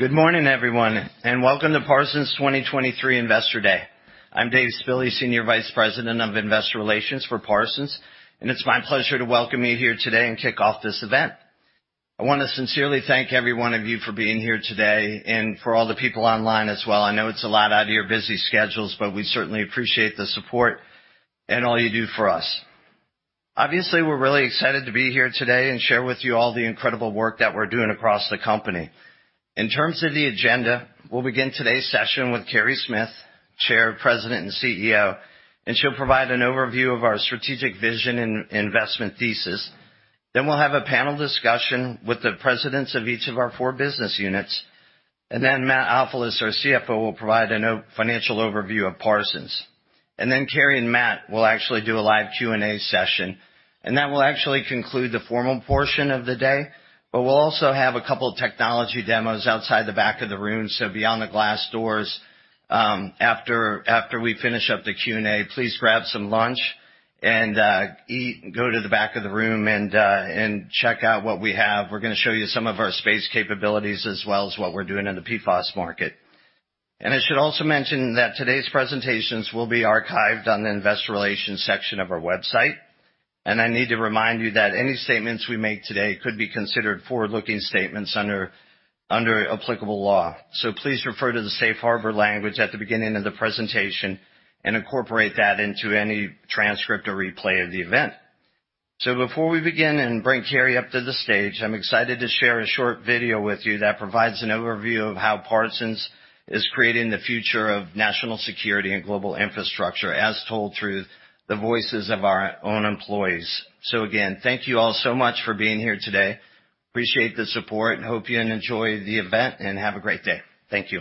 Good morning, everyone, and welcome to Parsons 2023 Investor Day. I'm Dave Spille, Senior Vice President of Investor Relations for Parsons, and it's my pleasure to welcome you here today and kick off this event. I wanna sincerely thank every one of you for being here today and for all the people online as well. I know it's a lot out of your busy schedules, but we certainly appreciate the support and all you do for us. Obviously, we're really excited to be here today and share with you all the incredible work that we're doing across the company. In terms of the agenda, we'll begin today's session with Carey Smith, Chair, President, and CEO, and she'll provide an overview of our strategic vision and investment thesis. We'll have a panel discussion with the presidents of each of our four business units, and then Matt Ofilos, our CFO, will provide a financial overview of Parsons. Carey and Matt will actually do a live Q&A session, and that will actually conclude the formal portion of the day. We'll also have a couple technology demos outside the back of the room, so beyond the glass doors, after we finish up the Q&A, please grab some lunch and eat, and go to the back of the room and check out what we have. We're gonna show you some of our space capabilities, as well as what we're doing in the PFAS market. I should also mention that today's presentations will be archived on the investor relations section of our website. I need to remind you that any statements we make today could be considered forward-looking statements under applicable law. Please refer to the safe harbor language at the beginning of the presentation and incorporate that into any transcript or replay of the event. Before we begin and bring Carey up to the stage, I'm excited to share a short video with you that provides an overview of how Parsons is creating the future of national security and global infrastructure, as told through the voices of our own employees. Again, thank you all so much for being here today. Appreciate the support and hope you enjoy the event, and have a great day. Thank you.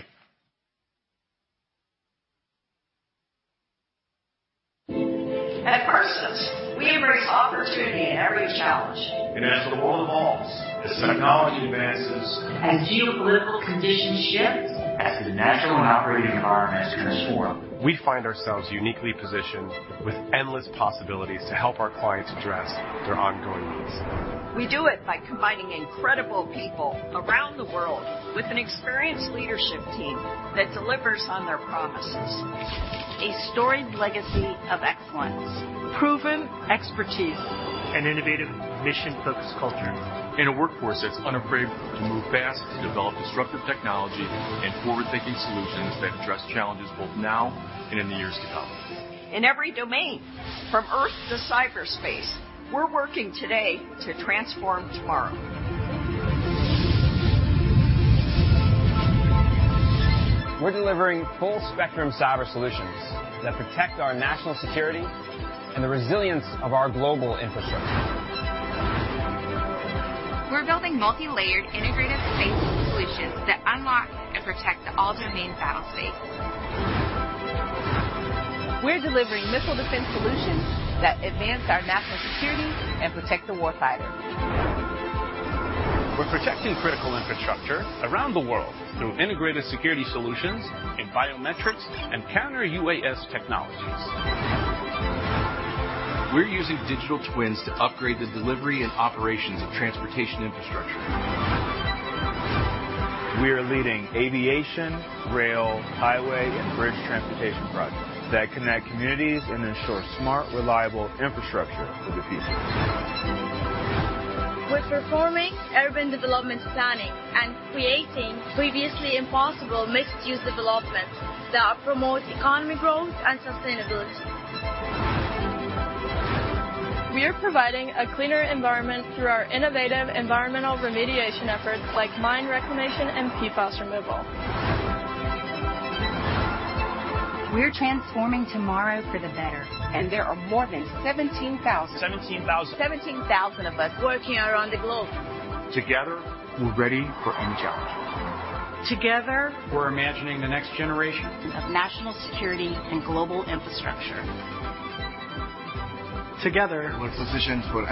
Good morning. Welcome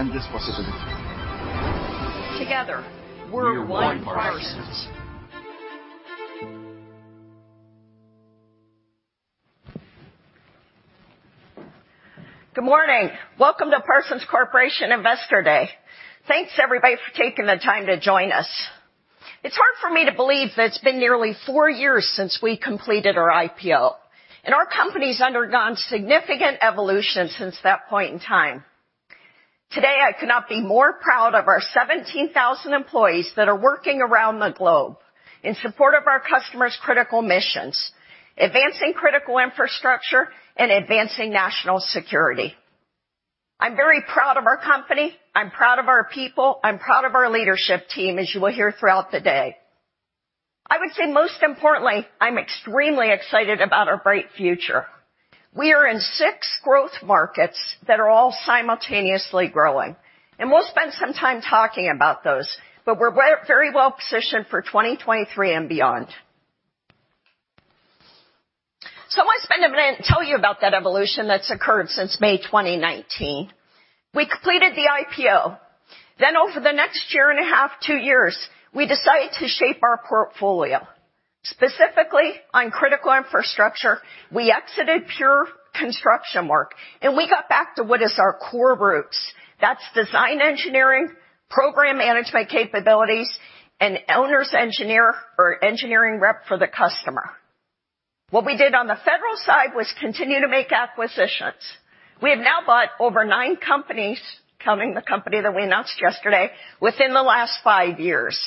to Parsons Corporation Investor Day. Thanks, everybody, for taking the time to join us. It's hard for me to believe that it's been nearly four years since we completed our IPO. Our company's undergone significant evolution since that point in time. Today, I could not be more proud of our 17,000 employees that are working around the globe in support of our customers' critical missions, advancing critical infrastructure and advancing national security. I'm very proud of our company. I'm proud of our people. I'm proud of our leadership team, as you will hear throughout the day. I would say, most importantly, I'm extremely excited about our bright future. We are in six growth markets that are all simultaneously growing. We'll spend some time talking about those. We're very well positioned for 2023 and beyond. I wanna spend a minute and tell you about that evolution that's occurred since May 2019. We completed the IPO. Over the next year and a half, two years, we decided to shape our portfolio. Specifically on critical infrastructure, we exited pure construction work, we got back to what is our core roots. That's design engineering, program management capabilities, and owners' engineer or engineering rep for the customer. What we did on the federal side was continue to make acquisitions. We have now bought over nine companies, counting the company that we announced yesterday, within the last five years.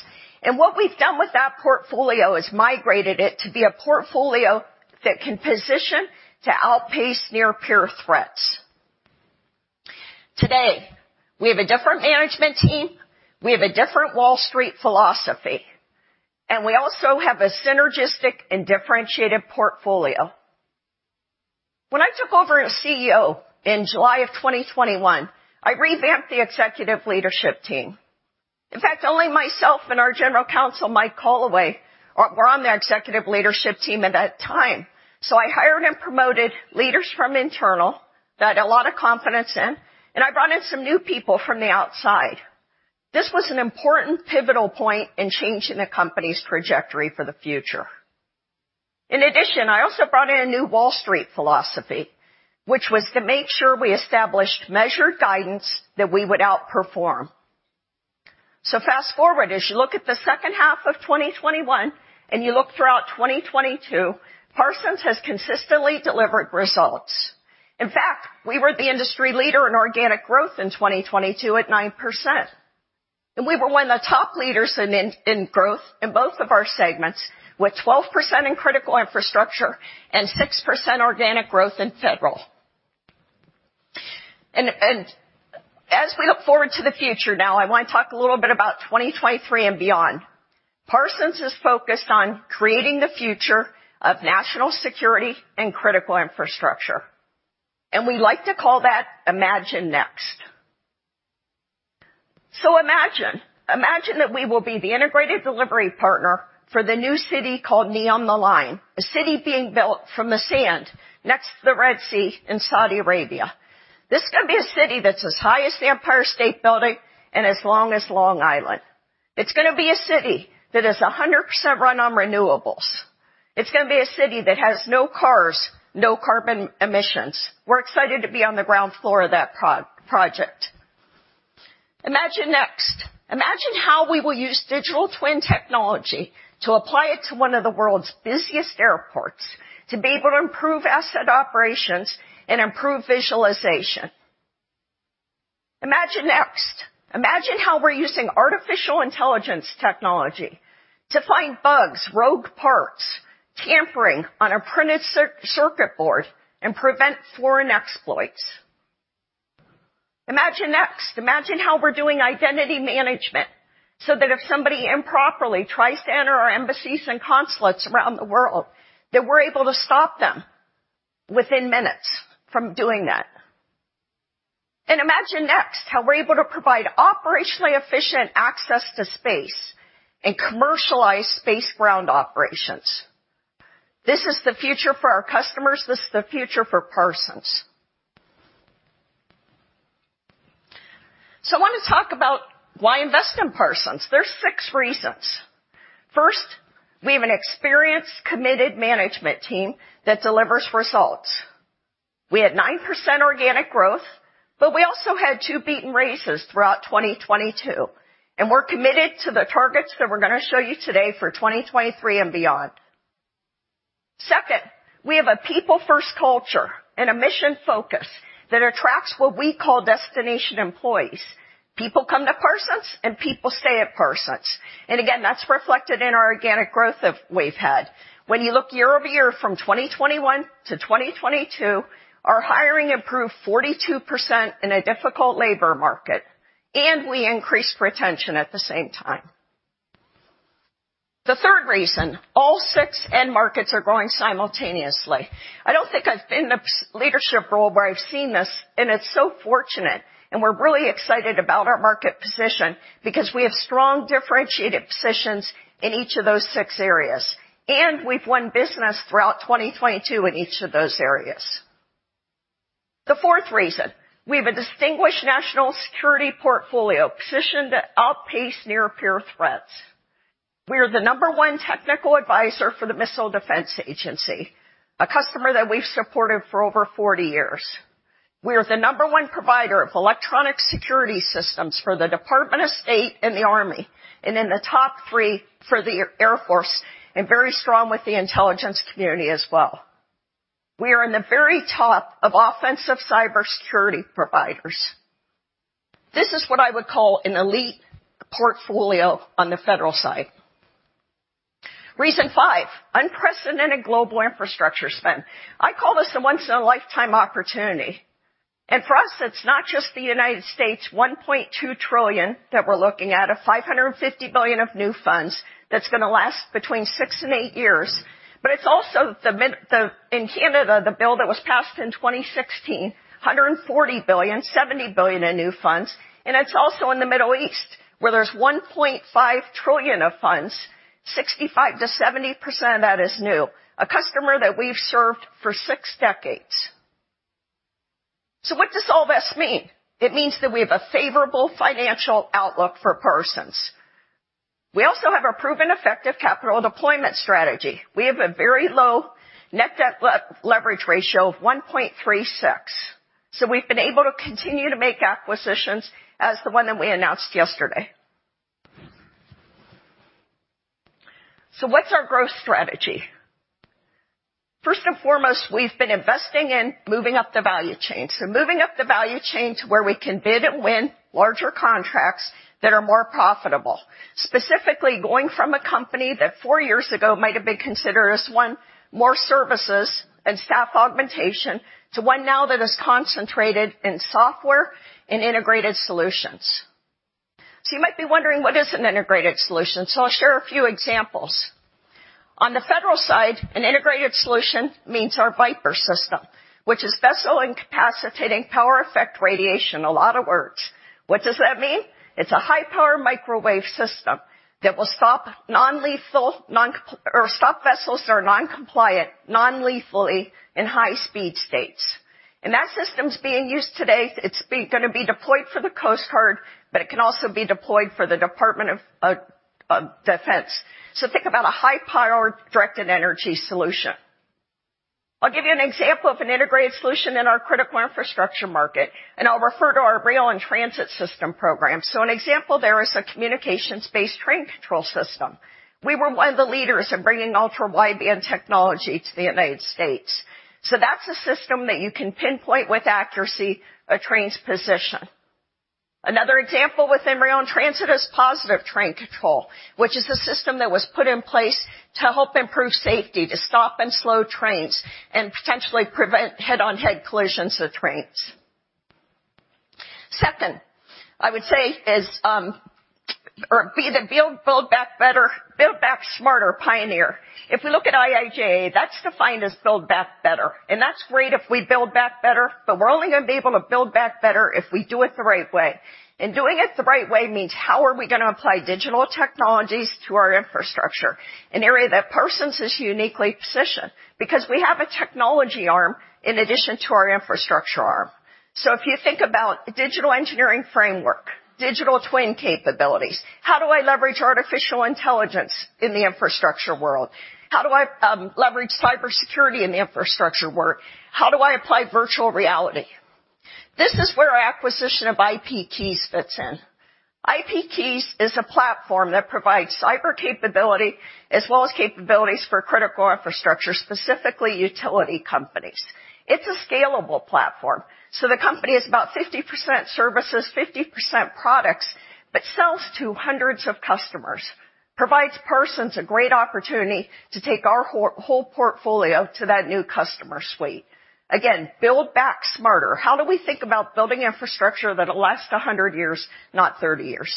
What we've done with that portfolio is migrated it to be a portfolio that can position to outpace near-peer threats. Today, we have a different management team, we have a different Wall Street philosophy, we also have a synergistic and differentiated portfolio. When I took over as CEO in July of 2021, I revamped the executive leadership team. In fact, only myself and our General Counsel, Mike Kolloway, were on the executive leadership team at that time. I hired and promoted leaders from internal that I had a lot of confidence in, and I brought in some new people from the outside. This was an important pivotal point in changing the company's trajectory for the future. In addition, I also brought in a new Wall Street philosophy, which was to make sure we established measured guidance that we would outperform. Fast-forward, as you look at the second half of 2021, and you look throughout 2022, Parsons has consistently delivered results. In fact, we were the industry leader in organic growth in 2022 at 9%. We were one of the top leaders in growth in both of our segments, with 12% in critical infrastructure and 6% organic growth in federal. As we look forward to the future now, I wanna talk a little bit about 2023 and beyond. Parsons is focused on creating the future of national security and critical infrastructure. We like to call that Imagine Next. Imagine that we will be the integrated delivery partner for the new city called NEOM The Line, a city being built from the sand next to the Red Sea in Saudi Arabia. This is gonna be a city that's as high as the Empire State Building and as long as Long Island. It's gonna be a city that is 100% run on renewables. It's gonna be a city that has no cars, no carbon emissions. We're excited to be on the ground floor of that project. Imagine Next. Imagine how we will use digital twin technology to apply it to one of the world's busiest airports to be able to improve asset operations and improve visualization. Imagine Next. Imagine how we're using artificial intelligence technology to find bugs, rogue parts, tampering on a printed circuit board and prevent foreign exploits. Imagine Next. Imagine how we're doing identity management so that if somebody improperly tries to enter our embassies and consulates around the world, that we're able to stop them within minutes from doing that. Imagine Next how we're able to provide operationally efficient access to space and commercialize space ground operations. This is the future for our customers. This is the future for Parsons. I want to talk about why invest in Parsons. There's 6 reasons. First, we have an experienced, committed management team that delivers results. We had 9% organic growth. We also had two beaten races throughout 2022, and we're gonna committed to the targets that we're gonna show you today for 2023 and beyond. Second, we have a people-first culture and a mission focus that attracts what we call destination employees. People come to Parsons. People stay at Parsons. Again, that's reflected in our organic growth we've had. When you look year-over-year from 2021 to 2022, our hiring improved 42% in a difficult labor market. We increased retention at the same time. The third reason, all six end markets are growing simultaneously. I don't think I've been in a leadership role where I've seen this, and it's so fortunate, and we're really excited about our market position because we have strong differentiated positions in each of those six areas, and we've won business throughout 2022 in each of those areas. The fourth reason, we have a distinguished national security portfolio positioned to outpace near-peer threats. We are the number one technical advisor for the Missile Defense Agency, a customer that we've supported for over 40 years. We are the number one provider of electronic security systems for the Department of State and the Army, and in the top three for the Air Force, and very strong with the Intelligence Community as well. We are in the very top of offensive cybersecurity providers. This is what I would call an elite portfolio on the federal side. Reason 5, unprecedented global infrastructure spend. I call this a once in a lifetime opportunity. For us, it's not just the U.S. $1.2 trillion that we're looking at, or $550 billion of new funds that's gonna last between six and eight years, but it's also in Canada, the bill that was passed in 2016, 140 billion, 70 billion in new funds, and it's also in the Middle East, where there's $1.5 trillion of funds, 65%-70% of that is new. A customer that we've served for 6 decades. What does all this mean? It means that we have a favorable financial outlook for Parsons. We also have a proven effective capital deployment strategy. We have a very low net debt leverage ratio of 1.36. We've been able to continue to make acquisitions as the one that we announced yesterday. What's our growth strategy? First and foremost, we've been investing in moving up the value chain. Moving up the value chain to where we can bid and win larger contracts that are more profitable. Specifically, going from a company that four years ago might have been considered as one more services and staff augmentation to one now that is concentrated in software and integrated solutions. You might be wondering, what is an integrated solution? I'll share a few examples. On the federal side, an integrated solution means our VIPER system, which is Vessel Incapacitating Power Effect Radiation. A lot of words. What does that mean? It's a high-power microwave system that will stop non-lethal, or stop vessels that are non-compliant non-lethally in high speed states. That system's being used today. It's gonna be deployed for the Coast Guard, but it can also be deployed for the Department of Defense. Think about a high-powered directed energy solution. I'll give you an example of an integrated solution in our critical infrastructure market, I'll refer to our rail and transit system program. An example there is a communications-based train control system. We were one of the leaders in bringing ultra-wideband technology to the United States. That's a system that you can pinpoint with accuracy a train's position. Another example within rail and transit is positive train control, which is a system that was put in place to help improve safety, to stop and slow trains and potentially prevent head-on-head collisions of trains. Second, I would say is, or be the build back better, build back smarter pioneer. If we look at IIJA, that's defined as build back better, and that's great if we build back better, but we're only gonna be able to build back better if we do it the right way. Doing it the right way means how are we gonna apply digital technologies to our infrastructure, an area that Parsons is uniquely positioned because we have a technology arm in addition to our infrastructure arm. If you think about digital engineering framework, digital twin capabilities, how do I leverage artificial intelligence in the infrastructure world? How do I leverage cybersecurity in the infrastructure world? How do I apply virtual reality? This is where our acquisition of IPKeys fits in. IPKeys is a platform that provides cyber capability as well as capabilities for critical infrastructure, specifically utility companies. It's a scalable platform. The company is about 50% services, 50% products, but sells to hundreds of customers, provides Parsons a great opportunity to take our whole portfolio to that new customer suite. Again, build back smarter. How do we think about building infrastructure that'll last 100 years, not 30 years?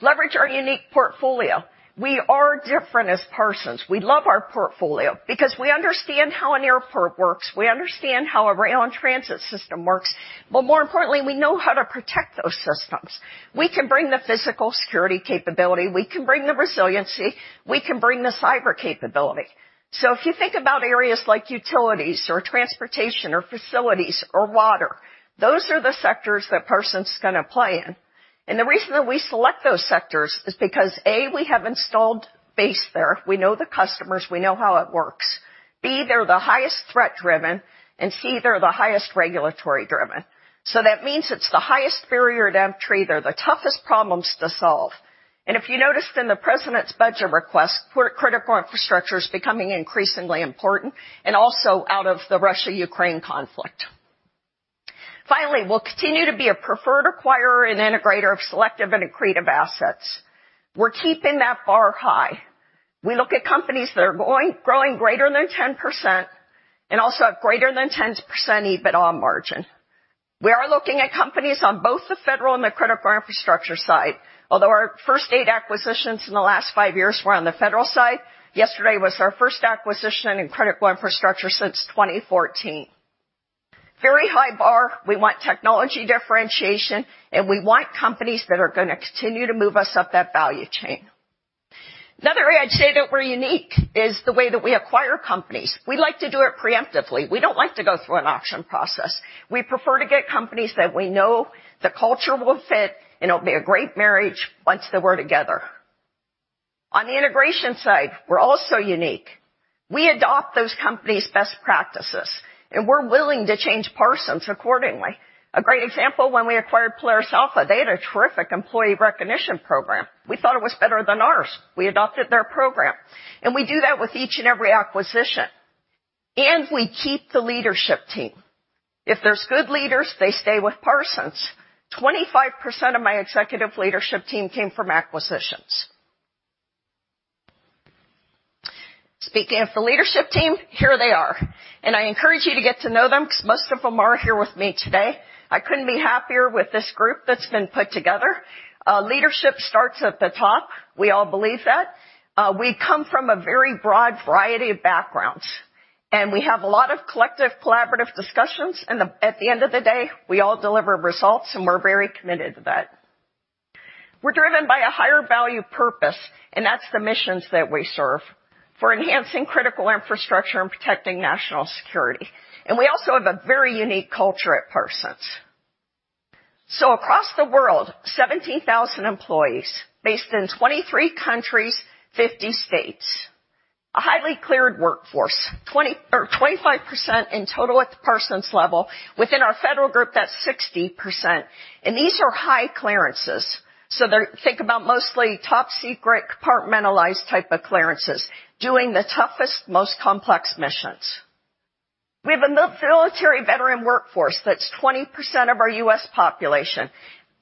Leverage our unique portfolio. We are different as Parsons. We love our portfolio because we understand how an airport works. We understand how a rail and transit system works. More importantly, we know how to protect those systems. We can bring the physical security capability. We can bring the resiliency. We can bring the cyber capability. If you think about areas like utilities or transportation or facilities or water, those are the sectors that Parsons is gonna play in. The reason that we select those sectors is because, A, we have installed base there. We know the customers. We know how it works. B, they're the highest threat-driven, and C, they're the highest regulatory-driven. That means it's the highest barrier to entry. They're the toughest problems to solve. If you noticed in the president's budget request, critical infrastructure is becoming increasingly important and also out of the Russia-Ukraine conflict. Finally, we'll continue to be a preferred acquirer and integrator of selective and accretive assets. We're keeping that bar high. We look at companies that are growing greater than 10% and also have greater than 10% EBITDA margin. We are looking at companies on both the federal and the critical infrastructure side. Although our first eight acquisitions in the last five years were on the federal side, yesterday was our first acquisition in critical infrastructure since 2014. Very high bar. We want technology differentiation, we want companies that are gonna continue to move us up that value chain. Another way I'd say that we're unique is the way that we acquire companies. We like to do it preemptively. We don't like to go through an auction process. We prefer to get companies that we know the culture will fit, and it'll be a great marriage once they we're together. On the integration side, we're also unique. We adopt those companies' best practices, and we're willing to change Parsons accordingly. A great example, when we acquired Polaris Alpha, they had a terrific employee recognition program. We thought it was better than ours. We adopted their program, and we do that with each and every acquisition. We keep the leadership team. If there's good leaders, they stay with Parsons. 25% of my executive leadership team came from acquisitions. Speaking of the leadership team, here they are. I encourage you to get to know them because most of them are here with me today. I couldn't be happier with this group that's been put together. Leadership starts at the top. We all believe that. We come from a very broad variety of backgrounds, and we have a lot of collective collaborative discussions. At the end of the day, we all deliver results, and we're very committed to that. We're driven by a higher value purpose, and that's the missions that we serve for enhancing critical infrastructure and protecting national security. We also have a very unique culture at Parsons. Across the world, 70,000 employees based in 23 countries, 50 states. A highly cleared workforce, 20% or 25% in total at the Parsons level. Within our federal group, that's 60%, and these are high clearances. They're think about mostly top secret, compartmentalized type of clearances doing the toughest, most complex missions. We have a military veteran workforce that's 20% of our U.S. population.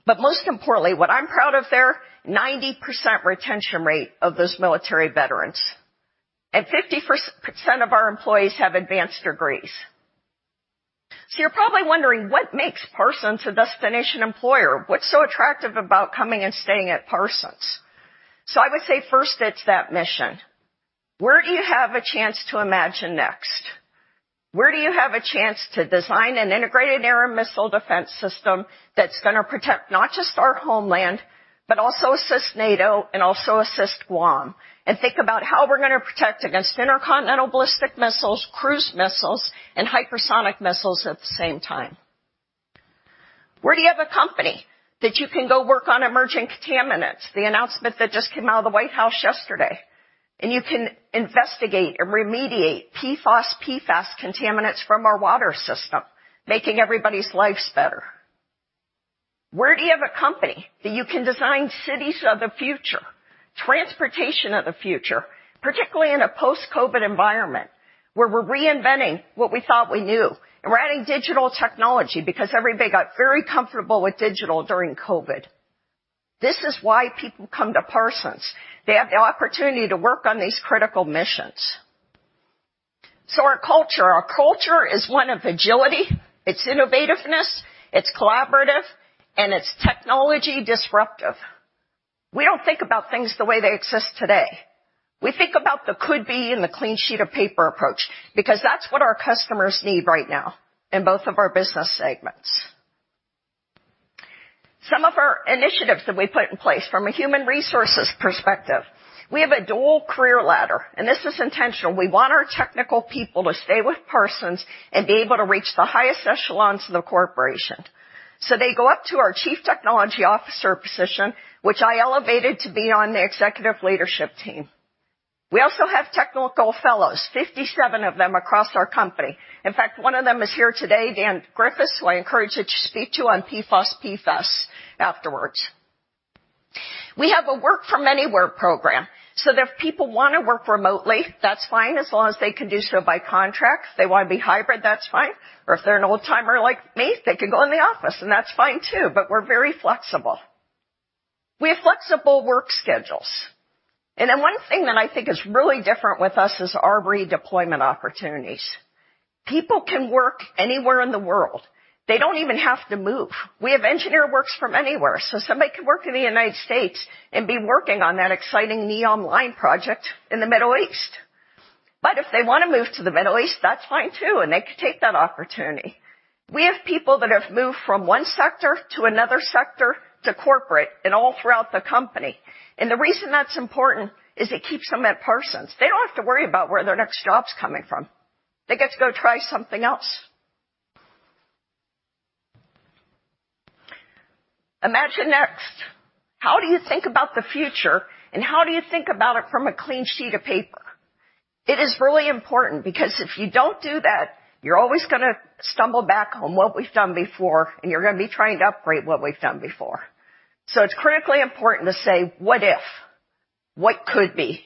Most importantly, what I'm proud of there, 90% retention rate of those military veterans. 50% of our employees have advanced degrees. You're probably wondering, what makes Parsons a destination employer? What's so attractive about coming and staying at Parsons? I would say, first, it's that mission. Where do you have a chance to Imagine Next? Where do you have a chance to design an integrated era missile defense system that's gonna protect not just our homeland, but also assist NATO and also assist Guam? Think about how we're gonna protect against intercontinental ballistic missiles, cruise missiles, and hypersonic missiles at the same time. Where do you have a company that you can go work on emerging contaminants? The announcement that just came out of the White House yesterday, you can investigate and remediate PFOS, PFAS contaminants from our water system, making everybody's lives better. Where do you have a company that you can design cities of the future, transportation of the future, particularly in a post-COVID environment, where we're reinventing what we thought we knew? We're adding digital technology because everybody got very comfortable with digital during COVID. This is why people come to Parsons. They have the opportunity to work on these critical missions. Our culture. Our culture is one of agility, it's innovativeness, it's collaborative, and it's technology disruptive. We don't think about things the way they exist today. We think about the could be and the clean sheet of paper approach, because that's what our customers need right now in both of our business segments. Some of our initiatives that we put in place from a human resources perspective, we have a dual career ladder, and this is intentional. We want our technical people to stay with Parsons and be able to reach the highest echelons of the corporation. They go up to our chief technology officer position, which I elevated to be on the executive leadership team. We also have technical fellows, 57 of them across our company. In fact, one of them is here today, Dan Griffiths, who I encourage you to speak to on PFOS, PFAS afterwards. We have a Work From Anywhere program, so that if people wanna work remotely, that's fine as long as they can do so by contract. If they wanna be hybrid, that's fine, or if they're an old-timer like me, they can go in the office, and that's fine too. We're very flexible. We have flexible work schedules. One thing that I think is really different with us is our redeployment opportunities. People can work anywhere in the world. They don't even have to move. We have engineer works from anywhere, so somebody could work in the United States and be working on that exciting NEOM line project in the Middle East. If they wanna move to the Middle East, that's fine too, and they can take that opportunity. We have people that have moved from one sector to another sector to corporate and all throughout the company. The reason that's important is it keeps them at Parsons. They don't have to worry about where their next job's coming from. They get to go try something else. Imagine Next. How do you think about the future, and how do you think about it from a clean sheet of paper? It is really important because if you don't do that, you're always gonna stumble back on what we've done before, and you're gonna be trying to upgrade what we've done before. It's critically important to say, what if? What could be?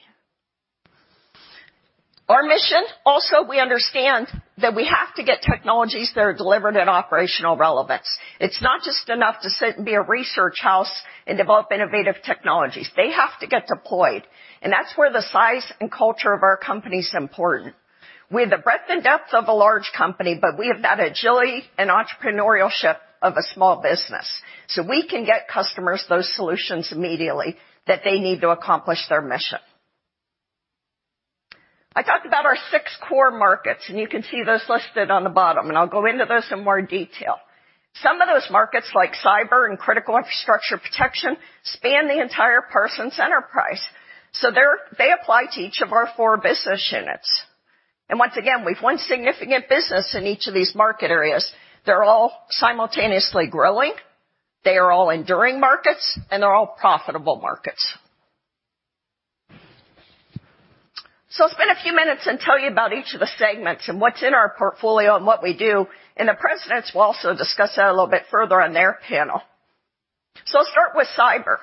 Our mission, also, we understand that we have to get technologies that are delivered at operational relevance. It's not just enough to sit and be a research house and develop innovative technologies. They have to get deployed. That's where the size and culture of our company's important. We have the breadth and depth of a large company. We have that agility and entrepreneurship of a small business. We can get customers those solutions immediately that they need to accomplish their mission. I talked about our six core markets. You can see those listed on the bottom. I'll go into those in more detail. Some of those markets, like cyber and critical infrastructure protection, span the entire Parsons enterprise. They apply to each of our four business units. Once again, we've one significant business in each of these market areas. They're all simultaneously growing, they are all enduring markets, and they're all profitable markets. Spend a few minutes and tell you about each of the segments and what's in our portfolio and what we do, and the presidents will also discuss that a little bit further on their panel. I'll start with cyber.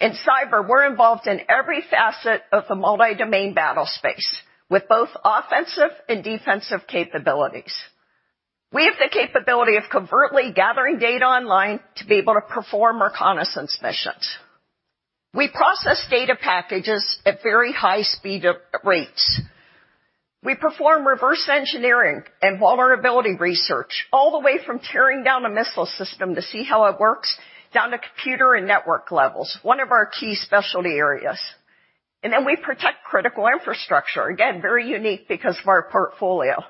In cyber, we're involved in every facet of the multi-domain battle space with both offensive and defensive capabilities. We have the capability of covertly gathering data online to be able to perform reconnaissance missions. We process data packages at very high rates. We perform reverse engineering and vulnerability research all the way from tearing down a missile system to see how it works down to computer and network levels, one of our key specialty areas. We protect critical infrastructure. Again, very unique because of our portfolio.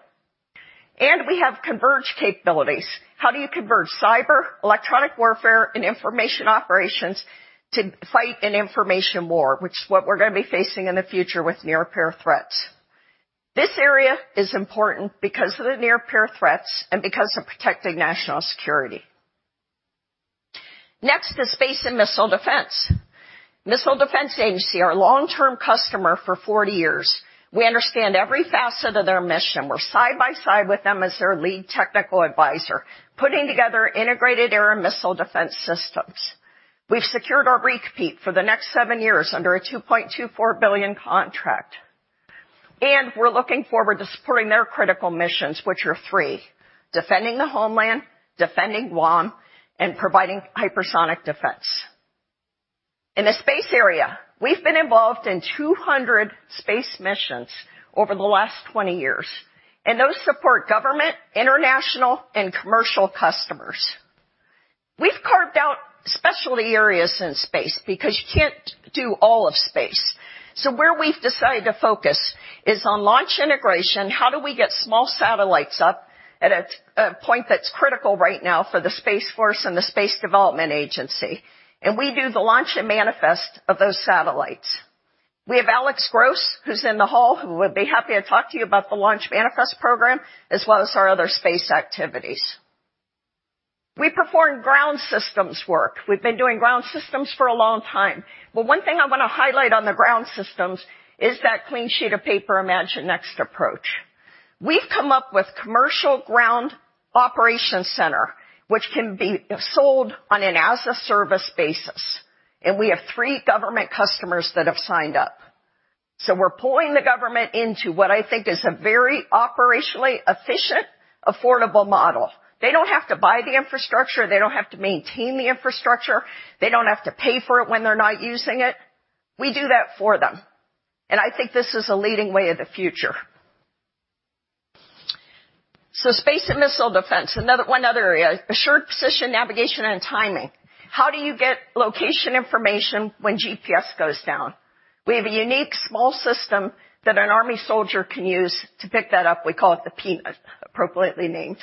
We have converged capabilities. How do you converge cyber, electronic warfare, and information operations to fight an information war, which is what we're gonna be facing in the future with near-peer threats? This area is important because of the near-peer threats and because of protecting national security. Next is space and missile defense. Missile Defense Agency, our long-term customer for 40 years. We understand every facet of their mission. We're side by side with them as their lead technical advisor, putting together integrated air and missile defense systems. We've secured our repeat for the next seven years under a $2.24 billion contract, and we're looking forward to supporting their critical missions, which are 3: defending the homeland, defending Guam, and providing hypersonic defense. In the space area, we've been involved in 200 space missions over the last 20 years, and those support government, international, and commercial customers. We've carved out specialty areas in space because you can't do all of space. Where we've decided to focus is on launch integration. How do we get small satellites up at a point that's critical right now for the Space Force and the Space Development Agency? We do the launch and manifest of those satellites. We have Alex Gross, who's in the hall, who would be happy to talk to you about the launch manifest program as well as our other space activities. We perform ground systems work. We've been doing ground systems for a long time. One thing I wanna highlight on the ground systems is that clean sheet of paper, Imagine Next approach. We've come up with commercial ground operation center, which can be sold on an as-a-service basis, and we have three government customers that have signed up. We're pulling the government into what I think is a very operationally efficient, affordable model. They don't have to buy the infrastructure. They don't have to maintain the infrastructure. They don't have to pay for it when they're not using it. We do that for them, and I think this is a leading way of the future. Space and missile defense, one other area, assured position, navigation, and timing. How do you get location information when GPS goes down? We have a unique small system that an Army soldier can use to pick that up. We call it the PEAT, appropriately named.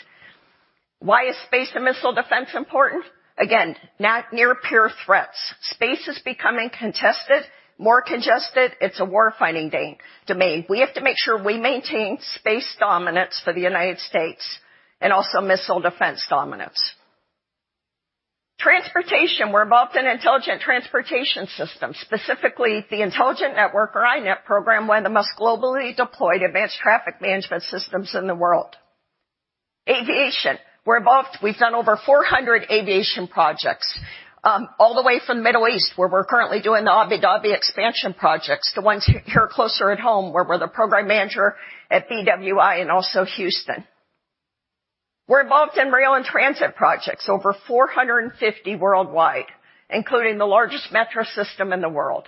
Why is space and missile defense important? Again, near-peer threats. Space is becoming contested, more congested. It's a war-fighting domain. We have to make sure we maintain space dominance for the United States and also missile defense dominance. Transportation. We're involved in intelligent transportation systems, specifically the Intelligent Network, or iNET, program, one of the most globally deployed advanced traffic management systems in the world. Aviation. We're involved. We've done over 400 aviation projects, all the way from the Middle East, where we're currently doing the Abu Dhabi expansion projects to ones here closer at home, where we're the program manager at BWI and also Houston. We're involved in rail and transit projects, over 450 worldwide, including the largest metro system in the world.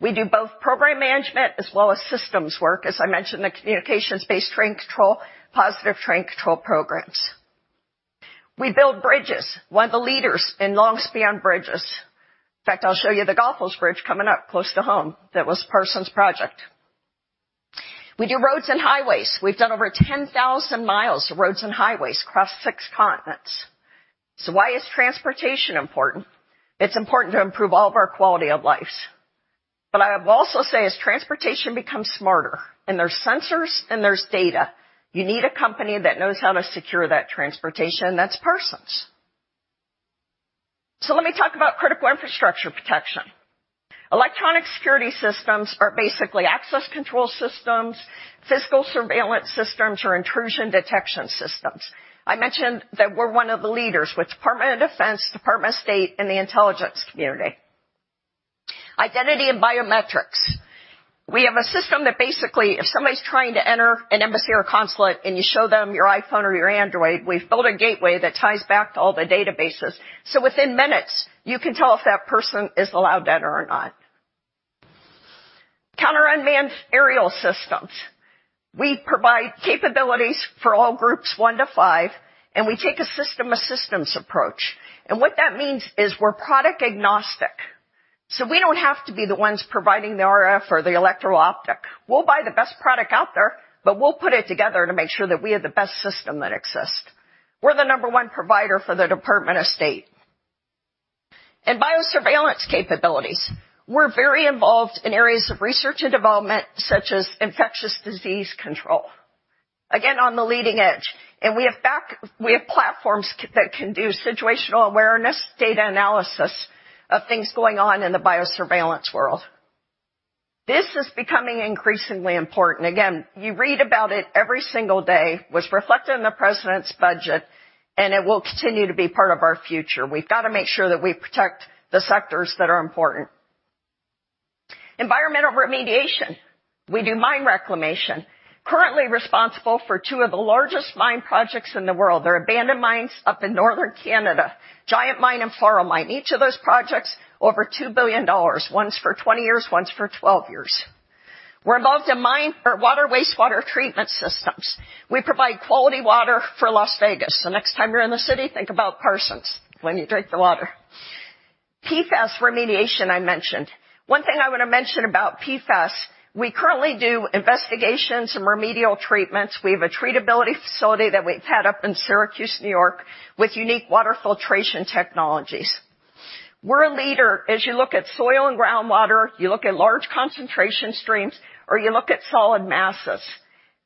We do both program management as well as systems work, as I mentioned, the communications-based train control, positive train control programs. We build bridges, one of the leaders in long-span bridges. In fact, I'll show you the Goethals Bridge coming up close to home. That was Parsons project. We do roads and highways. We've done over 10,000 miles of roads and highways across 6 continents. Why is transportation important? It's important to improve all of our quality of lives. I would also say as transportation becomes smarter and there's sensors and there's data, you need a company that knows how to secure that transportation, and that's Parsons. Let me talk about critical infrastructure protection. Electronic security systems are basically access control systems, physical surveillance systems or intrusion detection systems. I mentioned that we're one of the leaders with Department of Defense, Department of State, and the Intelligence Community. Identity and biometrics. We have a system that basically, if somebody's trying to enter an embassy or a consulate and you show them your iPhone or your Android, we've built a gateway that ties back to all the databases, so within minutes, you can tell if that person is allowed to enter or not. Counter-unmanned aerial systems. We provide capabilities for all groups 1 to 5, and we take a system of systems approach. What that means is we're product agnostic, so we don't have to be the ones providing the RF or the electro-optic. We'll buy the best product out there, but we'll put it together to make sure that we have the best system that exists. We're the number 1 provider for the Department of State. Biosurveillance capabilities. We're very involved in areas of research and development such as infectious disease control. Again, on the leading edge, and we have platforms that can do situational awareness, data analysis of things going on in the biosurveillance world. This is becoming increasingly important. Again, you read about it every single day, was reflected in the president's budget, and it will continue to be part of our future. We've got to make sure that we protect the sectors that are important. Environmental remediation. We do mine reclamation. Currently responsible for 2 of the largest mine projects in the world. They're abandoned mines up in northern Canada, Giant Mine and Faro Mine. Each of those projects, over $2 billion, one's for 20 years, one's for 12 years. We're involved in mine or water wastewater treatment systems. We provide quality water for Las Vegas. The next time you're in the city, think about Parsons when you drink the water. PFAS remediation, I mentioned. One thing I want to mention about PFAS, we currently do investigations and remedial treatments. We have a treatability facility that we've had up in Syracuse, New York, with unique water filtration technologies. We're a leader as you look at soil and groundwater, you look at large concentration streams, or you look at solid masses.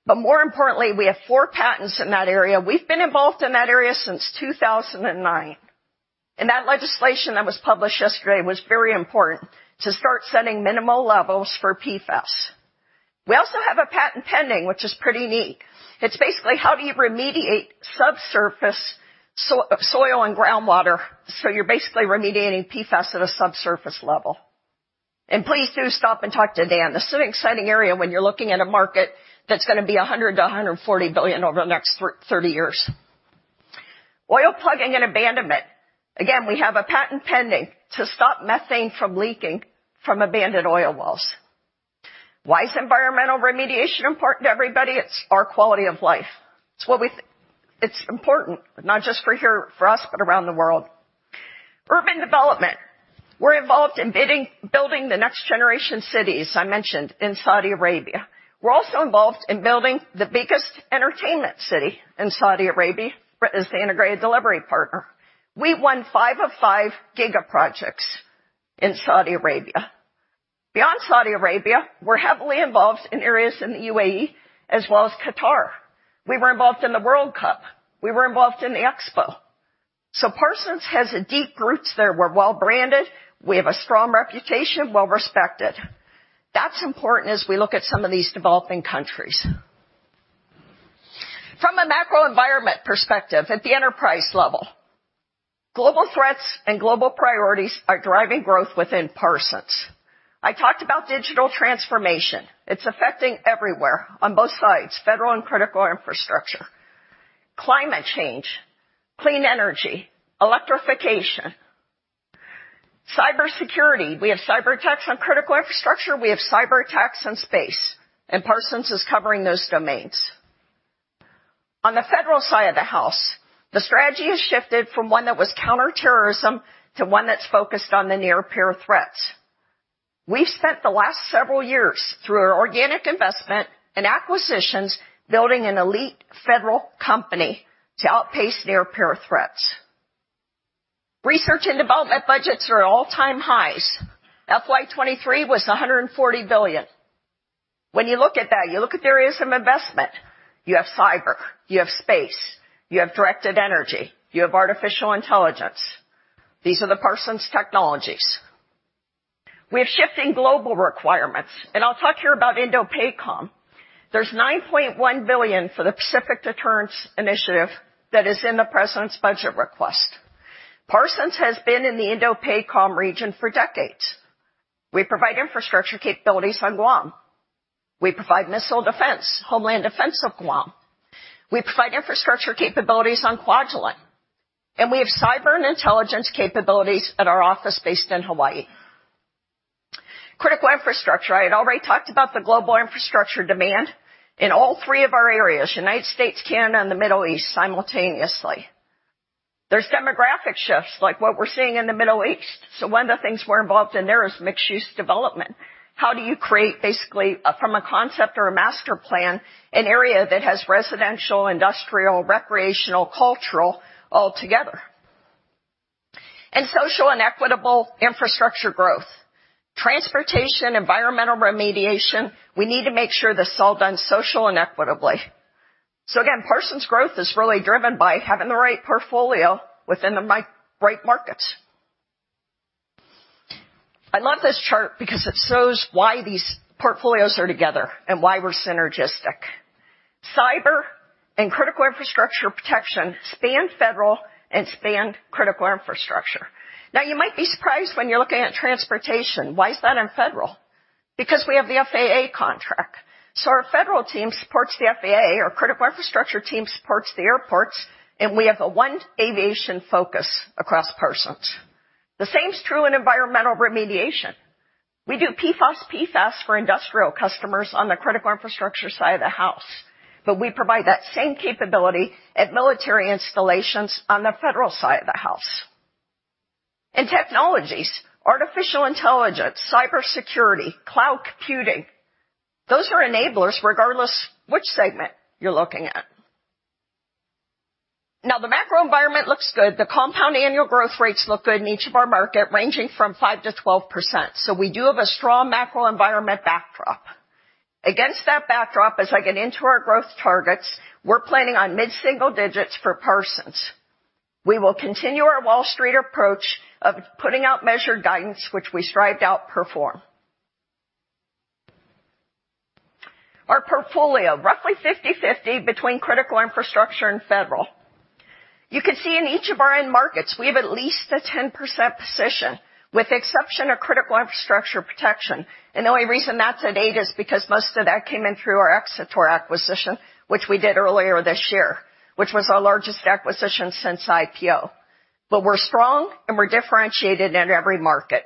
More importantly, we have four patents in that area. We've been involved in that area since 2009. That legislation that was published yesterday was very important to start setting minimal levels for PFAS. We also have a patent pending, which is pretty neat. It's basically how do you remediate subsurface soil and groundwater, so you're basically remediating PFAS at a subsurface level. Please do stop and talk to Dan. This is an exciting area when you're looking at a market that's going to be $100 billion-$140 billion over the next 30 years. Oil plugging and abandonment. Again, we have a patent pending to stop methane from leaking from abandoned oil wells. Why is environmental remediation important to everybody? It's our quality of life. It's what we it's important, not just for here for us, but around the world. Urban development, we're involved in building the next generation cities I mentioned in Saudi Arabia. We're also involved in building the biggest entertainment city in Saudi Arabia as the integrated delivery partner. We won 5 of 5 giga projects in Saudi Arabia. Beyond Saudi Arabia, we're heavily involved in areas in the UAE as well as Qatar. We were involved in the World Cup. We were involved in the Expo. Parsons has a deep roots there. We're well branded. We have a strong reputation, well-respected. That's important as we look at some of these developing countries. From a macro environment perspective at the enterprise level, global threats and global priorities are driving growth within Parsons. I talked about digital transformation. It's affecting everywhere on both sides, federal and critical infrastructure, climate change, clean energy, electrification, cybersecurity. We have cyberattacks on critical infrastructure. We have cyberattacks in space, and Parsons is covering those domains. On the federal side of the house, the strategy has shifted from one that was counterterrorism to one that's focused on the near-peer threats. We've spent the last several years through our organic investment and acquisitions, building an elite federal company to outpace near-peer threats. Research and development budgets are at all-time highs. FY 2023 was $140 billion. When you look at that, you look at the areas of investment. You have cyber, you have space, you have directed energy, you have artificial intelligence. These are the Parsons technologies. We have shifting global requirements, and I'll talk here about INDOPACOM. There's $9.1 billion for the Pacific Deterrence Initiative that is in the president's budget request. Parsons has been in the INDOPACOM region for decades. We provide infrastructure capabilities on Guam. We provide missile defense, homeland defense of Guam. We provide infrastructure capabilities on Kwajalein, and we have cyber and intelligence capabilities at our office based in Hawaii. Critical infrastructure. I had already talked about the global infrastructure demand in all three of our areas, United States, Canada, and the Middle East simultaneously. There's demographic shifts like what we're seeing in the Middle East, so one of the things we're involved in there is mixed-use development. How do you create basically a, from a concept or a master plan, an area that has residential, industrial, recreational, cultural all together? And social and equitable infrastructure growth. Transportation, environmental remediation, we need to make sure that's all done social and equitably. Again, Parsons growth is really driven by having the right portfolio within the right markets. I love this chart because it shows why these portfolios are together and why we're synergistic. Cyber and critical infrastructure protection span federal and span critical infrastructure. You might be surprised when you're looking at transportation. Why is that in federal? Because we have the FAA contract. Our federal team supports the FAA, our critical infrastructure team supports the airports, and we have a one aviation focus across Parsons. The same is true in environmental remediation. We do PFOS, PFAS for industrial customers on the critical infrastructure side of the house, but we provide that same capability at military installations on the federal side of the house. In technologies, artificial intelligence, cybersecurity, cloud computing, those are enablers regardless which segment you're looking at. The macro environment looks good. The compound annual growth rates look good in each of our market, ranging from 5%-12%. We do have a strong macro environment backdrop. Against that backdrop, as I get into our growth targets, we're planning on mid-single digits for Parsons. We will continue our Wall Street approach of putting out measured guidance, which we strived out perform. Our portfolio, roughly 50/50 between critical infrastructure and federal. You can see in each of our end markets, we have at least a 10% position, with exception of critical infrastructure protection. The only reason that's at 8 is because most of that came in through our Xator acquisition, which we did earlier this year, which was our largest acquisition since IPO. We're strong, and we're differentiated in every market.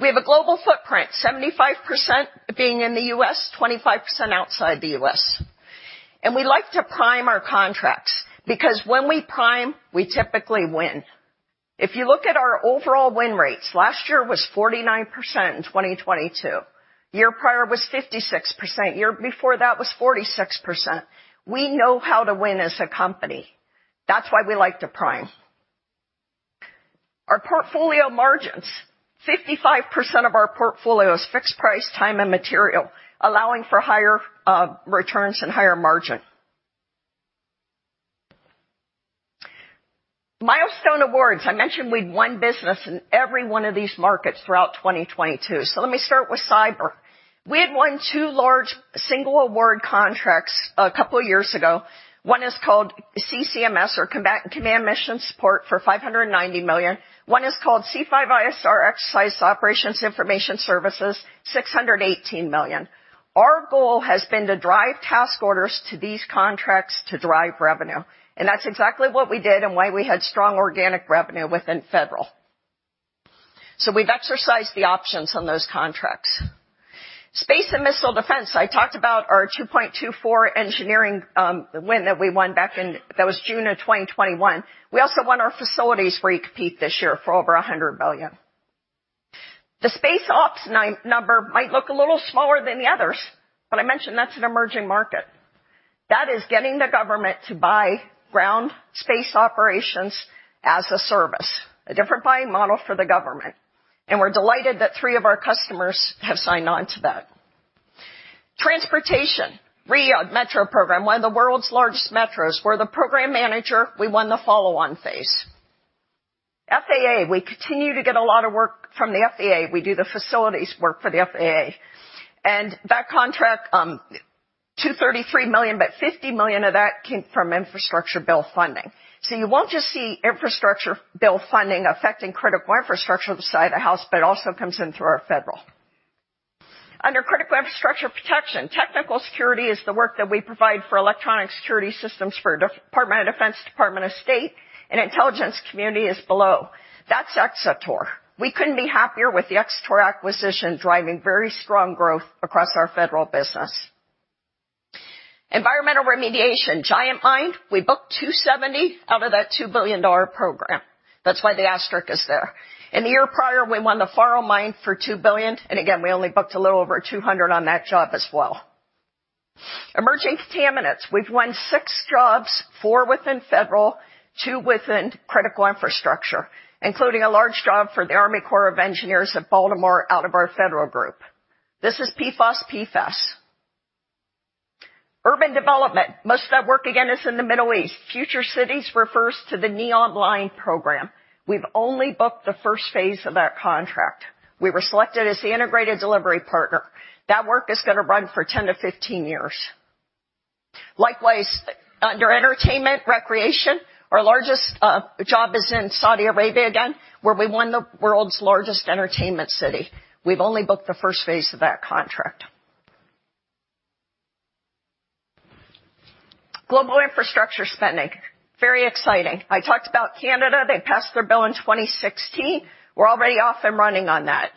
We have a global footprint, 75% being in the U.S., 25% outside the U.S. We like to prime our contracts because when we prime, we typically win. If you look at our overall win rates, last year was 49% in 2022. Year prior was 56%. Year before that was 46%. We know how to win as a company. That's why we like to prime. Our portfolio margins, 55% of our portfolio is fixed price, time, and material, allowing for higher returns and higher margin. Milestone awards. I mentioned we'd won business in every one of these markets throughout 2022. Let me start with cyber. We had won two large single award contracts a couple years ago. One is called CCMS or Combat Command Mission Support for $590 million. One is called C5ISR Exercise Operations Information Services, $618 million. Our goal has been to drive task orders to these contracts to drive revenue, and that's exactly what we did and why we had strong organic revenue within federal. We've exercised the options on those contracts. Space and missile defense. I talked about our 2.24 engineering win that we won June of 2021. We also won our facilities where you compete this year for over $100 billion. The space ops number might look a little smaller than the others, but I mentioned that's an emerging market. That is getting the government to buy ground space operations as a service, a different buying model for the government. We're delighted that 3 of our customers have signed on to that. Transportation. Riyadh Metro program, one of the world's largest metros. We're the program manager. We won the follow-on phase. FAA, we continue to get a lot of work from the FAA. We do the facilities work for the FAA. That contract, $233 million, but $50 million of that came from infrastructure bill funding. You won't just see infrastructure bill funding affecting critical infrastructure on the side of the house, but it also comes in through our federal. Under critical infrastructure protection, technical security is the work that we provide for electronic security systems for Department of Defense, Department of State, and Intelligence Community is below. That's Xator. We couldn't be happier with the Xator acquisition driving very strong growth across our federal business. Environmental remediation, Giant Mine, we booked $270 million out of that $2 billion program. That's why the asterisk is there. In the year prior, we won the Faro mine for $2 billion, and again, we only booked a little over $200 million on that job as well. Emerging contaminants. We've won 6 jobs, 4 within federal, 2 within critical infrastructure, including a large job for the Army Corps of Engineers at Baltimore out of our federal group. This is PFAS. Urban development. Most of that work, again, is in the Middle East. Future Cities refers to the NEOM Line program. We've only booked the first phase of that contract. We were selected as the integrated delivery partner. That work is gonna run for 10-15 years. Likewise, under entertainment, recreation, our largest job is in Saudi Arabia again, where we won the world's largest entertainment city. We've only booked the first phase of that contract. Global infrastructure spending, very exciting. I talked about Canada. They passed their bill in 2016. We're already off and running on that.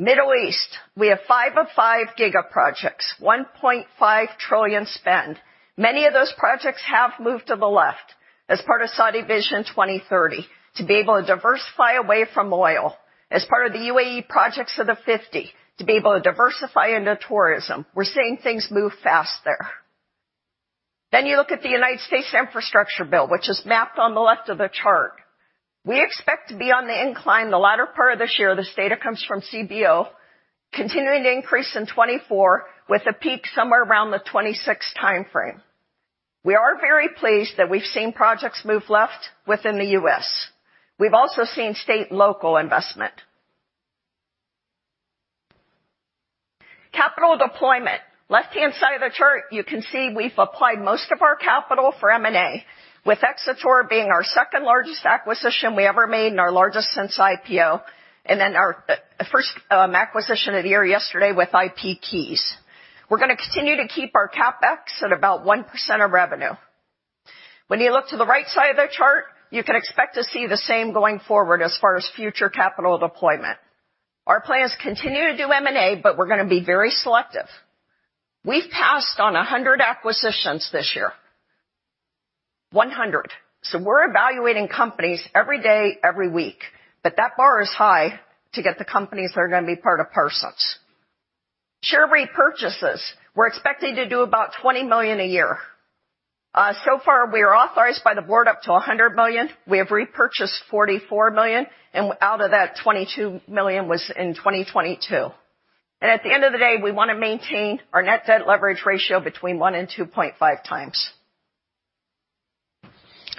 Middle East, we have 5 of 5 giga projects, $1.5 trillion spend. Many of those projects have moved to the left as part of Saudi Vision 2030 to be able to diversify away from oil, as part of the UAE Projects of the 50 to be able to diversify into tourism. We're seeing things move fast there. You look at the United States infrastructure bill, which is mapped on the left of the chart. We expect to be on the incline the latter part of this year, this data comes from CBO, continuing to increase in 2024 with a peak somewhere around the 2026 timeframe. We are very pleased that we've seen projects move left within the U.S. We've also seen state and local investment. Capital deployment. Left-hand side of the chart, you can see we've applied most of our capital for M&A, with Xator being our second-largest acquisition we ever made and our largest since IPO, and then our first acquisition of the year yesterday with IPKeys. We're gonna continue to keep our CapEx at about 1% of revenue. When you look to the right side of the chart, you can expect to see the same going forward as far as future capital deployment. Our plan is continue to do M&A, but we're gonna be very selective. We've passed on 100 acquisitions this year. 100. We're evaluating companies every day, every week, but that bar is high to get the companies that are gonna be part of Parsons. Share repurchases. We're expecting to do about $20 million a year. So far, we are authorized by the board up to $100 million. We have repurchased $44 million, and out of that, $22 million was in 2022. At the end of the day, we wanna maintain our net debt leverage ratio between 1 and 2.5x.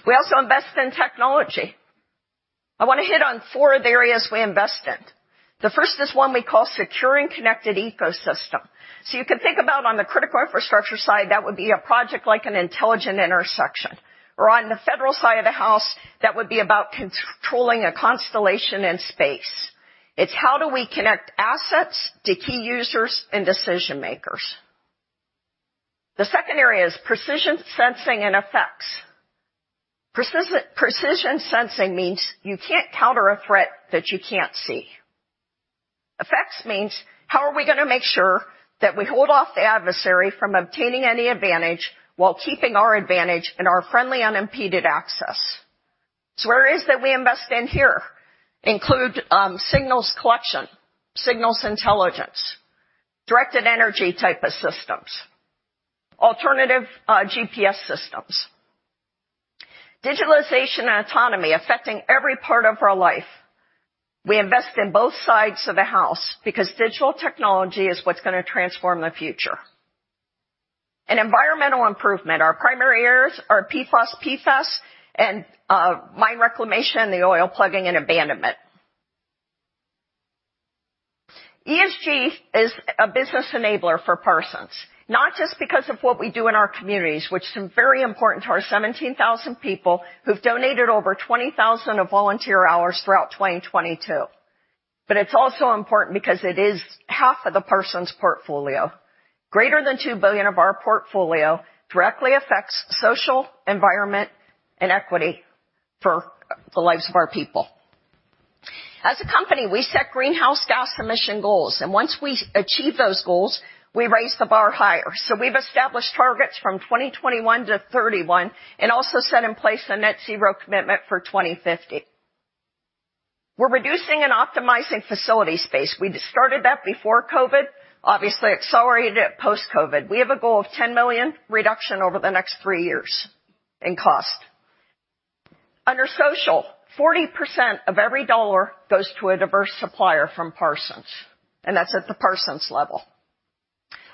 We also invest in technology. I wanna hit on 4 of the areas we invest in. The first is one we call securing connected ecosystem. You can think about on the critical infrastructure side, that would be a project like an intelligent intersection, or on the federal side of the house, that would be about controlling a constellation in space. It's how do we connect assets to key users and decision-makers. The second area is precision sensing and effects. Precision sensing means you can't counter a threat that you can't see. Effects means how are we gonna make sure that we hold off the adversary from obtaining any advantage while keeping our advantage and our friendly, unimpeded access? Where is it we invest in here include signals collection, signals intelligence, directed energy type of systems, alternative GPS systems. Digitalization and autonomy affecting every part of our life. We invest in both sides of the house because digital technology is what's gonna transform the future. In environmental improvement, our primary areas are PFAS, PFOS, and mine reclamation and the oil plugging and abandonment. ESG is a business enabler for Parsons, not just because of what we do in our communities, which is very important to our 17,000 people who've donated over 20,000 of volunteer hours throughout 2022. It's also important because it is half of the Parsons portfolio. Greater than $2 billion of our portfolio directly affects social, environment, and equity for the lives of our people. As a company, we set greenhouse gas emission goals. Once we achieve those goals, we raise the bar higher. We've established targets from 2021 to 2031 and also set in place a net zero commitment for 2050. We're reducing and optimizing facility space. We started that before COVID, obviously accelerated it post-COVID. We have a goal of $10 million reduction over the next three years in cost. Under social, 40% of every dollar goes to a diverse supplier from Parsons. That's at the Parsons level.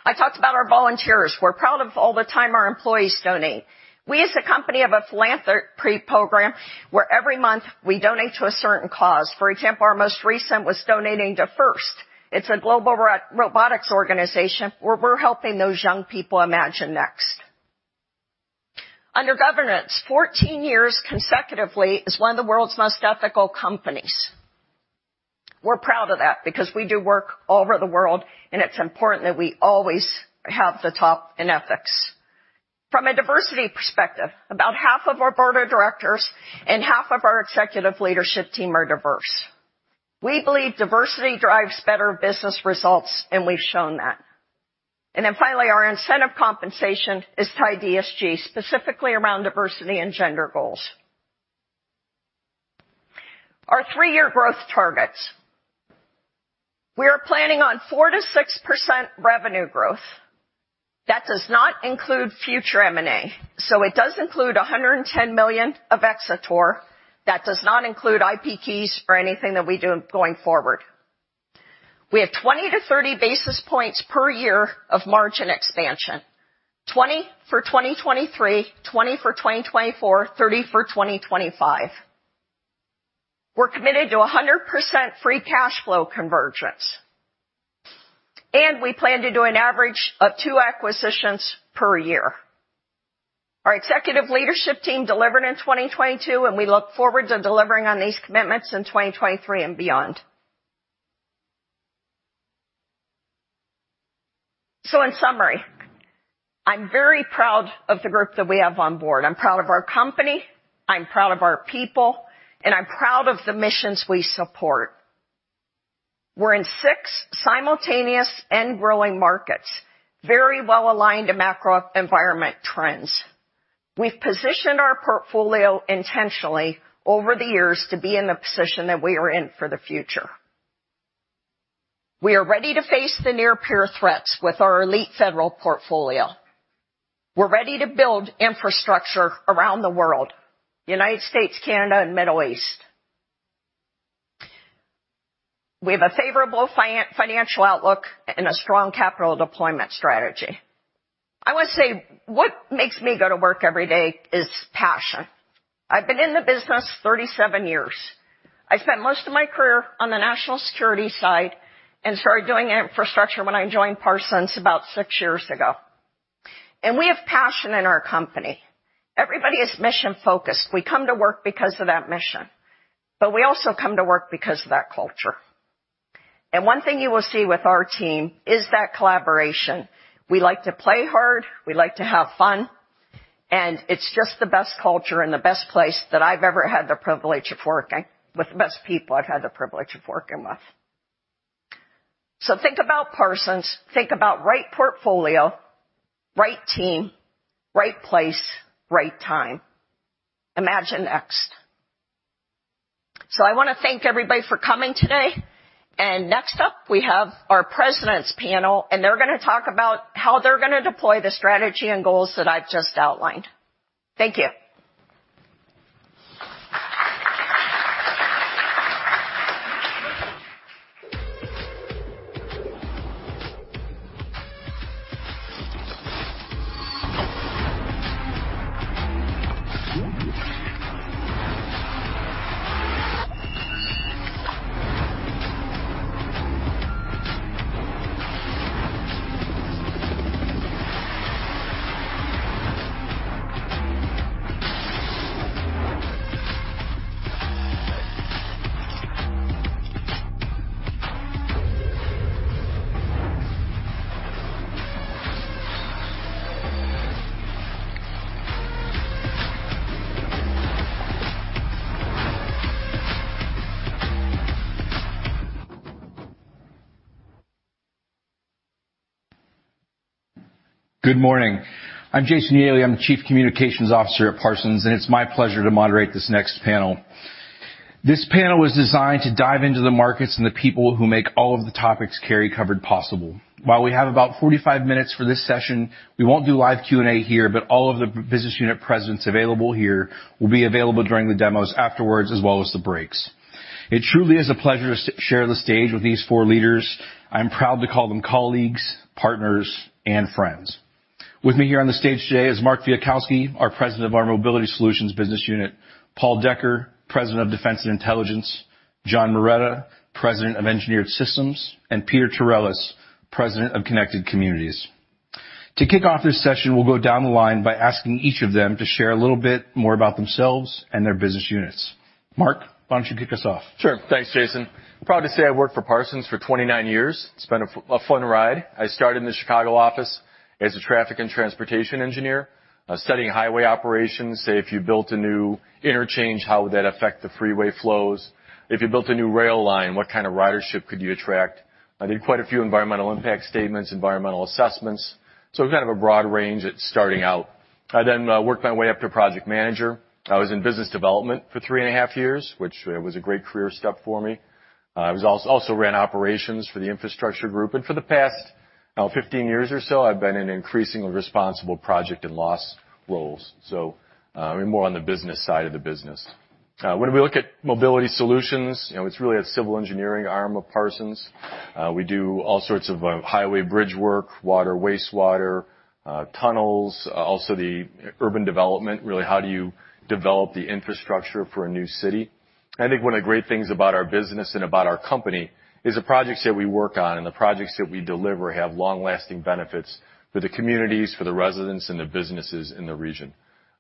I talked about our volunteers. We're proud of all the time our employees donate. We, as a company, have a philanthropy program where every month we donate to a certain cause. For example, our most recent was donating to FIRST. It's a global robotics organization where we're helping those young people Imagine Next. Under governance, 14 years consecutively as one of the world's most ethical companies. We're proud of that because we do work all over the world. It's important that we always have the top in ethics. From a diversity perspective, about half of our board of directors and half of our executive leadership team are diverse. We believe diversity drives better business results. We've shown that. Finally, our incentive compensation is tied to ESG, specifically around diversity and gender goals. Our three year growth targets. We are planning on 4%-6% revenue growth. That does not include future M&A. It does include $110 million of Xator. That does not include IPKeys or anything that we do going forward. We have 20-30 basis points per year of margin expansion, 20 for 2023, 20 for 2024, 30 for 2025. We're committed to 100% free cash flow convergence. We plan to do an average of two acquisitions per year. Our executive leadership team delivered in 2022. We look forward to delivering on these commitments in 2023 and beyond. In summary, I'm very proud of the group that we have on board. I'm proud of our company, I'm proud of our people, and I'm proud of the missions we support. We're in 6 simultaneous and growing markets, very well aligned to macro environment trends. We've positioned our portfolio intentionally over the years to be in the position that we are in for the future. We are ready to face the near-peer threats with our elite federal portfolio. We're ready to build infrastructure around the world, United States, Canada, and Middle East. We have a favorable financial outlook and a strong capital deployment strategy. I wanna say, what makes me go to work every day is passion. I've been in the business 37 years. I spent most of my career on the national security side and started doing infrastructure when I joined Parsons about six years ago. We have passion in our company. Everybody is mission-focused. We come to work because of that mission, but we also come to work because of that culture. One thing you will see with our team is that collaboration. We like to play hard, we like to have fun, and it's just the best culture and the best place that I've ever had the privilege of working with the best people I've had the privilege of working with. Think about Parsons, think about right portfolio, right team, right place, right time. Imagine Next. I wanna thank everybody for coming today. Next up, we have our presidents' panel, and they're gonna talk about how they're gonna deploy the strategy and goals that I've just outlined. Thank you. Good morning. I'm Jason Yaley. I'm Chief Communications Officer at Parsons. It's my pleasure to moderate this next panel. This panel was designed to dive into the markets and the people who make all of the topics Carey covered possible. While we have about 45 minutes for this session, we won't do live Q&A here. All of the business unit presidents available here will be available during the demos afterwards, as well as the breaks. It truly is a pleasure to share the stage with these four leaders. I'm proud to call them colleagues, partners, and friends. With me here on the stage today is Mark Fialkowski, our President of our Mobility Solutions business unit, Paul Decker, President of Defense & Intelligence, Jon Moretta, President of Engineered Systems, and Peter Torrellas, President of Connected Communities. To kick off this session, we'll go down the line by asking each of them to share a little bit more about themselves and their business units. Mark, why don't you kick us off? Sure. Thanks, Jason. Proud to say I've worked for Parsons for 29 years. It's been a fun ride. I started in the Chicago office as a traffic and transportation engineer, studying highway operations. Say, if you built a new interchange, how would that affect the freeway flows? If you built a new rail line, what kind of ridership could you attract? I did quite a few environmental impact statements, environmental assessments, so kind of a broad range at starting out. I then worked my way up to project manager. I was in business development for 3.5 years, which was a great career step for me. I also ran operations for the infrastructure group, and for the past, now, 15 years or so, I've been in increasingly responsible project and loss roles, so more on the business side of the business. When we look at Mobility Solutions, you know, it's really a civil engineering arm of Parsons. We do all sorts of highway bridge work, water, wastewater, tunnels, also the urban development, really, how do you develop the infrastructure for a new city? I think one of the great things about our business and about our company is the projects that we work on and the projects that we deliver have long-lasting benefits for the communities, for the residents and the businesses in the region.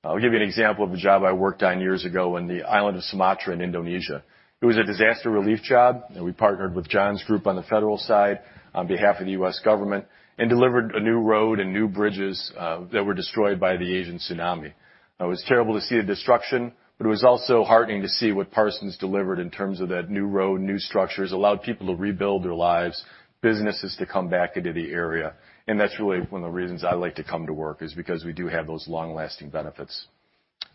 I'll give you an example of a job I worked on years ago in the island of Sumatra in Indonesia. It was a disaster relief job, and we partnered with Jon's group on the federal side on behalf of the U.S. government and delivered a new road and new bridges that were destroyed by the Asian tsunami. It was terrible to see the destruction, it was also heartening to see what Parsons delivered in terms of that new road, new structures. Allowed people to rebuild their lives, businesses to come back into the area. That's really one of the reasons I like to come to work, is because we do have those long-lasting benefits.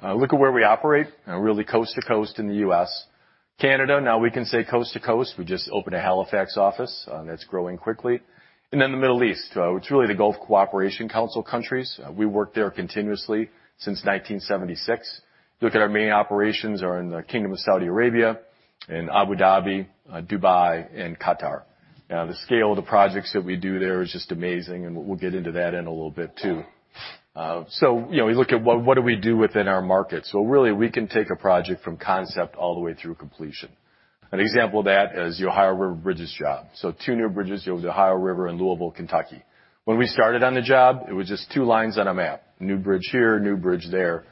Look at where we operate, really coast to coast in the U.S. Canada, now we can say coast to coast. We just opened a Halifax office, that's growing quickly. Then the Middle East. It's really the Gulf Cooperation Council countries. We worked there continuously since 1976. Look at our main operations are in the Kingdom of Saudi Arabia, in Abu Dhabi, Dubai, and Qatar. Now, the scale of the projects that we do there is just amazing, and we'll get into that in a little bit too. You know, we look at what do we do within our markets. Well, really, we can take a project from concept all the way through completion. An example of that is the Ohio River Bridges job. Two new bridges over the Ohio River in Louisville, Kentucky. When we started on the job, it was just two lines on a map, new bridge here, new bridge there.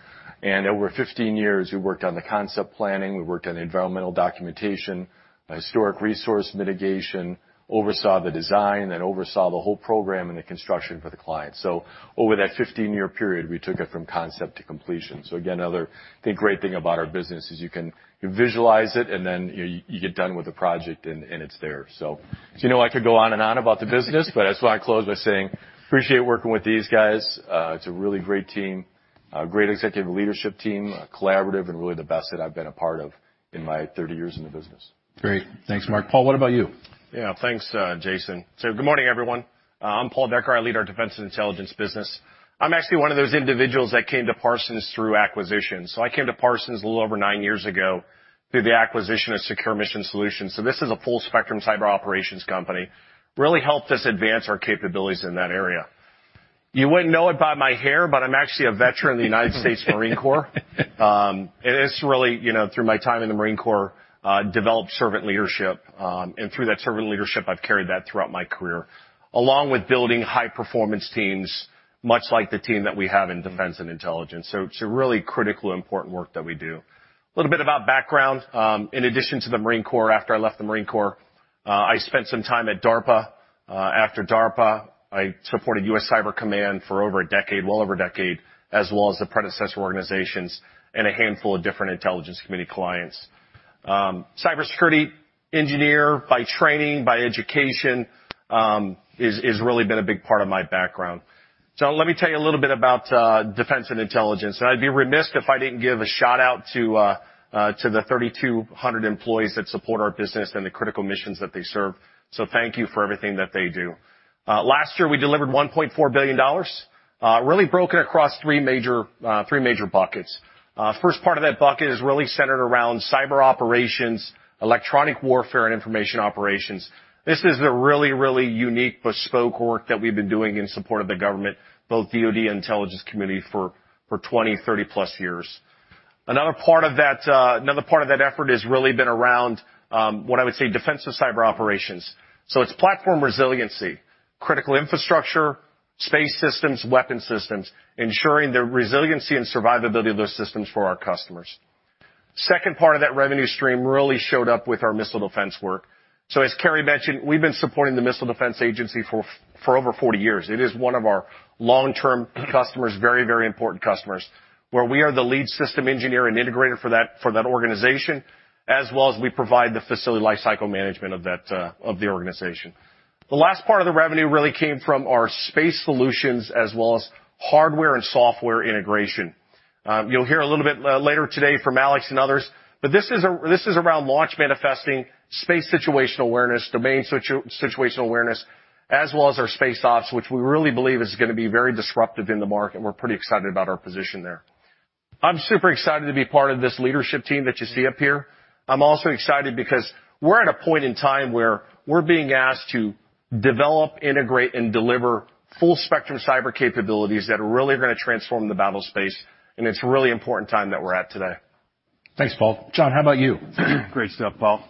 Over 15 years, we worked on the concept planning, we worked on the environmental documentation, historic resource mitigation, oversaw the design, then oversaw the whole program and the construction for the client. Over that 15-year period, we took it from concept to completion. Again, another, I think, great thing about our business is you can visualize it, and then you get done with the project and it's there. You know, I could go on and on about the business, but I just wanna close by saying, appreciate working with these guys. It's a really great team, a great executive leadership team, collaborative and really the best that I've been a part of in my 30 years in the business. Great. Thanks, Mark. Paul, what about you? Thanks, Jason. Good morning, everyone. I'm Paul Decker. I lead our Defense & Intelligence business. I'm actually one of those individuals that came to Parsons through acquisition. I came to Parsons a little over nine years ago through the acquisition of Secure Mission Solutions. This is a full spectrum cyber operations company. Really helped us advance our capabilities in that area. You wouldn't know it by my hair, but I'm actually a veteran of the United States Marine Corps. It's really, you know, through my time in the Marine Corps, developed servant leadership. Through that servant leadership, I've carried that throughout my career, along with building high performance teams, much like the team that we have in Defense & Intelligence. It's a really critically important work that we do. A little bit about background. In addition to the Marine Corps, after I left the Marine Corps, I spent some time at DARPA. After DARPA, I supported U.S. Cyber Command for over a decade, well over a decade, as well as the predecessor organizations and a handful of different Intelligence Community clients. Cybersecurity engineer by training, by education, is really been a big part of my background. Let me tell you a little bit about Defense & Intelligence. I'd be remiss if I didn't give a shout-out to the 3,200 employees that support our business and the critical missions that they serve. Thank you for everything that they do. Last year, we delivered $1.4 billion, really broken across three major, three major buckets. First part of that bucket is really centered around cyber operations, electronic warfare, and information operations. This is the really unique bespoke work that we've been doing in support of the government, both DoD and Intelligence Community for 20, 30+ years. Another part of that effort has really been around what I would say, defensive cyber operations. It's platform resiliency, critical infrastructure, space systems, weapon systems, ensuring the resiliency and survivability of those systems for our customers. Second part of that revenue stream really showed up with our missile defense work. As Carey mentioned, we've been supporting the Missile Defense Agency for over 40 years. It is one of our long-term customers, very important customers, where we are the lead system engineer and integrator for that organization, as well as we provide the facility lifecycle management of that of the organization. The last part of the revenue really came from our space solutions as well as hardware and software integration. You'll hear a little bit later today from Alex and others, this is around launch manifesting space situational awareness, domain situational awareness, as well as our space ops, which we really believe is gonna be very disruptive in the market, and we're pretty excited about our position there. I'm super excited to be part of this leadership team that you see up here. I'm also excited because we're at a point in time where we're being asked to develop, integrate, and deliver full-spectrum cyber capabilities that are really gonna transform the battle space. It's a really important time that we're at today. Thanks, Paul. Jon, how about you? Great stuff, Paul.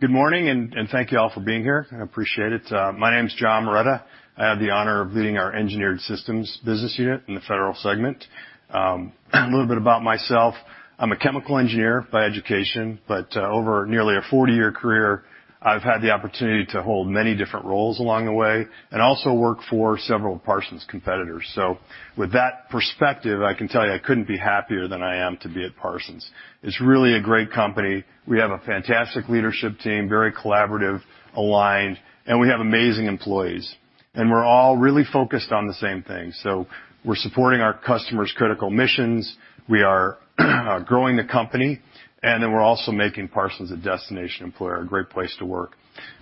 Good morning, and thank you all for being here. I appreciate it. My name's Jon Moretta. I have the honor of leading our Engineered Systems business unit in the federal segment. A little bit about myself. I'm a chemical engineer by education, but over nearly a 40-year career, I've had the opportunity to hold many different roles along the way and also work for several of Parsons' competitors. With that perspective, I can tell you I couldn't be happier than I am to be at Parsons. It's really a great company. We have a fantastic leadership team, very collaborative, aligned, and we have amazing employees. We're all really focused on the same thing. We're supporting our customers' critical missions, we are growing the company, we're also making Parsons a destination employer, a great place to work.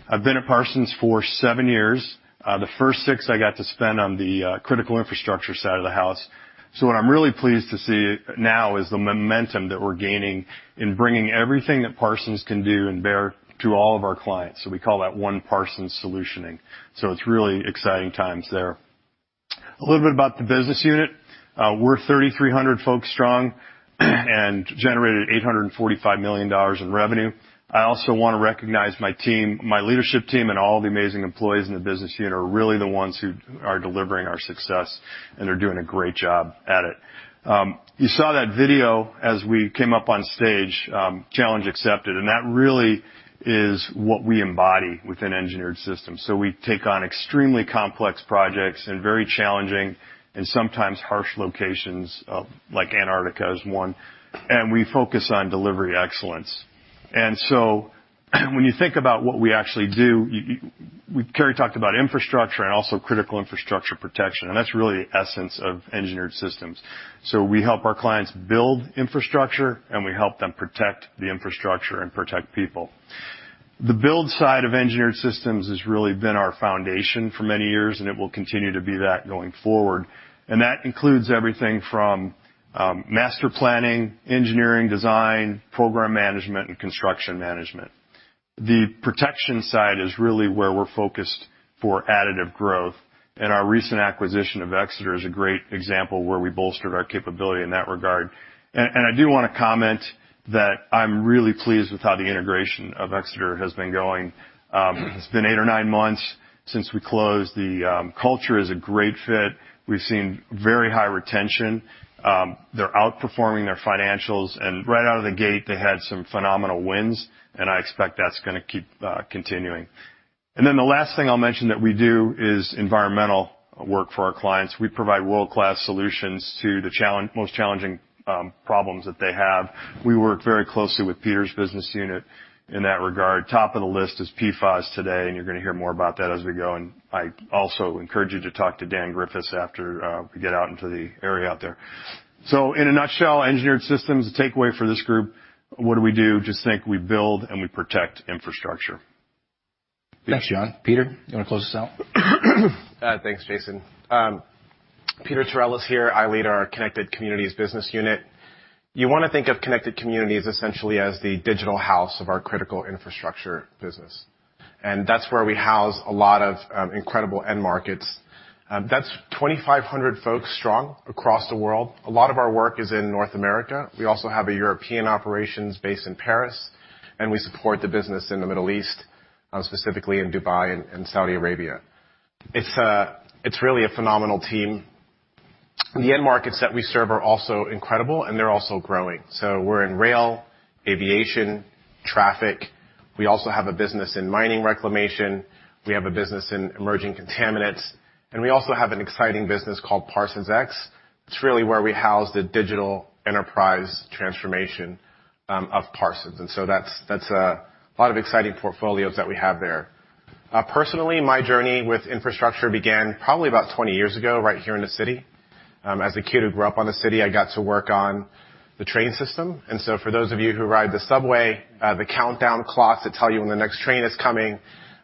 I've been at Parsons for seven years. The first six I got to spend on the critical infrastructure side of the house. What I'm really pleased to see now is the momentum that we're gaining in bringing everything that Parsons can do and bear to all of our clients. We call that one Parsons solutioning. It's really exciting times there. A little bit about the business unit. We're 3,300 folks strong and generated $845 million in revenue. I also wanna recognize my team, my leadership team, and all the amazing employees in the business unit are really the ones who are delivering our success, and they're doing a great job at it. You saw that video as we came up on stage, Challenge Accepted, and that really is what we embody within Engineered Systems. We take on extremely complex projects and very challenging and sometimes harsh locations, like Antarctica is one, and we focus on delivery excellence. When you think about what we actually do, Carey talked about infrastructure and also critical infrastructure protection, and that's really the essence of Engineered Systems. We help our clients build infrastructure, and we help them protect the infrastructure and protect people. The build side of Engineered Systems has really been our foundation for many years, and it will continue to be that going forward. That includes everything from master planning, engineering, design, program management, and construction management. The protection side is really where we're focused for additive growth, and our recent acquisition of Xator is a great example where we bolstered our capability in that regard. I do wanna comment that I'm really pleased with how the integration of Xator has been going. It's been eight or nine months since we closed. The culture is a great fit. We've seen very high retention. They're outperforming their financials, right out of the gate, they had some phenomenal wins, and I expect that's gonna keep continuing. The last thing I'll mention that we do is environmental work for our clients. We provide world-class solutions to the most challenging problems that they have. We work very closely with Peter's business unit in that regard. Top of the list is PFAS today, you're gonna hear more about that as we go, I also encourage you to talk to Dan Griffiths after we get out into the area out there. In a nutshell, Engineered Systems, the takeaway for this group, what do we do? Just think we build, and we protect infrastructure. Thanks, Jon. Peter, you wanna close us out? Thanks, Jason. Peter Torrellas here. I lead our Connected Communities business unit. You wanna think of Connected Communities essentially as the digital house of our critical infrastructure business. That's where we house a lot of incredible end markets. That's 2,500 folks strong across the world. A lot of our work is in North America. We also have a European operations based in Paris, and we support the business in the Middle East, specifically in Dubai and Saudi Arabia. It's really a phenomenal team. The end markets that we serve are also incredible, and they're also growing. We're in rail, aviation, traffic. We also have a business in mining reclamation. We have a business in emerging contaminants, and we also have an exciting business called Parsons X. It's really where we house the digital enterprise transformation of Parsons. That's a lot of exciting portfolios that we have there. Personally, my journey with infrastructure began probably about 20 years ago right here in the city. As a kid who grew up on the city, I got to work on the train system. For those of you who ride the subway, the countdown clock that tell you when the next train is coming,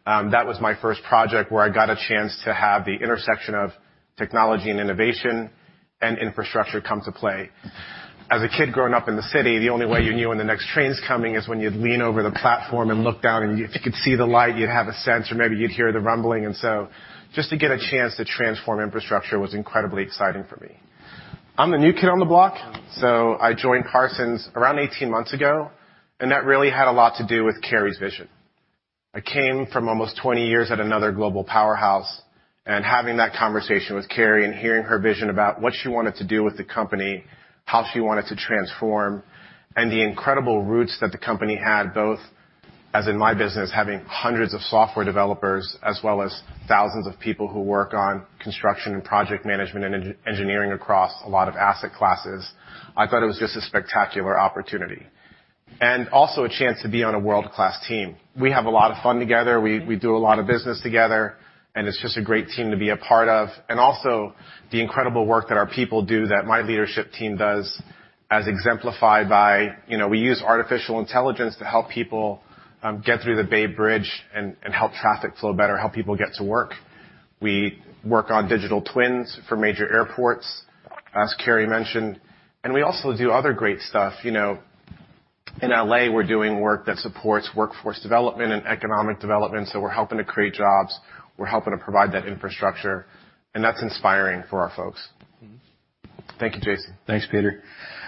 that was my first project where I got a chance to have the intersection of technology and innovation and infrastructure come to play. As a kid growing up in the city, the only way you knew when the next train's coming is when you'd lean over the platform and look down, and if you could see the light, you'd have a sense, or maybe you'd hear the rumbling. Just to get a chance to transform infrastructure was incredibly exciting for me. I'm the new kid on the block, I joined Parsons around 18 months ago. That really had a lot to do with Carey's vision. I came from almost 20 years at another global powerhouse. Having that conversation with Carey and hearing her vision about what she wanted to do with the company, how she wanted to transform, and the incredible roots that the company had, both as in my business, having hundreds of software developers, as well as thousands of people who work on construction and project management and engineering across a lot of asset classes, I thought it was just a spectacular opportunity and also a chance to be on a world-class team. We have a lot of fun together. We do a lot of business together. It's just a great team to be a part of. Also the incredible work that our people do that my leadership team does, as exemplified by, you know, we use artificial intelligence to help people get through the Bay Bridge and help traffic flow better, help people get to work. We work on digital twins for major airports, as Carey mentioned. We also do other great stuff. You know, in L.A., we're doing work that supports workforce development and economic development. We're helping to create jobs, we're helping to provide that infrastructure. That's inspiring for our folks. Thank you, Jason. Thanks, Peter.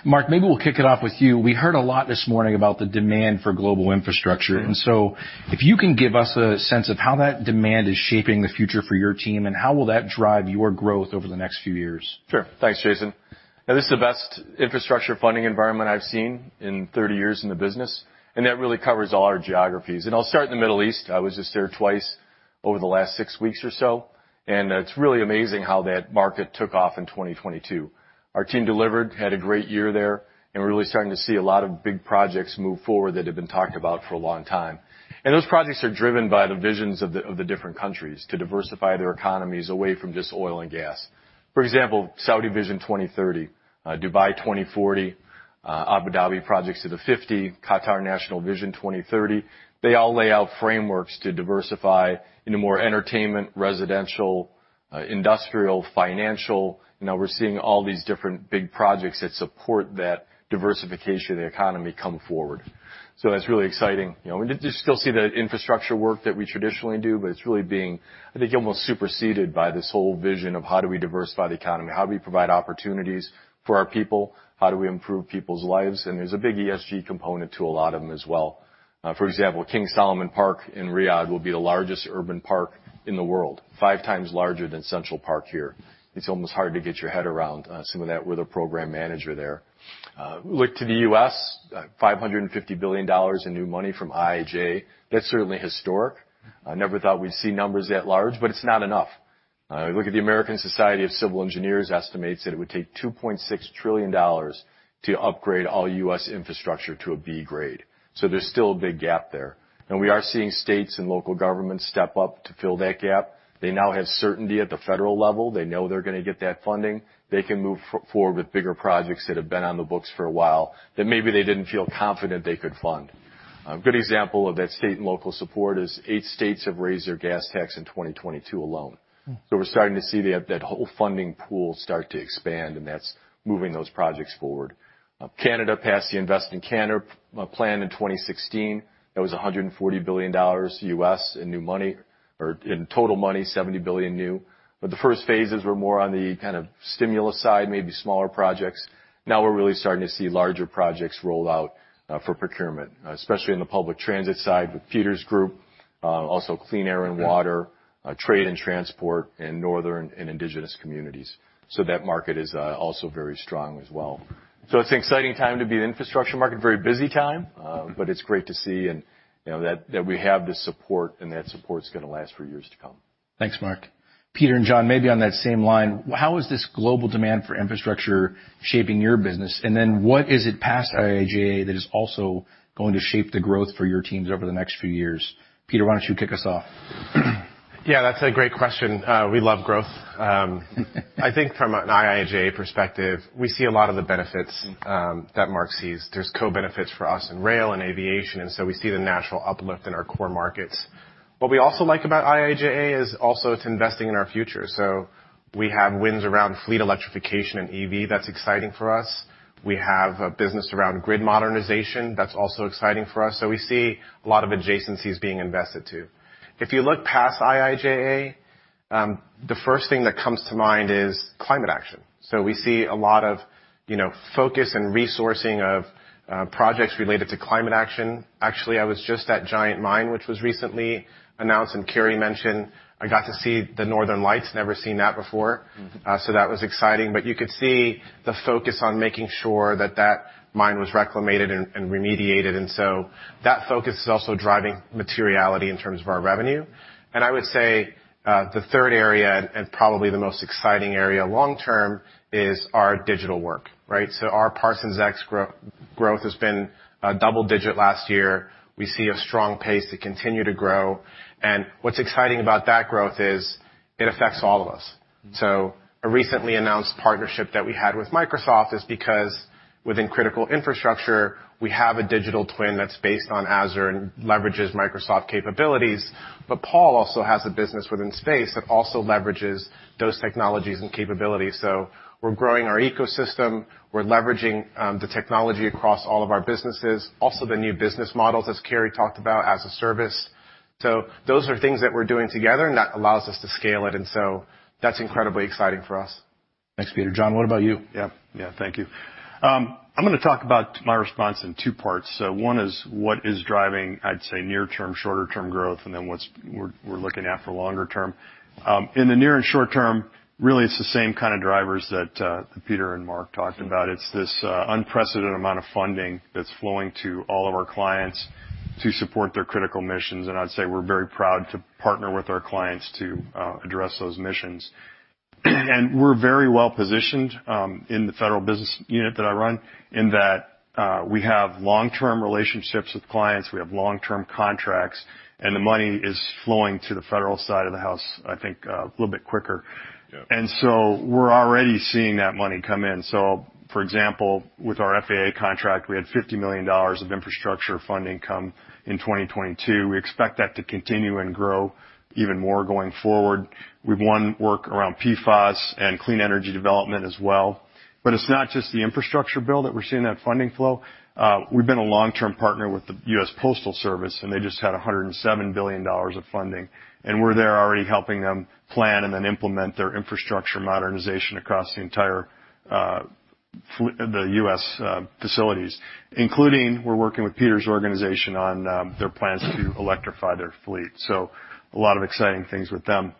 Mark, maybe we'll kick it off with you. We heard a lot this morning about the demand for global infrastructure. Mm-hmm. If you can give us a sense of how that demand is shaping the future for your team, and how will that drive your growth over the next few years? Sure. Thanks, Jason. This is the best infrastructure funding environment I've seen in 30 years in the business, that really covers all our geographies. I'll start in the Middle East. I was just there twice over the last six weeks or so, it's really amazing how that market took off in 2022. Our team delivered, had a great year there, we're really starting to see a lot of big projects move forward that have been talked about for a long time. Those projects are driven by the visions of the different countries to diversify their economies away from just oil and gas. For example, Saudi Vision 2030, Dubai 2040, Abu Dhabi Projects to the 50, Qatar National Vision 2030. They all lay out frameworks to diversify into more entertainment, residential, industrial, financial. Now we're seeing all these different big projects that support that diversification of the economy come forward. That's really exciting. You know, you still see the infrastructure work that we traditionally do, but it's really being, I think, almost superseded by this whole vision of how do we diversify the economy? How do we provide opportunities for our people? How do we improve people's lives? There's a big ESG component to a lot of them as well. For example, King Salman Park in Riyadh will be the largest urban park in the world, five times larger than Central Park here. It's almost hard to get your head around some of that with a program manager there. Look to the U.S., $550 billion in new money from IIJA. That's certainly historic. I never thought we'd see numbers that large, it's not enough. Look at the American Society of Civil Engineers estimates that it would take $2.6 trillion to upgrade all U.S. infrastructure to a B grade. There's still a big gap there. We are seeing states and local governments step up to fill that gap. They now have certainty at the federal level. They know they're gonna get that funding. They can move forward with bigger projects that have been on the books for a while that maybe they didn't feel confident they could fund. A good example of that state and local support is 8 states have raised their gas tax in 2022 alone. We're starting to see that whole funding pool start to expand, and that's moving those projects forward. Canada passed the Invest in Canada plan in 2016. That was $140 billion U.S.D in new money, or in total money, $70 billion new. The first phases were more on the kind of stimulus side, maybe smaller projects. Now we're really starting to see larger projects roll out for procurement, especially in the public transit side with Peter's group, also clean air and water, trade and transport in Northern and Indigenous communities. That market is also very strong as well. It's an exciting time to be in the infrastructure market. Very busy time, but it's great to see and, you know, that we have the support, and that support's gonna last for years to come. Thanks, Mark. Peter and Jon, maybe on that same line, how is this global demand for infrastructure shaping your business? What is it past IIJA that is also going to shape the growth for your teams over the next few years? Peter, why don't you kick us off? Yeah, that's a great question. We love growth. I think from an IIJA perspective, we see a lot of the benefits that Mark sees. There's co-benefits for us in rail and aviation, we see the natural uplift in our core markets. What we also like about IIJA is also it's investing in our future. We have wins around fleet electrification and EV. That's exciting for us. We have a business around grid modernization. That's also exciting for us. We see a lot of adjacencies being invested too. If you look past IIJA, the first thing that comes to mind is climate action. We see a lot of, you know, focus and resourcing of projects related to climate action. Actually, I was just at Giant Mine, which was recently announced, and Carey mentioned. I got to see the northern lights. Never seen that before. Mm-hmm. That was exciting. You could see the focus on making sure that that mine was reclamated and remediated. That focus is also driving materiality in terms of our revenue. I would say, the third area, and probably the most exciting area long term, is our digital work, right? Our Parsons X growth has been double-digit last year. We see a strong pace to continue to grow. What's exciting about that growth is it affects all of us. A recently announced partnership that we had with Microsoft is because within critical infrastructure, we have a digital twin that's based on Azure and leverages Microsoft capabilities, but Parsons also has a business within space that also leverages those technologies and capabilities. We're growing our ecosystem. We're leveraging the technology across all of our businesses. The new business models, as Carey talked about, as a service. Those are things that we're doing together and that allows us to scale it, and so that's incredibly exciting for us. Thanks, Peter. Jon, what about you? Yeah. Yeah, thank you. I'm gonna talk about my response in two parts. One is what is driving, I'd say, near-term, shorter-term growth, and then we're looking at for longer term. In the near and short term, really it's the same kinda drivers that Peter and Mark talked about. It's this unprecedented amount of funding that's flowing to all of our clients to support their critical missions. I'd say we're very proud to partner with our clients to address those missions. We're very well-positioned in the federal business unit that I run, in that we have long-term relationships with clients, we have long-term contracts, and the money is flowing to the federal side of the house, I think, a little bit quicker. Yeah. We're already seeing that money come in. For example, with our FAA contract, we had $50 million of infrastructure fund income in 2022. We expect that to continue and grow even more going forward. We've won work around PFAS and clean energy development as well. It's not just the infrastructure bill that we're seeing that funding flow. We've been a long-term partner with the U.S. Postal Service, and they just had $107 billion of funding, and we're there already helping them plan and then implement their infrastructure modernization across the entire U.S. facilities, including we're working with Peter's organization on their plans to electrify their fleet. A lot of exciting things with them.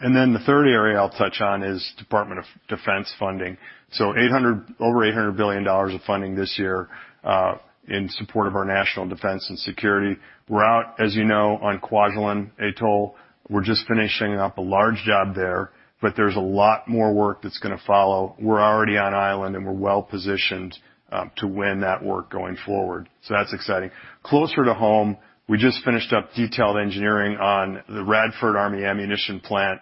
The third area I'll touch on is Department of Defense funding. Over $800 billion of funding this year in support of our national defense and security. We're out, as you know, on Kwajalein Atoll. We're just finishing up a large job there, but there's a lot more work that's gonna follow. We're already on island, and we're well-positioned to win that work going forward, so that's exciting. Closer to home, we just finished up detailed engineering on the Radford Army Ammunition Plant.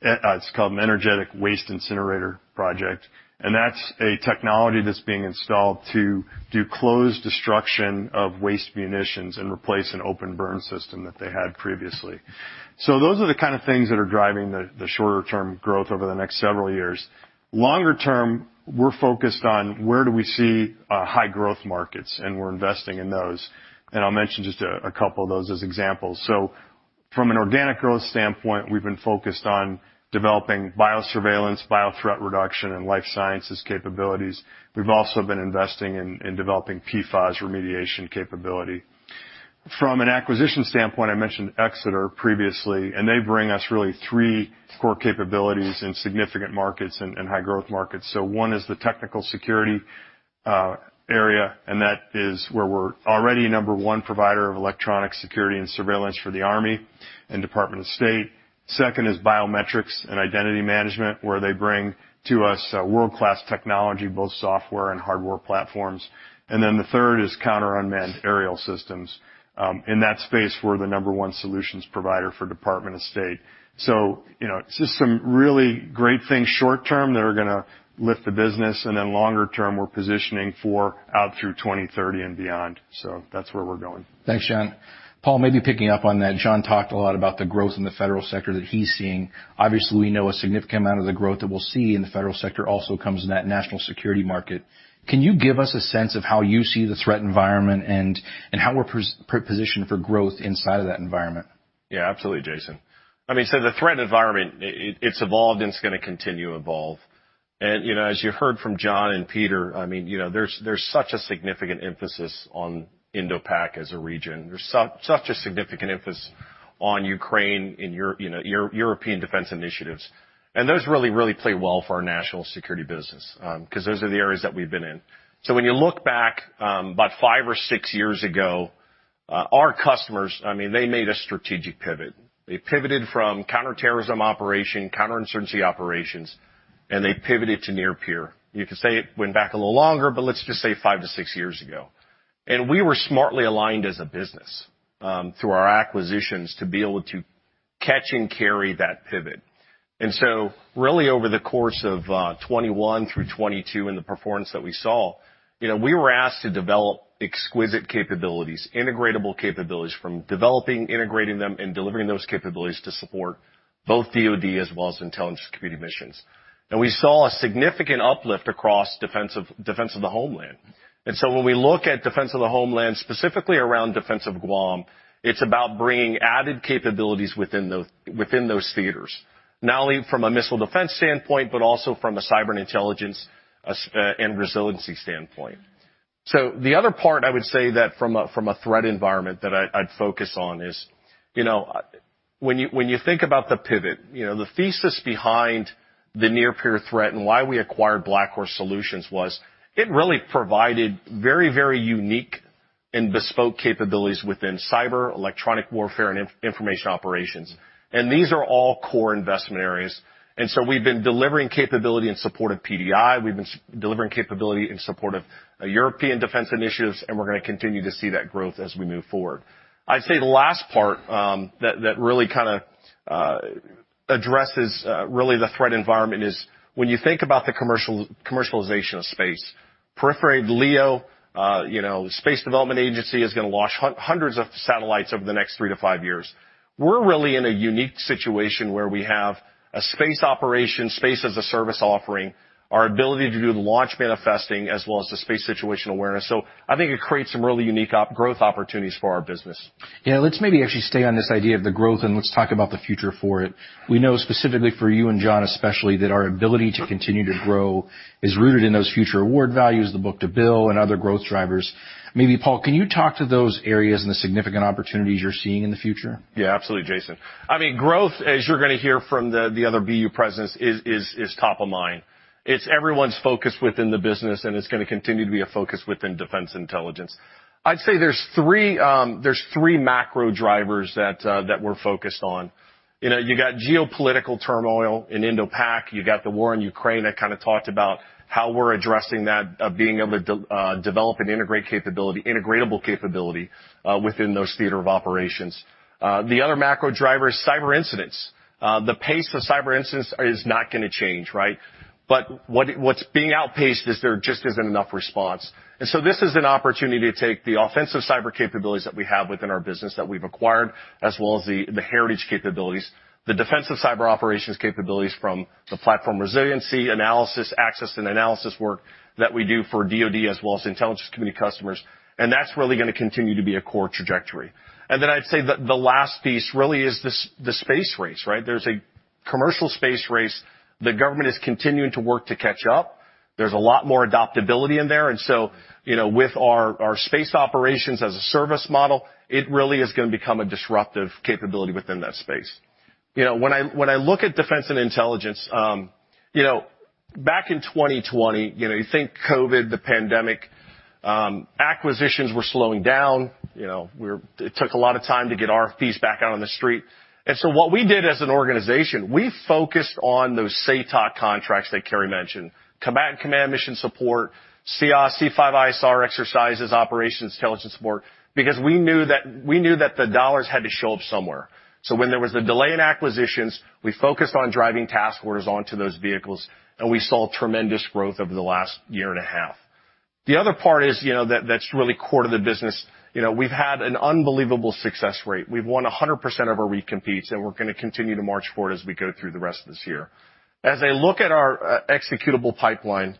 It's called an energetic waste incinerator project, and that's a technology that's being installed to do close destruction of waste munitions and replace an open burn system that they had previously. Those are the kinda things that are driving the shorter-term growth over the next several years. Longer term, we're focused on where do we see high-growth markets, and we're investing in those. I'll mention just a couple of those as examples. From an organic growth standpoint, we've been focused on developing biosurveillance, biothreat reduction, and life sciences capabilities. We've also been investing in developing PFAS remediation capability. From an acquisition standpoint, I mentioned Xator previously, they bring us really 3 core capabilities in significant markets and high-growth markets. One is the technical security area, and that is where we're already number 1 provider of electronic security and surveillance for the Army and Department of State. Second is biometrics and identity management, where they bring to us world-class technology, both software and hardware platforms. The third is counter unmanned aerial systems. In that space, we're the number 1 solutions provider for Department of State. You know, it's just some really great things short term that are gonna lift the business, and then longer term, we're positioning for out through 2030 and beyond. That's where we're going. Thanks, Jon. Paul, maybe picking up on that, Jon talked a lot about the growth in the federal sector that he's seeing. Obviously, we know a significant amount of the growth that we'll see in the federal sector also comes in that national security market. Can you give us a sense of how you see the threat environment and how we're positioned for growth inside of that environment? Absolutely, Jason. I mean, the threat environment, it's evolved, and it's gonna continue to evolve. You know, as you heard from Jon and Peter, I mean, you know, there's such a significant emphasis on Indo-Pac as a region. There's such a significant emphasis on Ukraine in, you know, European defense initiatives. Those really play well for our national security business, 'cause those are the areas that we've been in. When you look back, about five or six years ago, our customers, I mean, they made a strategic pivot. They pivoted from counterterrorism operation, counterinsurgency operations, they pivoted to near peer. You could say it went back a little longer, let's just say five to six years ago. We were smartly aligned as a business, through our acquisitions to be able to catch and carry that pivot. Really over the course of 21 through 22 and the performance that we saw, you know, we were asked to develop exquisite capabilities, integratable capabilities, from developing, integrating them, and delivering those capabilities to support both DOD as well as Intelligence Community missions. We saw a significant uplift across defense of the homeland. When we look at defense of the homeland, specifically around defense of Guam, it's about bringing added capabilities within those theaters, not only from a missile defense standpoint, but also from a cyber intelligence and resiliency standpoint. The other part I would say that from a threat environment that I'd focus on is, you know, when you think about the pivot, you know, the thesis behind the near peer threat and why we acquired BlackHorse Solutions was it really provided very, very unique and bespoke capabilities within cyber, electronic warfare, and information operations, and these are all core investment areas. We've been delivering capability in support of PDI, we've been delivering capability in support of European defense initiatives, and we're gonna continue to see that growth as we move forward. I'd say the last part that really addresses the threat environment is when you think about the commercialization of space, proliferated LEO, you know, Space Development Agency is gonna launch hundreds of satellites over the next three to five years. We're really in a unique situation where we have a space operations, space-as-a-service offering, our ability to do the launch manifesting, as well as the space situational awareness. I think it creates some really unique growth opportunities for our business. Yeah, let's maybe actually stay on this idea of the growth, and let's talk about the future for it. We know specifically for you and Jon especially, that our ability to continue to grow is rooted in those future award values, the book-to-bill and other growth drivers. Maybe Paul, can you talk to those areas and the significant opportunities you're seeing in the future? Yeah, absolutely, Jason. I mean, growth, as you're gonna hear from the other BU presidents, is top of mind. It's everyone's focus within the business and it's gonna continue to be a focus within Defense & Intelligence. I'd say there's three macro drivers that we're focused on. You know, you got geopolitical turmoil in Indo-PAC, you got the war in Ukraine. I kinda talked about how we're addressing that, being able to develop an integratable capability within those theater of operations. The other macro driver is cyber incidents. The pace of cyber incidents is not gonna change, right? What's being outpaced is there just isn't enough response. This is an opportunity to take the offensive cyber capabilities that we have within our business that we've acquired, as well as the heritage capabilities, the defensive cyber operations capabilities from the platform resiliency, analysis, access and analysis work that we do for DoD as well as Intelligence Community customers, and that's really gonna continue to be a core trajectory. I'd say the last piece really is the space race, right? There's a commercial space race. The government is continuing to work to catch up. There's a lot more adaptability in there. You know, with our space operations as a service model, it really is gonna become a disruptive capability within that space. You know, when I, when I look at Defense and Intelligence, you know, back in 2020, you know, you think COVID, the pandemic, acquisitions were slowing down. You know, it took a lot of time to get RFPs back out on the street. What we did as an organization, we focused on those SATOC contracts that Carey mentioned, Combat Command Mission Support, C5ISR exercises, operations, intelligence support. We knew that the dollars had to show up somewhere. When there was a delay in acquisitions, we focused on driving task orders onto those vehicles, and we saw tremendous growth over the last year and a half. The other part is, you know, that's really core to the business. You know, we've had an unbelievable success rate. We've won 100% of our recompetes, and we're gonna continue to march forward as we go through the rest of this year. As I look at our executable pipeline,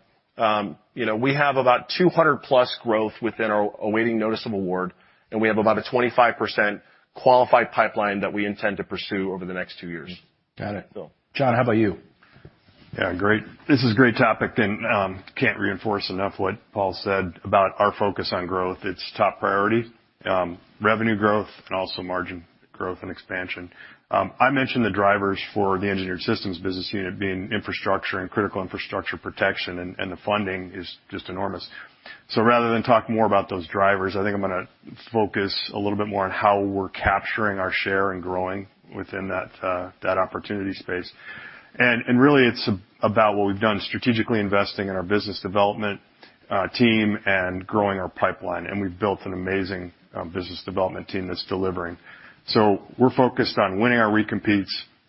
you know, we have about 200+ growth within our awaiting notice of award, and we have about a 25% qualified pipeline that we intend to pursue over the next two years. Got it. So. Jon, how about you? Great. This is a great topic and can't reinforce enough what Paul said about our focus on growth. It's top priority, revenue growth and also margin growth and expansion. I mentioned the drivers for the Engineered Systems business unit being infrastructure and critical infrastructure protection, and the funding is just enormous. Rather than talk more about those drivers, I think I'm gonna focus a little bit more on how we're capturing our share and growing within that opportunity space. Really, it's about what we've done strategically investing in our business development team and growing our pipeline, and we've built an amazing business development team that's delivering. We're focused on winning our recompetes,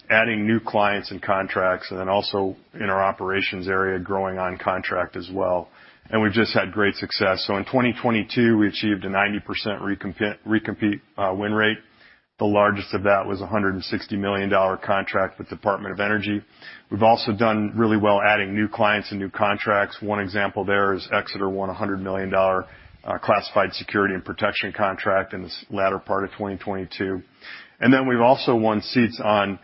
adding new clients and contracts, and then also in our operations area, growing on contract as well. We've just had great success. In 2022, we achieved a 90% recompete win rate. The largest of that was a $160 million contract with Department of Energy. We've also done really well adding new clients and new contracts. One example there is Xator won a $100 million classified security and protection contract in the latter part of 2022. We've also won seats on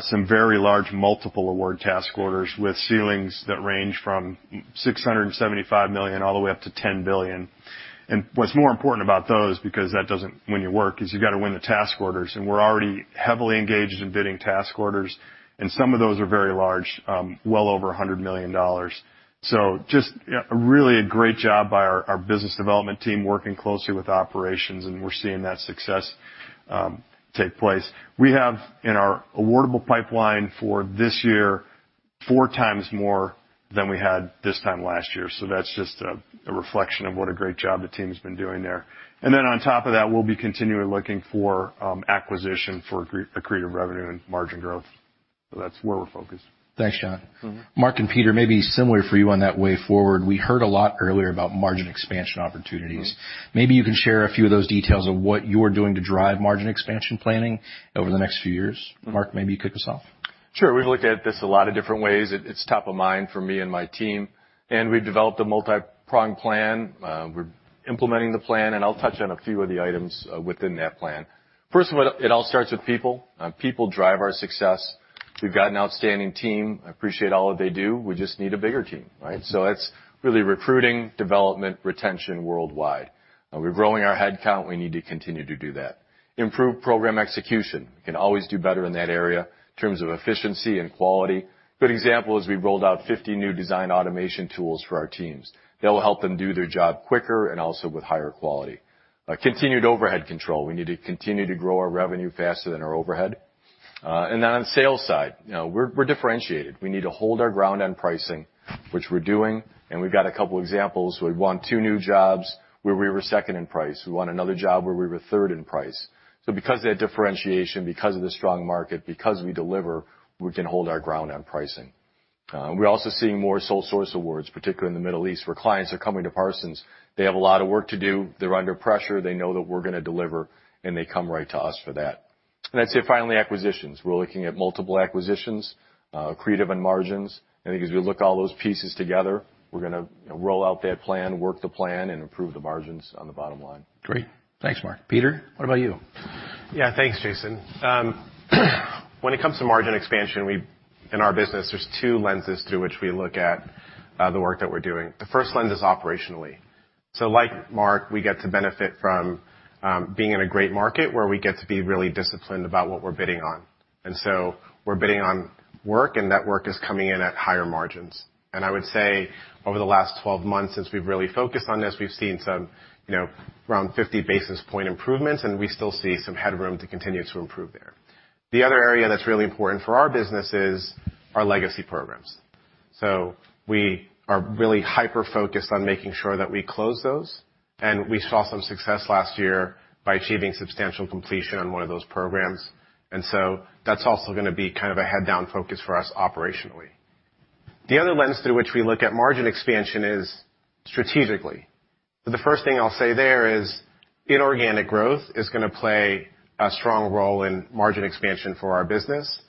some very large multiple award task orders with ceilings that range from $675 million all the way up to $10 billion. What's more important about those, because that doesn't win you work, is you gotta win the task orders, and we're already heavily engaged in bidding task orders, and some of those are very large, well over $100 million. Just, really a great job by our business development team working closely with operations, and we're seeing that success take place. We have in our awardable pipeline for this year, four times more than we had this time last year. That's just a reflection of what a great job the team's been doing there. On top of that, we'll be continually looking for acquisition for accretive revenue and margin growth. That's where we're focused. Thanks, Jon. Mm-hmm. Mark and Peter, maybe similar for you on that way forward. We heard a lot earlier about margin expansion opportunities. Mm-hmm. Maybe you can share a few of those details of what you're doing to drive margin expansion planning over the next few years. Mark, maybe you kick us off. Sure. We've looked at this a lot of different ways. It's top of mind for me and my team, and we've developed a multi-pronged plan. We're implementing the plan, and I'll touch on a few of the items within that plan. First of all, it all starts with people. People drive our success. We've got an outstanding team. I appreciate all that they do. We just need a bigger team, right? It's really recruiting, development, retention worldwide. We're growing our headcount, we need to continue to do that. Improve program execution. We can always do better in that area in terms of efficiency and quality. Good example is we've rolled out 50 new design automation tools for our teams. That will help them do their job quicker and also with higher quality. Continued overhead control. We need to continue to grow our revenue faster than our overhead. On sales side, you know, we're differentiated. We need to hold our ground on pricing, which we're doing, and we've got a couple examples. We won two new jobs where we were second in price. We won another job where we were third in price. Because of that differentiation, because of the strong market, because we deliver, we can hold our ground on pricing. We're also seeing more sole source awards, particularly in the Middle East, where clients are coming to Parsons, they have a lot of work to do, they're under pressure, they know that we're gonna deliver, and they come right to us for that. I'd say, finally, acquisitions. We're looking at multiple acquisitions, creative in margins. I think as we look at all those pieces together, we're gonna roll out that plan, work the plan, and improve the margins on the bottom line. Great. Thanks, Mark. Peter, what about you? Yeah. Thanks, Jason. When it comes to margin expansion, in our business, there's two lenses through which we look at the work that we're doing. The first lens is operationally. Like Mark, we get to benefit from being in a great market where we get to be really disciplined about what we're bidding on. We're bidding on work, and that work is coming in at higher margins. I would say, over the last 12 months since we've really focused on this, we've seen some, you know, around 50 basis point improvements, and we still see some headroom to continue to improve there. The other area that's really important for our business is our legacy programs. We are really hyper-focused on making sure that we close those, and we saw some success last year by achieving substantial completion on one of those programs. That's also going to be kind of a head down focus for us operationally. The other lens through which we look at margin expansion is strategically. The first thing I'll say there is inorganic growth is going to play a strong role in margin expansion for our business.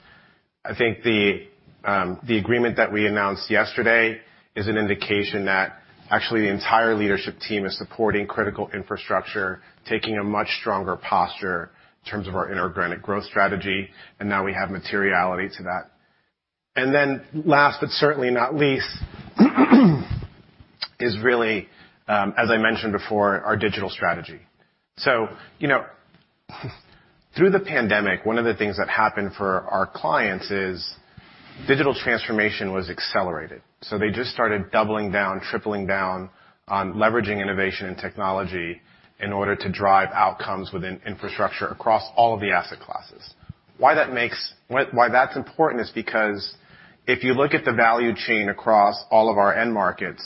I think the agreement that we announced yesterday is an indication that actually the entire leadership team is supporting critical infrastructure, taking a much stronger posture in terms of our inorganic growth strategy, and now we have materiality to that. Then last, but certainly not least, is really, as I mentioned before, our digital strategy. You know, through the pandemic, one of the things that happened for our clients is digital transformation was accelerated. They just started doubling down, tripling down on leveraging innovation and technology in order to drive outcomes within infrastructure across all of the asset classes. Why that's important is because if you look at the value chain across all of our end markets,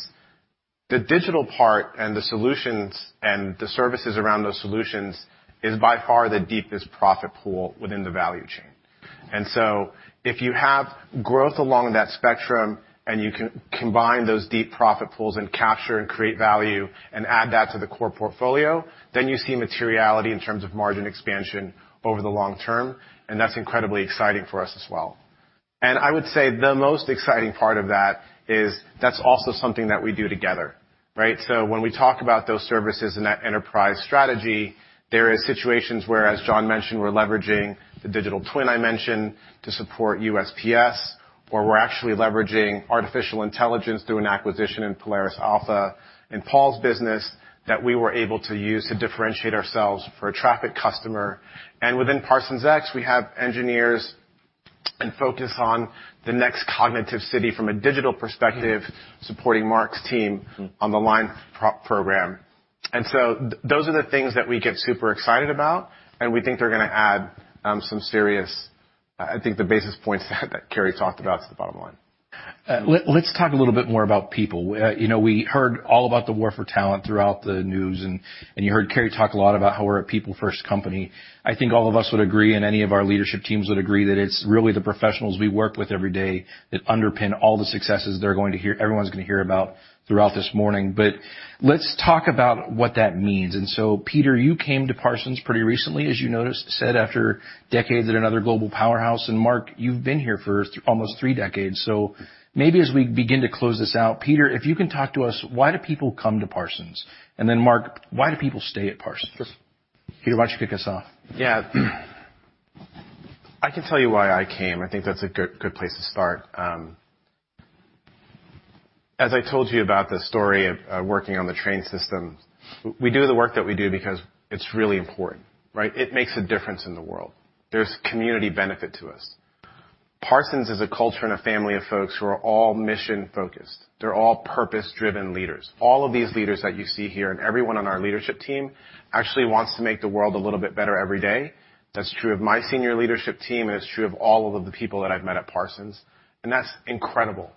the digital part and the solutions and the services around those solutions is by far the deepest profit pool within the value chain. If you have growth along that spectrum and you can combine those deep profit pools and capture and create value and add that to the core portfolio, then you see materiality in terms of margin expansion over the long term, and that's incredibly exciting for us as well. I would say the most exciting part of that is that's also something that we do together, right? When we talk about those services and that enterprise strategy, there are situations where, as Jon mentioned, we're leveraging the digital twin I mentioned to support U.S.PS, or we're actually leveraging artificial intelligence through an acquisition in Polaris Alpha in Paul's business that we were able to use to differentiate ourselves for a traffic customer. Within Parsons X, we have engineers and focus on the next cognitive city from a digital perspective, supporting Mark's team on the line program. Those are the things that we get super excited about, and we think they're gonna add some serious, I think the basis points that Carey talked about to the bottom line. Let's talk a little bit more about people. You know, we heard all about the war for talent throughout the news, and you heard Carey talk a lot about how we're a people-first company. I think all of us would agree, and any of our leadership teams would agree that it's really the professionals we work with every day that underpin all the successes everyone's gonna hear about throughout this morning. Let's talk about what that means. Peter, you came to Parsons pretty recently, as you said after decades at another global powerhouse. Mark, you've been here for almost 3 decades. Maybe as we begin to close this out, Peter, if you can talk to us, why do people come to Parsons? Then Mark, why do people stay at Parsons? Peter, why don't you kick us off? Yeah. I can tell you why I came. I think that's a good place to start. As I told you about the story of working on the train system, we do the work that we do because it's really important, right? It makes a difference in the world. There's community benefit to us. Parsons is a culture and a family of folks who are all mission-focused. They're all purpose-driven leaders. All of these leaders that you see here and everyone on our leadership team actually wants to make the world a little bit better every day. That's true of my senior leadership team, and it's true of all of the people that I've met at Parsons, and that's incredible.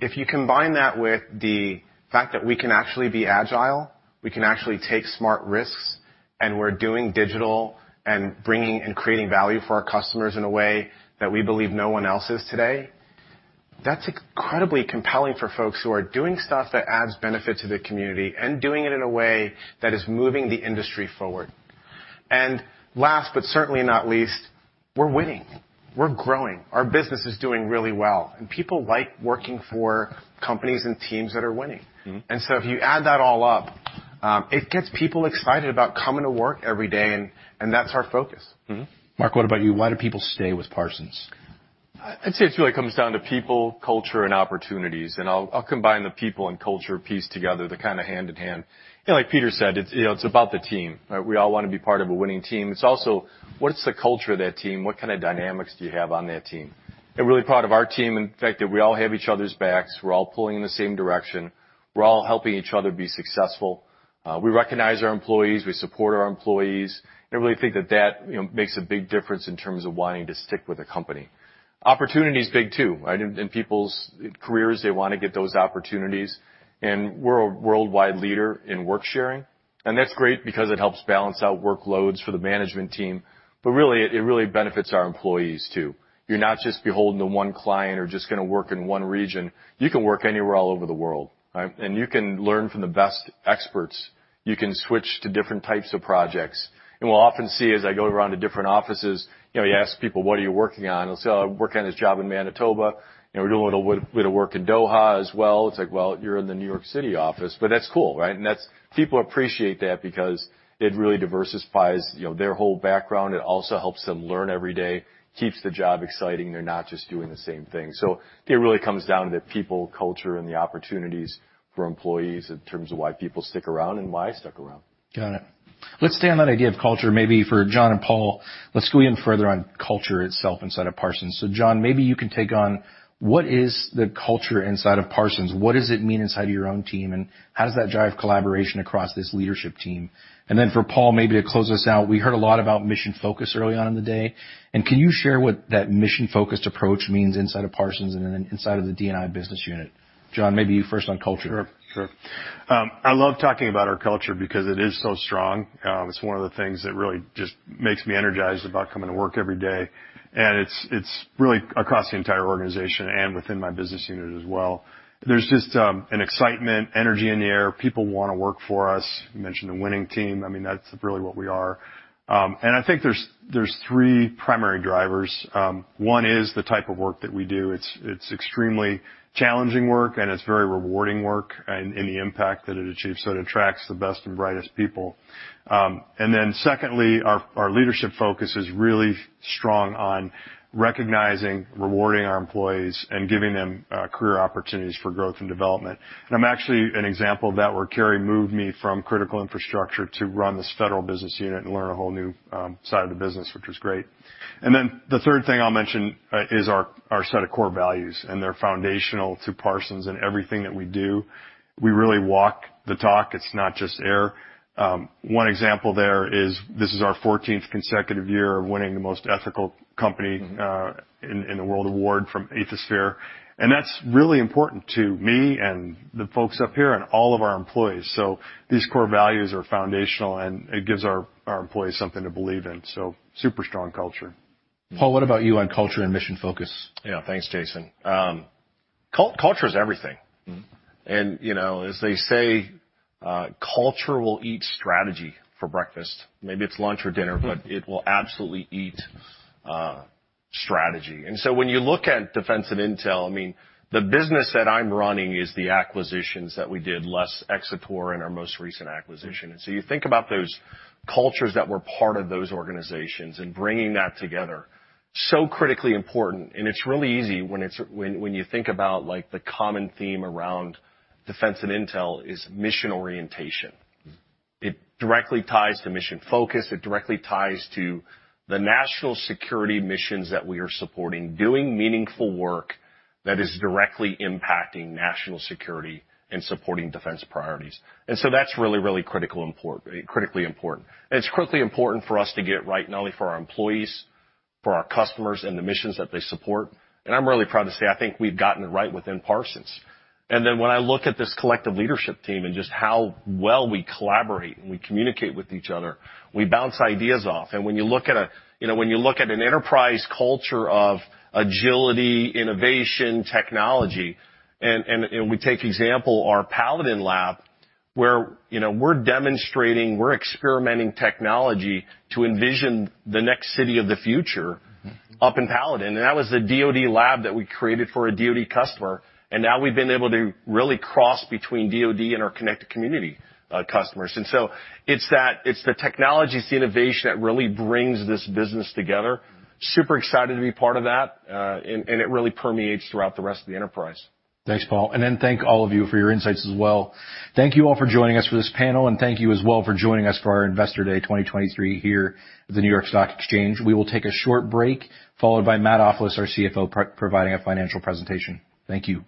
If you combine that with the fact that we can actually be agile, we can actually take smart risks, and we're doing digital and bringing and creating value for our customers in a way that we believe no one else is today, that's incredibly compelling for folks who are doing stuff that adds benefit to the community and doing it in a way that is moving the industry forward. Last, but certainly not least, we're winning. We're growing. Our business is doing really well. People like working for companies and teams that are winning. Mm-hmm. If you add that all up, it gets people excited about coming to work every day, and that's our focus. Mark, what about you? Why do people stay with Parsons? I'd say it's really comes down to people, culture, and opportunities, and I'll combine the people and culture piece together. They're kind of hand in hand. You know, like Peter said, it's, you know, it's about the team, right? We all wanna be part of a winning team. It's also what's the culture of that team? What kind of dynamics do you have on that team? I'm really proud of our team and the fact that we all have each other's backs. We're all pulling in the same direction. We're all helping each other be successful. We recognize our employees, we support our employees, and I really think that, you know, makes a big difference in terms of wanting to stick with a company. Opportunity is big too, right? In people's careers, they wanna get those opportunities, and we're a worldwide leader in work sharing. That's great because it helps balance out workloads for the management team, but it really benefits our employees too. You're not just beholden to one client or just gonna work in one region. You can work anywhere all over the world, right? You can learn from the best experts. You can switch to different types of projects. We'll often see, as I go around to different offices, you know, you ask people, "What are you working on?" They'll say, "Oh, I'm working on this job in Manitoba, and we're doing a little bit of work in Doha as well." It's like, well, you're in the New York City office, but that's cool, right? That's people appreciate that because it really diversifies, you know, their whole background. It also helps them learn every day, keeps the job exciting. They're not just doing the same thing. It really comes down to the people, culture, and the opportunities for employees in terms of why people stick around and why I stuck around. Got it. Let's stay on that idea of culture. Maybe for Jon and Paul, let's go even further on culture itself inside of Parsons. Jon, maybe you can take on what is the culture inside of Parsons? What does it mean inside of your own team, and how does that drive collaboration across this leadership team? For Paul, maybe to close us out, we heard a lot about mission focus early on in the day. Can you share what that mission-focused approach means inside of Parsons and then inside of the DNI business unit? Jon, maybe you first on culture. Sure. Sure. I love talking about our culture because it is so strong. It's one of the things that really just makes me energized about coming to work every day, and it's really across the entire organization and within my business unit as well. There's just an excitement, energy in the air. People wanna work for us. You mentioned the winning team. I mean, that's really what we are. I think there's three primary drivers. One is the type of work that we do. It's extremely challenging work, and it's very rewarding work and in the impact that it achieves, so it attracts the best and brightest people. Then secondly, our leadership focus is really strong on recognizing, rewarding our employees and giving them career opportunities for growth and development. I'm actually an example of that, where Carey moved me from critical infrastructure to run this federal business unit and learn a whole new side of the business, which was great. The third thing I'll mention is our set of core values, and they're foundational to Parsons in everything that we do. We really walk the talk. It's not just air. One example there is this is our 14th consecutive year of winning the Most Ethical Company in the world award from Ethisphere, and that's really important to me and the folks up here and all of our employees. These core values are foundational, and it gives our employees something to believe in. Super strong culture. Paul, what about you on culture and mission focus? Yeah. Thanks, Jason. Culture is everything. Mm-hmm. You know, as they say, culture will eat strategy for breakfast. Maybe it's lunch or dinner. Mm-hmm. It will absolutely eat, strategy. When you look at Defense and Intelligence, I mean, the business that I'm running is the acquisitions that we did, less Xator and our most recent acquisition. You think about those cultures that were part of those organizations and bringing that together, so critically important, and it's really easy when it's, when you think about, like, the common theme around Defense and Intelligence is mission orientation. Mm-hmm. It directly ties to mission focus. It directly ties to the national security missions that we are supporting, doing meaningful work that is directly impacting national security and supporting defense priorities. That's really, really critically important. It's critically important for us to get right, not only for our employees, for our customers, and the missions that they support. I'm really proud to say I think we've gotten it right within Parsons. When I look at this collective leadership team and just how well we collaborate and we communicate with each other, we bounce ideas off. When you look at a, you know, when you look at an enterprise culture of agility, innovation, technology, and we take example, our PALADIN Lab, where, you know, we're demonstrating, we're experimenting technology to envision the next city of the future. Mm-hmm. Up in PALADIN. That was the DoD lab that we created for a DoD customer. Now we've been able to really cross between DoD and our Connected Communities customers. So it's that, it's the technology, it's the innovation that really brings this business together. Mm-hmm. Super excited to be part of that, and it really permeates throughout the rest of the enterprise. Thanks, Paul, and then thank all of you for your insights as well. Thank you all for joining us for this panel, and thank you as well for joining us for our Investor Day 2023 here at the New York Stock Exchange. We will take a short break, followed by Matt Ofilos, our CFO, providing a financial presentation. Thank you.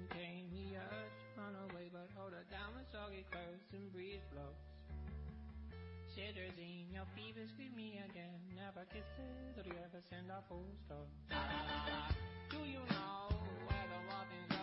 All right. Good work.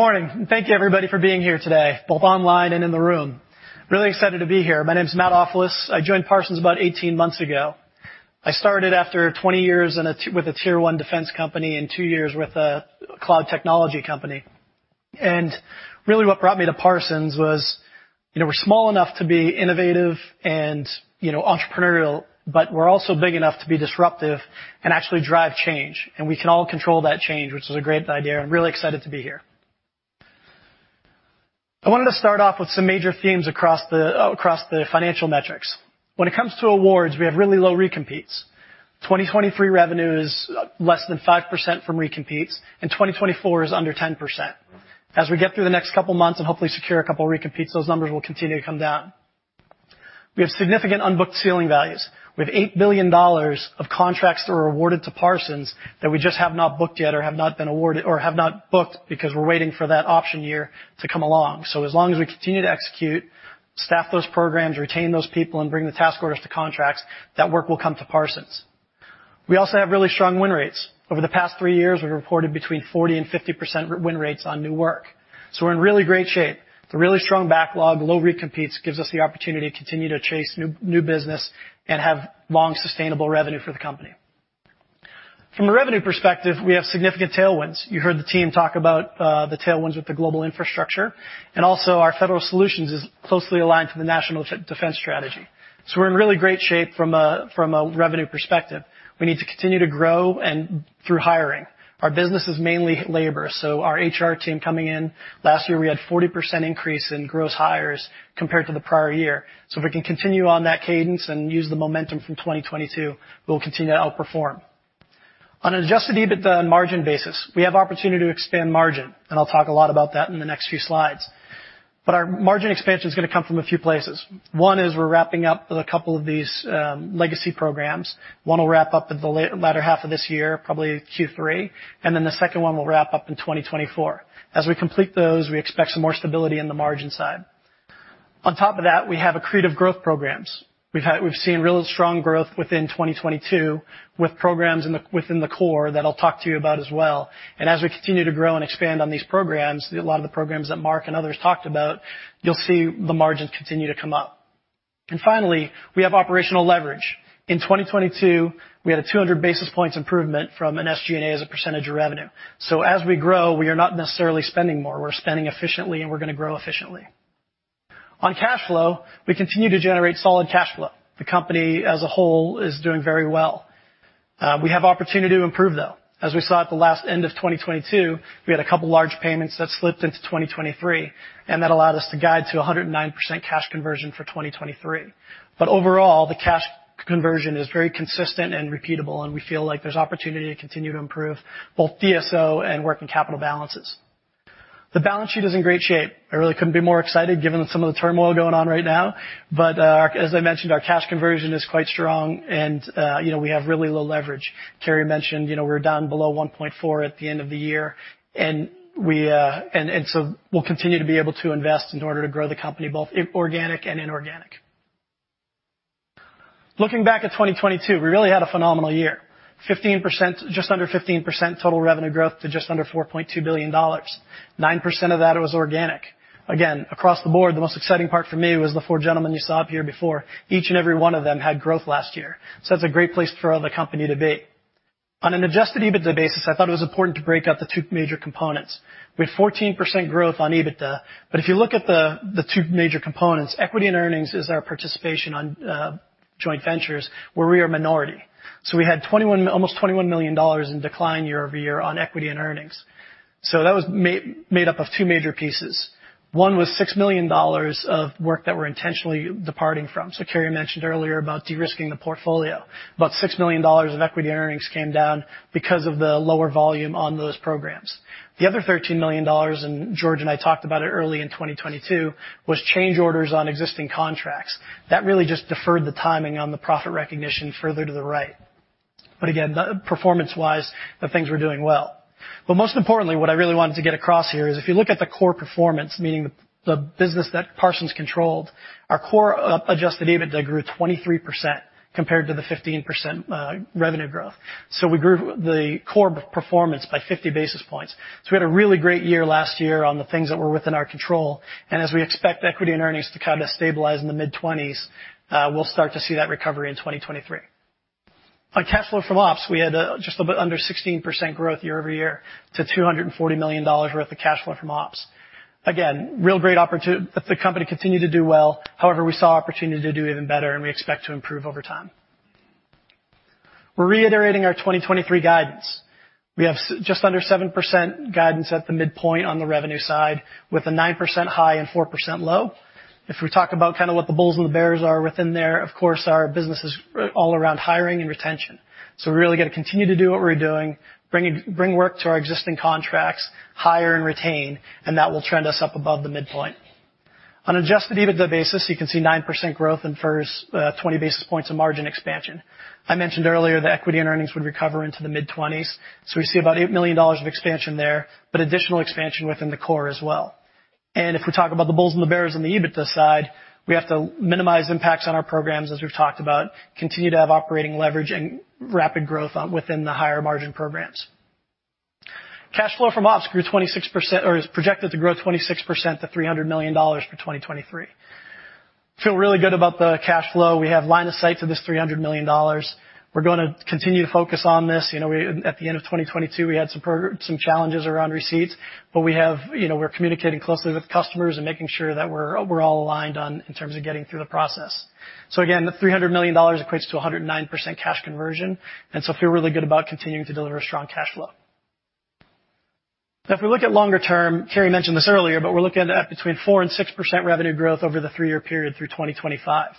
Good morning, and thank you, everybody, for being here today, both online and in the room. Really excited to be here. My name is Matt Ofilos. I joined Parsons about 18 months ago. I started after 20 years in a with a tier one defense company and two years with a cloud technology company. Really what brought me to Parsons was, you know, we're small enough to be innovative and, you know, entrepreneurial, but we're also big enough to be disruptive and actually drive change, and we can all control that change, which is a great idea. I'm really excited to be here. I wanted to start off with some major themes across the across the financial metrics. When it comes to awards, we have really low recompetes. 2023 revenue is less than 5% from recompetes. 2024 is under 10%. We get through the next 2 months and hopefully secure a couple of recompetes, those numbers will continue to come down. We have significant unbooked ceiling values. We have $8 billion of contracts that were awarded to Parsons that we just have not booked yet or have not been awarded or have not booked because we're waiting for that option year to come along. As long as we continue to execute, staff those programs, retain those people, and bring the task orders to contracts, that work will come to Parsons. We also have really strong win rates. Over the past three years, we've reported between 40%-50% win rates on new work. We're in really great shape. It's a really strong backlog. Low recompetes gives us the opportunity to continue to chase new business and have long, sustainable revenue for the company. From a revenue perspective, we have significant tailwinds. You heard the team talk about the tailwinds with the global infrastructure, also our federal solutions is closely aligned to the National Defense Strategy. We're in really great shape from a revenue perspective. We need to continue to grow and through hiring. Our business is mainly labor, so our HR team coming in. Last year, we had 40% increase in gross hires compared to the prior year. If we can continue on that cadence and use the momentum from 2022, we'll continue to outperform. On an adjusted EBITDA and margin basis, we have opportunity to expand margin, and I'll talk a lot about that in the next few slides. Our margin expansion is gonna come from a few places. One is we're wrapping up a couple of these legacy programs. One will wrap up at the latter half of this year, probably Q3, the second one will wrap up in 2024. As we complete those, we expect some more stability in the margin side. On top of that, we have accretive growth programs. We've seen real strong growth within 2022 with programs within the core that I'll talk to you about as well. As we continue to grow and expand on these programs, a lot of the programs that Mark and others talked about, you'll see the margins continue to come up. Finally, we have operational leverage. In 2022, we had a 200 basis points improvement from an SG&A as a percentage of revenue. As we grow, we're not necessarily spending more. We're spending efficiently, and we're gonna grow efficiently. On cash flow, we continue to generate solid cash flow. The company as a whole is doing very well. We have opportunity to improve, though. As we saw at the last end of 2022, we had a couple large payments that slipped into 2023, and that allowed us to guide to a 109% cash conversion for 2023. Overall, the cash conversion is very consistent and repeatable, and we feel like there's opportunity to continue to improve both DSO and working capital balances. The balance sheet is in great shape. I really couldn't be more excited given some of the turmoil going on right now. As I mentioned, our cash conversion is quite strong and, you know, we have really low leverage. Carey mentioned, you know, we're down below 1.4 at the end of the year, and we, and so we'll continue to be able to invest in order to grow the company both organic and inorganic. Looking back at 2022, we really had a phenomenal year. Just under 15% total revenue growth to just under $4.2 billion. 9% of that was organic. Again, across the board, the most exciting part for me was the four gentlemen you saw up here before. Each and every one of them had growth last year. That's a great place for the company to be. On an adjusted EBITDA basis, I thought it was important to break out the two major components. We had 14% growth on EBITDA, if you look at the two major components, equity and earnings is our participation on joint ventures where we are minority. We had almost $21 million in decline year-over-year on equity and earnings. That was made up of two major pieces. One was $6 million of work that we're intentionally departing from. Carey mentioned earlier about de-risking the portfolio. About $6 million of equity earnings came down because of the lower volume on those programs. The other $13 million, and George and I talked about it early in 2022, was change orders on existing contracts. That really just deferred the timing on the profit recognition further to the right. Again, performance-wise, the things we're doing well. Most importantly, what I really wanted to get across here is if you look at the core performance, meaning the business that Parsons controlled, our core adjusted EBITDA grew 23% compared to the 15% revenue growth. We grew the core performance by 50 basis points. We had a really great year last year on the things that were within our control. As we expect equity and earnings to kind of stabilize in the mid-twenties, we'll start to see that recovery in 2023. On cash flow from ops, we had just a bit under 16% growth year-over-year to $240 million worth of cash flow from ops. Again, real great, the company continued to do well. However, we saw opportunity to do even better, and we expect to improve over time. We're reiterating our 2023 guidance. We have just under 7% guidance at the midpoint on the revenue side, with a 9% high and 4% low. If we talk about kind of what the bulls and the bears are within there, of course, our business is all around hiring and retention. We really got to continue to do what we're doing, bring work to our existing contracts, hire and retain, and that will trend us up above the midpoint. On adjusted EBITDA basis, you can see 9% growth and first, 20 basis points of margin expansion. I mentioned earlier the equity and earnings would recover into the mid-20s. We see about $8 million of expansion there, but additional expansion within the core as well. If we talk about the bulls and the bears on the EBITDA side, we have to minimize impacts on our programs, as we've talked about, continue to have operating leverage and rapid growth within the higher margin programs. Cash flow from ops is projected to grow 26% to $300 million for 2023. Feel really good about the cash flow. We have line of sight to this $300 million. We're gonna continue to focus on this. You know, at the end of 2022, we had some challenges around receipts, but we have, you know, we're communicating closely with customers and making sure that we're all aligned on in terms of getting through the process. Again, the $300 million equates to 109% cash conversion, feel really good about continuing to deliver a strong cash flow. Now if we look at longer term, Carey mentioned this earlier, we're looking at between 4%-6% revenue growth over the three-year period through 2025.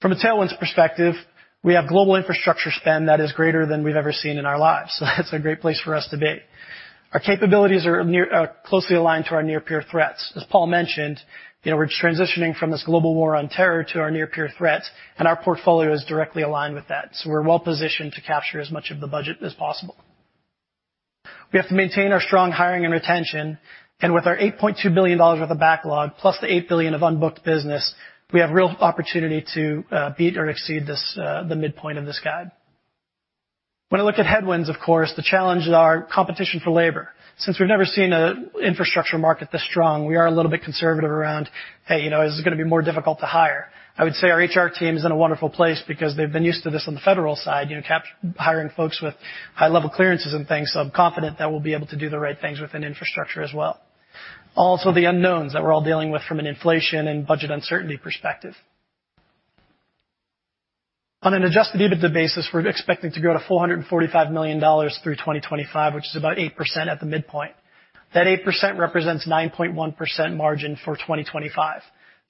From a tailwinds perspective, we have global infrastructure spend that is greater than we've ever seen in our lives. That's a great place for us to be. Our capabilities are closely aligned to our near-peer threats. As Paul mentioned, you know, we're transitioning from this global war on terror to our near-peer threats. Our portfolio is directly aligned with that. We're well-positioned to capture as much of the budget as possible. We have to maintain our strong hiring and retention, with our $8.2 billion worth of backlog, plus the $8 billion of unbooked business, we have real opportunity to beat or exceed this, the midpoint of this guide. When I look at headwinds, of course, the challenges are competition for labor. Since we've never seen an infrastructure market this strong, we are a little bit conservative around, hey, you know, is it gonna be more difficult to hire? I would say our HR team is in a wonderful place because they've been used to this on the federal side, you know, hiring folks with high-level clearances and things, so I'm confident that we'll be able to do the right things within infrastructure as well. The unknowns that we're all dealing with from an inflation and budget uncertainty perspective. On an adjusted EBITDA basis, we're expecting to grow to $445 million through 2025, which is about 8% at the midpoint. That 8% represents 9.1% margin for 2025.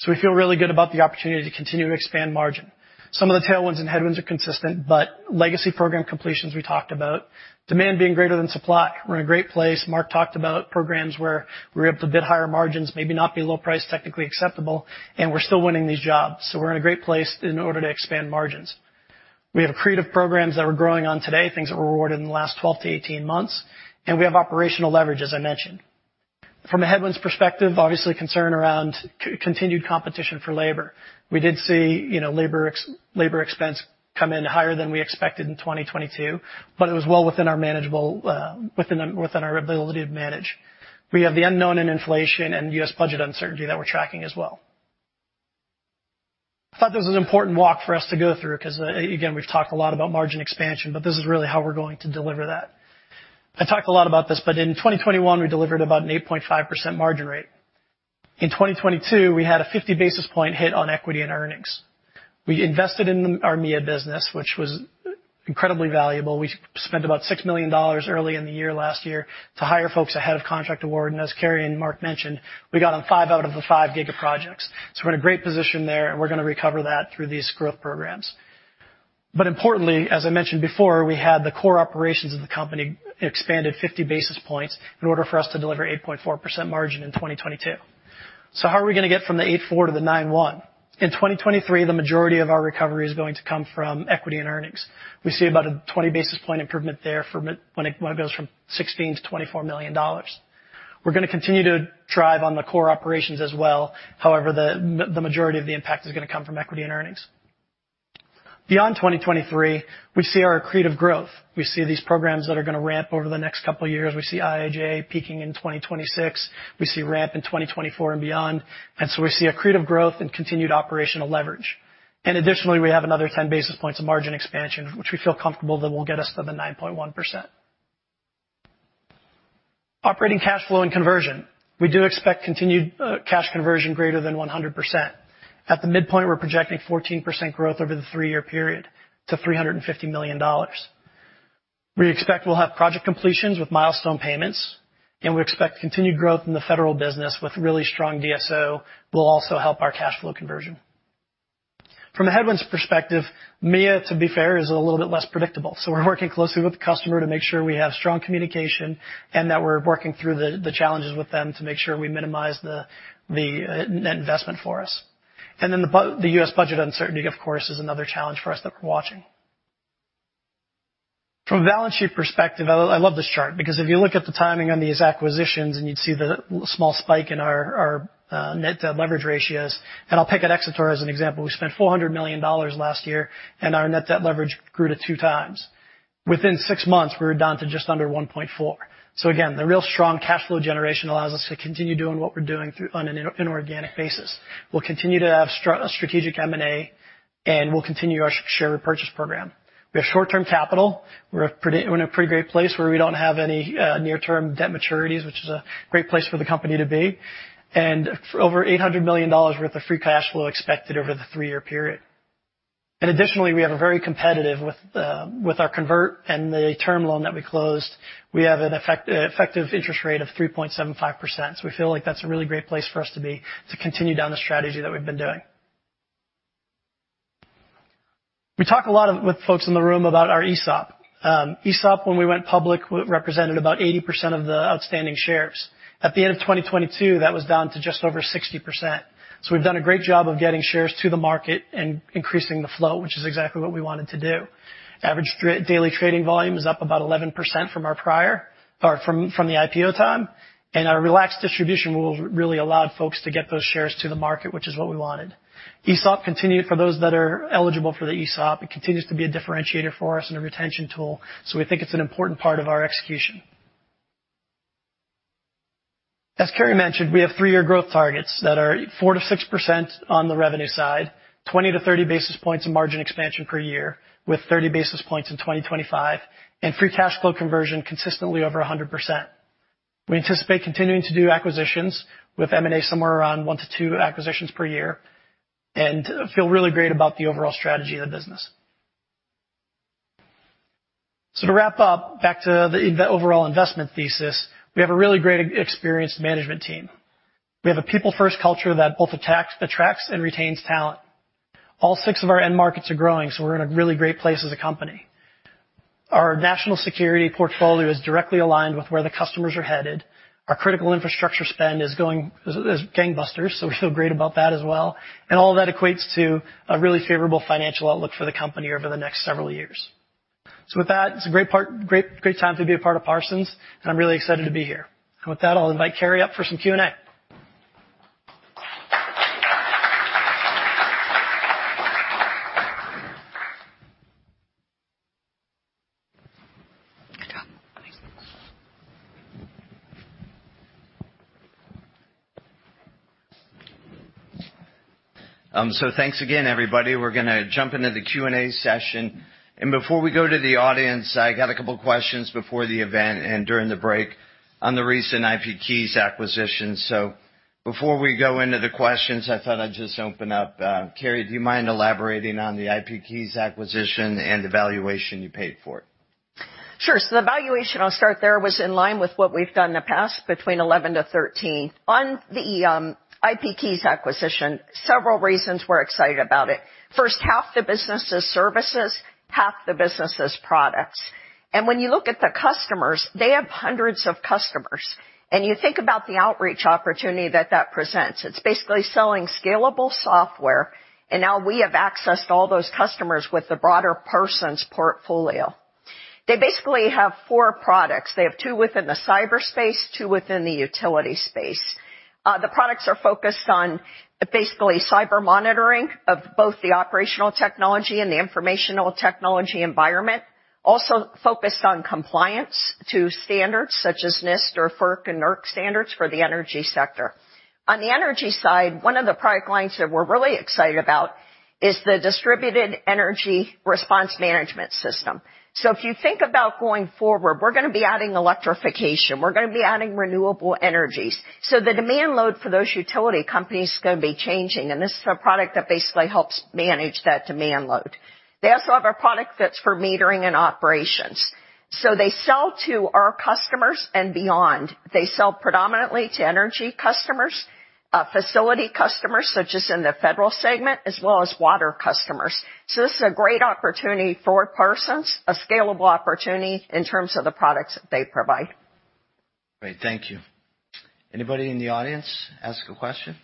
We feel really good about the opportunity to continue to expand margin. Some of the tailwinds and headwinds are consistent, legacy program completions we talked about. Demand being greater than supply. We're in a great place. Mark talked about programs where we're able to bid higher margins, maybe not be low price, technically acceptable, and we're still winning these jobs. We're in a great place in order to expand margins. We have accretive programs that we're growing on today, things that were awarded in the last 12-18 months, and we have operational leverage, as I mentioned. From a headwinds perspective, obviously concern around continued competition for labor. We did see, you know, labor expense come in higher than we expected in 2022, but it was well within our manageable, within our ability to manage. We have the unknown in inflation and U.S. budget uncertainty that we're tracking as well. I thought this was an important walk for us to go through because, again, we've talked a lot about margin expansion, but this is really how we're going to deliver that. I talked a lot about this, but in 2021, we delivered about an 8.5% margin rate. In 2022, we had a 50 basis point hit on equity and earnings. We invested in our MEA business, which was incredibly valuable. We spent about $6 million early in the year last year to hire folks ahead of contract award. As Carey and Mark Fialkowski mentioned, we got on 5 out of the 5 giga projects. We're in a great position there, and we're going to recover that through these growth programs. Importantly, as I mentioned before, we had the core operations of the company expanded 50 basis points in order for us to deliver 8.4% margin in 2022. How are we going to get from the 8.4 to the 9.1? In 2023, the majority of our recovery is going to come from equity and earnings. We see about a 20 basis point improvement there when it goes from $16 million-$24 million. We're going to continue to drive on the core operations as well. However, the majority of the impact is gonna come from equity and earnings. Beyond 2023, we see our accretive growth. We see these programs that are gonna ramp over the next couple of years. We see IIJA peaking in 2026. We see RAMP in 2024 and beyond. We see accretive growth and continued operational leverage. Additionally, we have another 10 basis points of margin expansion, which we feel comfortable that will get us to the 9.1%. Operating cash flow and conversion. We do expect continued cash conversion greater than 100%. At the midpoint, we're projecting 14% growth over the three-year period to $350 million. We expect we'll have project completions with milestone payments. We expect continued growth in the federal business with really strong DSO will also help our cash flow conversion. From a headwinds perspective, MEA, to be fair, is a little bit less predictable. We're working closely with the customer to make sure we have strong communication and that we're working through the challenges with them to make sure we minimize the net investment for us. The U.S. budget uncertainty, of course, is another challenge for us that we're watching. From a balance sheet perspective, I love this chart because if you look at the timing on these acquisitions and you'd see the small spike in our net debt leverage ratios. I'll pick an Xator as an example. We spent $400 million last year and our net debt leverage grew to 2x. Within six months, we were down to just under 1.4. Again, the real strong cash flow generation allows us to continue doing what we're doing through on an inorganic basis. We'll continue to have strategic M&A, and we'll continue our share repurchase program. We have short-term capital. We're in a pretty great place where we don't have any near-term debt maturities, which is a great place for the company to be. Over $800 million worth of free cash flow expected over the three year period. Additionally, we have a very competitive with our convert and the term loan that we closed. We have an effective interest rate of 3.75%. We feel like that's a really great place for us to be to continue down the strategy that we've been doing. We talk a lot of with folks in the room about our ESOP. ESOP, when we went public, represented about 80% of the outstanding shares. At the end of 2022, that was down to just over 60%. We've done a great job of getting shares to the market and increasing the flow, which is exactly what we wanted to do. Average daily trading volume is up about 11% from our prior or from the IPO time. Our relaxed distribution rules really allowed folks to get those shares to the market, which is what we wanted. ESOP continued, for those that are eligible for the ESOP, it continues to be a differentiator for us and a retention tool. We think it's an important part of our execution. As Carey mentioned, we have three year growth targets that are 4%-6% on the revenue side, 20 to 30 basis points of margin expansion per year, with 30 basis points in 2025, and free cash flow conversion consistently over 100%. We anticipate continuing to do acquisitions with M&A somewhere around 1 to 2 acquisitions per year, and feel really great about the overall strategy of the business. To wrap up, back to the overall investment thesis, we have a really great experienced management team. We have a people-first culture that both attracts and retains talent. All six of our end markets are growing, so we're in a really great place as a company. Our national security portfolio is directly aligned with where the customers are headed. Our critical infrastructure spend is going as gangbusters. We feel great about that as well. All that equates to a really favorable financial outlook for the company over the next several years. With that, it's a great time to be a part of Parsons, and I'm really excited to be here. With that, I'll invite Carey up for some Q&A. Thanks again, everybody. We're gonna jump into the Q&A session. Before we go to the audience, I got a couple questions before the event and during the break on the recent IPKeys acquisition. Before we go into the questions, I thought I'd just open up. Carey, do you mind elaborating on the IPKeys acquisition and the valuation you paid for it? Sure. The valuation, I'll start there, was in line with what we've done in the past, between 11-13. On the IPKeys acquisition, several reasons we're excited about it. First, half the business is services, half the business is products. When you look at the customers, they have hundreds of customers, and you think about the outreach opportunity that that presents. It's basically selling scalable software, and now we have access to all those customers with the broader Parsons portfolio. They basically have 4 products. They have 2 within the cyber space, 2 within the utility space. The products are focused on basically cyber monitoring of both the operational technology and the informational technology environment. Also focused on compliance to standards such as NIST or FERC and NERC standards for the energy sector. On the energy side, one of the product lines that we're really excited about is the distributed energy response management system. If you think about going forward, we're gonna be adding electrification, we're gonna be adding renewable energies. The demand load for those utility companies is gonna be changing, and this is a product that basically helps manage that demand load. They also have a product that's for metering and operations. They sell to our customers and beyond. They sell predominantly to energy customers, facility customers, such as in the federal segment, as well as water customers. This is a great opportunity for Parsons, a scalable opportunity in terms of the products they provide. Great, thank you. Anybody in the audience, ask a question.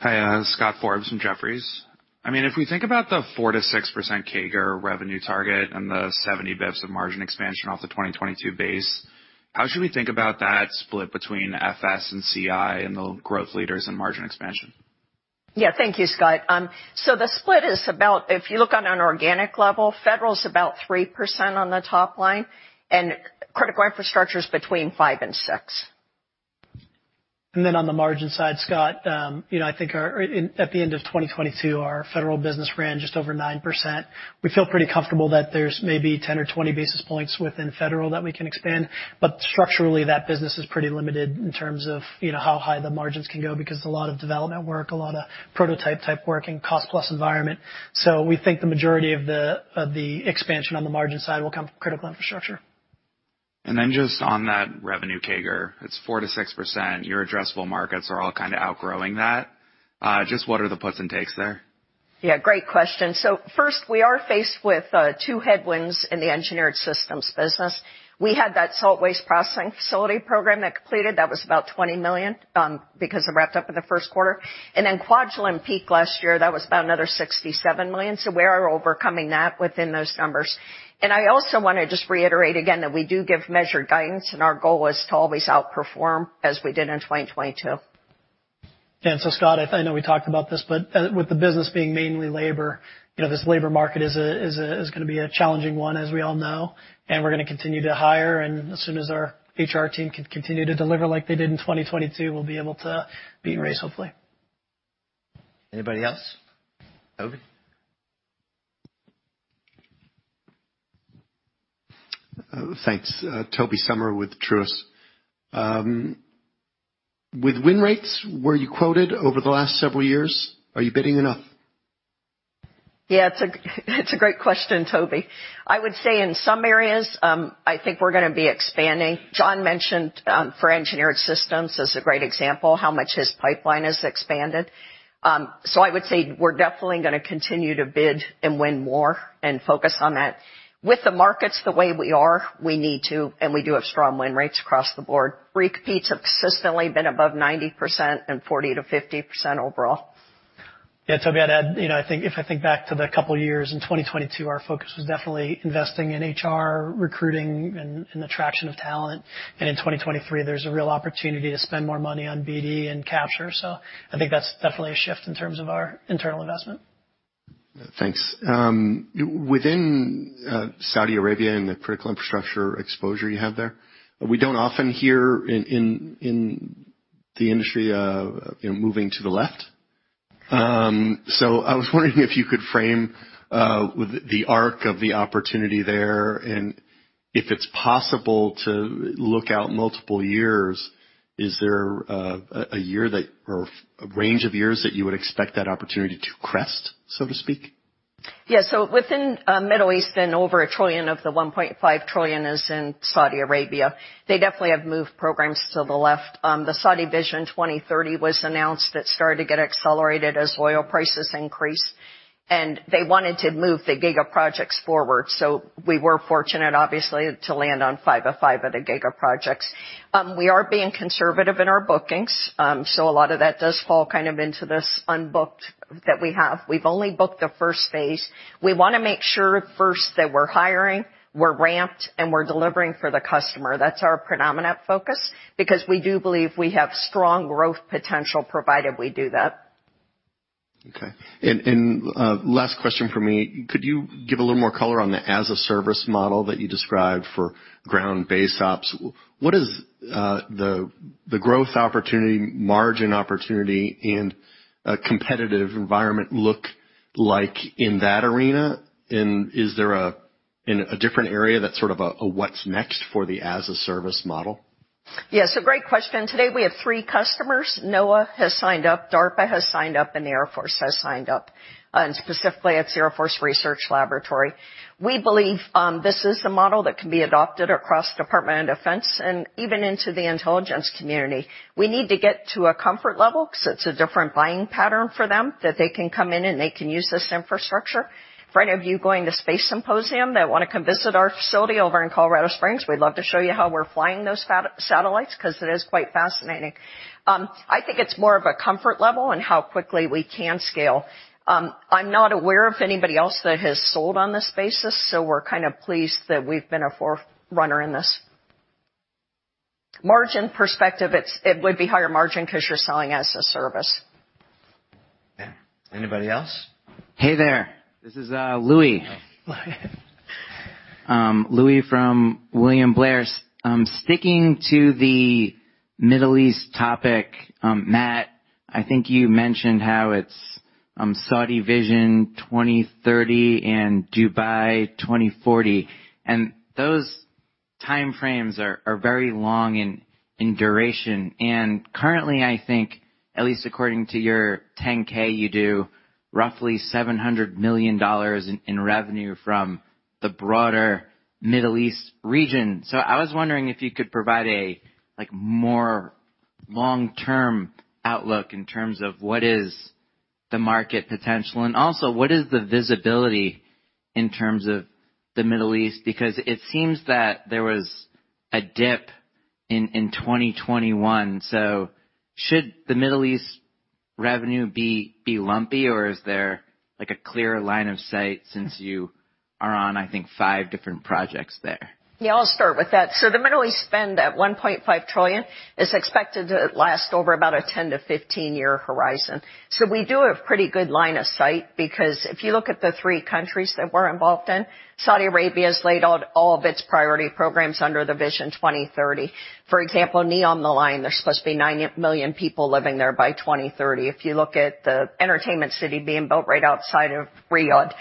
Hi, Noah Poponak from Jefferies. I mean, if we think about the 4%-6% CAGR revenue target and the 70 basis points of margin expansion off the 2022 base, how should we think about that split between FS and CI and the growth leaders and margin expansion? Yeah. Thank you, Scott. If you look on an organic level, federal is about 3% on the top line, and critical infrastructure is between 5%-6%. On the margin side, Scott, you know, I think At the end of 2022, our federal business ran just over 9%. We feel pretty comfortable that there's maybe 10 or 20 basis points within federal that we can expand. Structurally, that business is pretty limited in terms of, you know, how high the margins can go because a lot of development work, a lot of prototype-type work and cost-plus environment. We think the majority of the expansion on the margin side will come from critical infrastructure. Just on that revenue CAGR, it's 4%-6%. Your addressable markets are all kinda outgrowing that. Just what are the puts and takes there? Yeah, great question. First, we are faced with two headwinds in the Engineered Systems business. We had that salt waste processing facility program that completed. That was about $20 million because it wrapped up in the first quarter. Then Kwajalein peak last year, that was about another $67 million. We are overcoming that within those numbers. I also wanna just reiterate again that we do give measured guidance and our goal is to always outperform as we did in 2022. Scott, I know we talked about this, but with the business being mainly labor, you know, this labor market is gonna be a challenging one, as we all know, and we're gonna continue to hire. As soon as our HR team can continue to deliver like they did in 2022, we'll be able to beat race, hopefully. Anybody else? Tobey. Thanks. Tobey Sommer with Truist. With win rates, were you quoted over the last several years? Are you bidding enough? Yeah, it's a great question, Toby. I would say in some areas, I think we're gonna be expanding. Jon mentioned for Engineered Systems as a great example, how much his pipeline has expanded. I would say we're definitely gonna continue to bid and win more and focus on that. With the markets the way we are, we need to, and we do have strong win rates across the board. Re-competes have consistently been above 90% and 40%-50% overall. Yeah, Tobey, I'd add, you know, I think if I think back to the couple years in 2022, our focus was definitely investing in HR, recruiting, and attraction of talent. In 2023, there's a real opportunity to spend more money on BD and capture. I think that's definitely a shift in terms of our internal investment. Thanks. Within Saudi Arabia and the critical infrastructure exposure you have there, we don't often hear in the industry, moving to the left. I was wondering if you could frame the arc of the opportunity there, and if it's possible to look out multiple years, is there a year that or a range of years that you would expect that opportunity to crest, so to speak? Within Middle East and over $1 trillion of the $1.5 trillion is in Saudi Arabia, they definitely have moved programs to the left. The Saudi Vision 2030 was announced that started to get accelerated as oil prices increased, and they wanted to move the gigaprojects forward. We were fortunate, obviously, to land on five of the gigaprojects. We are being conservative in our bookings, a lot of that does fall kind of into this unbooked that we have. We've only booked the first phase. We wanna make sure first that we're hiring, we're ramped, and we're delivering for the customer. That's our predominant focus because we do believe we have strong growth potential provided we do that. Okay. And last question for me. Could you give a little more color on the as-a-service model that you described for ground-based ops? What is the growth opportunity, margin opportunity and competitive environment look like in that arena? Is there a different area that's sort of a what's next for the as-a-service model? Yes, a great question. Today, we have 3 customers. NOAA has signed up, DARPA has signed up, and the Air Force has signed up, specifically its Air Force Research Laboratory. We believe, this is the model that can be adopted across Department of Defense and even into the Intelligence Community. We need to get to a comfort level 'cause it's a different buying pattern for them that they can come in and they can use this infrastructure. For any of you going to Space Symposium that wanna come visit our facility over in Colorado Springs, we'd love to show you how we're flying those satellites 'cause it is quite fascinating. I think it's more of a comfort level on how quickly we can scale. I'm not aware of anybody else that has sold on this basis, so we're kind of pleased that we've been a forerunner in this. Margin perspective, it would be higher margin 'cause you're selling as a service. Okay. Anybody else? Hey there. This is Louis. Louis. Louis from William Blair. Sticking to the Middle East topic, Matt, I think you mentioned how it's Saudi Vision 2030 and Dubai 2040, and those timeframes are very long in duration. Currently, I think, at least according to your 10-K, you do roughly $700 million in revenue from the broader Middle East region. I was wondering if you could provide a, like, more long-term outlook in terms of what is the market potential and also, what is the visibility in terms of the Middle East? It seems that there was a dip in 2021, so should the Middle East revenue be lumpy or is there like a clear line of sight since you are on, I think, five different projects there? Yeah, I'll start with that. The Middle East spend at $1.5 trillion is expected to last over about a 10-15-year horizon. We do have pretty good line of sight because if you look at the three countries that we're involved in, Saudi Arabia has laid out all of its priority programs under the Saudi Vision 2030. For example, NEOM, the Line, there's supposed to be 90 million people living there by 2030. If you look at the entertainment city being built right outside of Riyadh,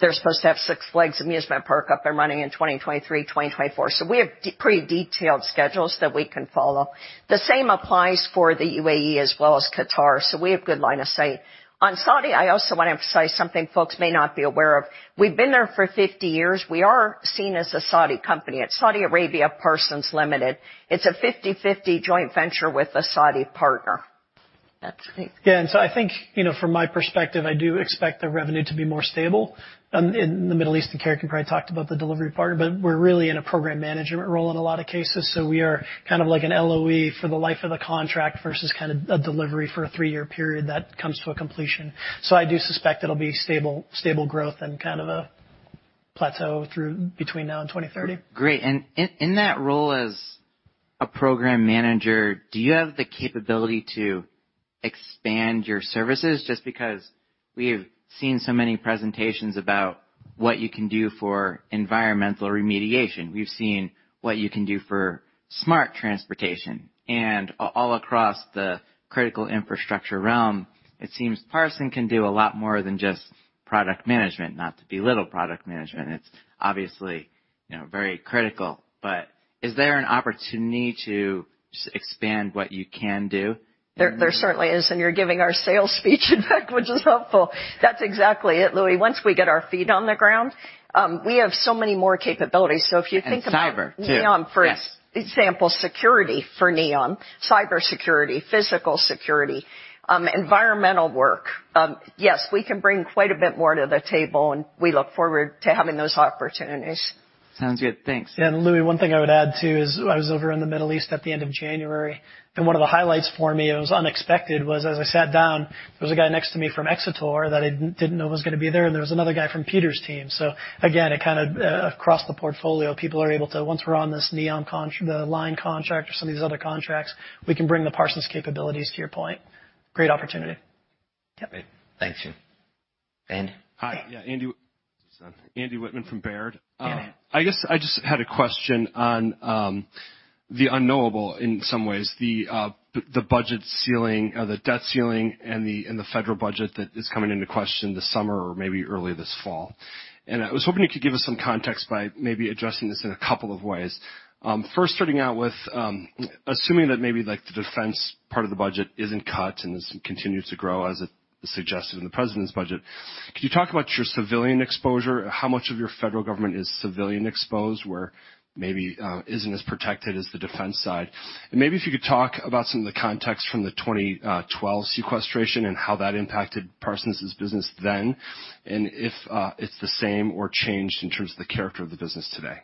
they're supposed to have Six Flags amusement park up and running in 2023, 2024. We have pretty detailed schedules that we can follow. The same applies for the UAE as well as Qatar, so we have good line of sight. On Saudi, I also wanna emphasize something folks may not be aware of. We've been there for 50 years. We are seen as a Saudi company. At Saudi Arabia Parsons Limited, it's a 50/50 joint venture with a Saudi partner. That's great. Yeah. I think, you know, from my perspective, I do expect the revenue to be more stable in the Middle East. Carey can probably talk about the delivery part, but we're really in a program management role in a lot of cases. We are kind of like an LOE for the life of the contract versus kind of a delivery for a three-year period that comes to a completion. I do suspect it'll be stable growth and kind of a plateau through between now and 2030. Great. In that role as a program manager, do you have the capability to expand your services? Just because we have seen so many presentations about what you can do for environmental remediation. We've seen what you can do for smart transportation and all across the critical infrastructure realm. It seems Parsons can do a lot more than just product management, not to belittle product management. It's obviously, you know, very critical, but is there an opportunity to just expand what you can do? There certainly is. You're giving our sales speech back which is helpful. That's exactly it, Louis. Once we get our feet on the ground, we have so many more capabilities. Cyber, too. NEOM, for. Yes. ample, security for NEOM, cybersecurity, physical security, environmental work. Yes, we can bring quite a bit more to the table, and we look forward to having those opportunities. Sounds good. Thanks. Yeah. Louis, one thing I would add, too, is I was over in the Middle East at the end of January, and one of the highlights for me, it was unexpected, was as I sat down, there was a guy next to me from Xator that I didn't know was gonna be there, and there was another guy from Peter's team. Again, it kind of, across the portfolio, people are able to, once we're on this NEOM the Line contract or some of these other contracts, we can bring the Parsons capabilities to your point. Great opportunity. Yep. Great. Thank you. Andrew? Hi. Yeah. Andrew Wittmann from Baird. Yeah. I guess I just had a question on, the unknowable in some ways, the budget ceiling or the debt ceiling and the federal budget that is coming into question this summer or maybe early this fall. I was hoping you could give us some context by maybe addressing this in 2 ways. First starting out with, assuming that maybe, like, the defense part of the budget isn't cut and continues to grow as it is suggested in the President's budget, could you talk about your civilian exposure? How much of your federal government is civilian exposed, where maybe, isn't as protected as the defense side? Maybe if you could talk about some of the context from the 2012 sequestration and how that impacted Parsons' business then, and if, it's the same or changed in terms of the character of the business today?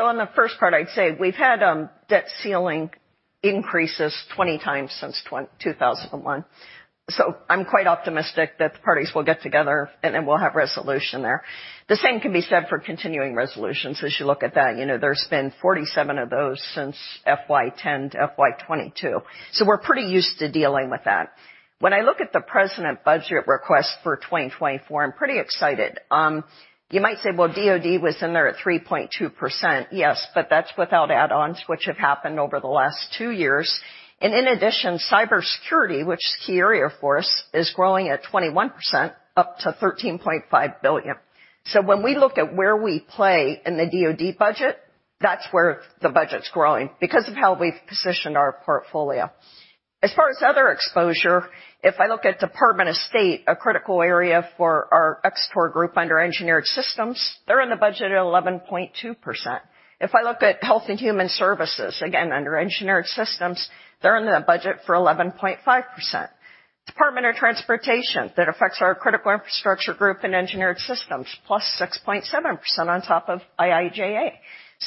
On the first part, I'd say we've had debt ceiling increases 20 times since 2001. I'm quite optimistic that the parties will get together and then we'll have resolution there. The same can be said for continuing resolutions as you look at that. You know, there's been 47 of those since FY 2010 to FY 2022. We're pretty used to dealing with that. When I look at the president budget request for 2024, I'm pretty excited. You might say, well, DoD was in there at 3.2%. Yes, that's without add-ons which have happened over the last two years. In addition, cybersecurity, which is a key area for us, is growing at 21% up to $13.5 billion. When we look at where we play in the DoD budget, that's where the budget's growing because of how we've positioned our portfolio. As far as other exposure, if I look at Department of State, a critical area for our Xator group under Engineered Systems, they're in the budget at 11.2%. If I look at Health and Human Services, again under Engineered Systems, they're in the budget for 11.5%. Department of Transportation, that affects our critical infrastructure group and Engineered Systems, +6.7% on top of IIJA.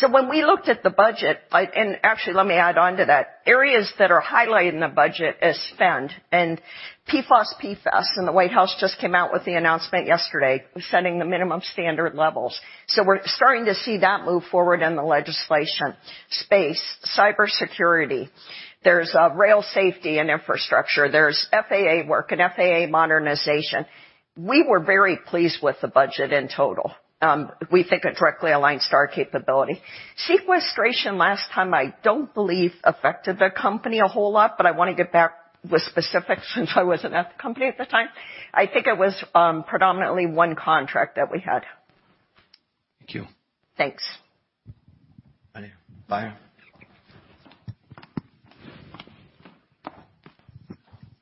When we looked at the budget, I actually let me add on to that. Areas that are highlighted in the budget is spend and PFAS, and the White House just came out with the announcement yesterday setting the minimum standard levels. We're starting to see that move forward in the legislation. Space, cybersecurity. There's rail safety and infrastructure. There's FAA work and FAA modernization. We were very pleased with the budget in total. We think it directly aligns to our capability. Sequestration last time, I don't believe affected the company a whole lot, but I wanna get back with specifics since I wasn't at the company at the time. I think it was predominantly one contract that we had. Thank you. Thanks. Byron?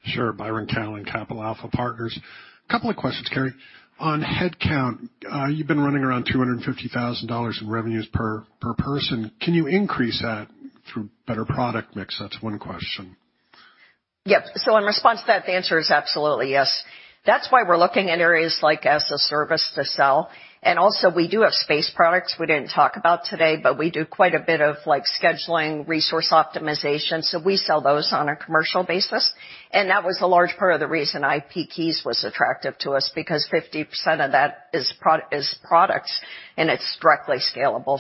Sure. Byron Callan, Capital Alpha Partners. Couple of questions, Carey. On headcount, you've been running around $250,000 in revenues per person. Can you increase that through better product mix? That's one question. Yep. In response to that, the answer is absolutely yes. That's why we're looking at areas like as a service to sell. Also, we do have space products we didn't talk about today, but we do quite a bit of, like, scheduling, resource optimization. We sell those on a commercial basis. That was a large part of the reason IP Keys was attractive to us because 50% of that is products and it's directly scalable.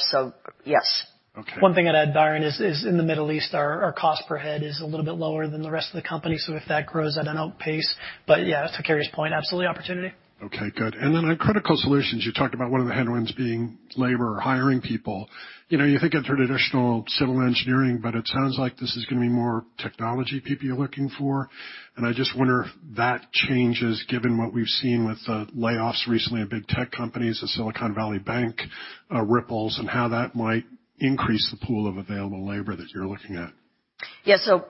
Yes. Okay. One thing I'd add, Byron, is in the Middle East, our cost per head is a little bit lower than the rest of the company. If that grows at an outpace, but yeah, to Carey's point, absolutely opportunity. Okay, good. On Critical Solutions, you talked about one of the headwinds being labor or hiring people. You know, you think of traditional civil engineering, it sounds like this is going to be more technology people you're looking for, I just wonder if that changes given what we've seen with layoffs recently at big tech companies, the Silicon Valley Bank ripples and how that might increase the pool of available labor that you're looking at.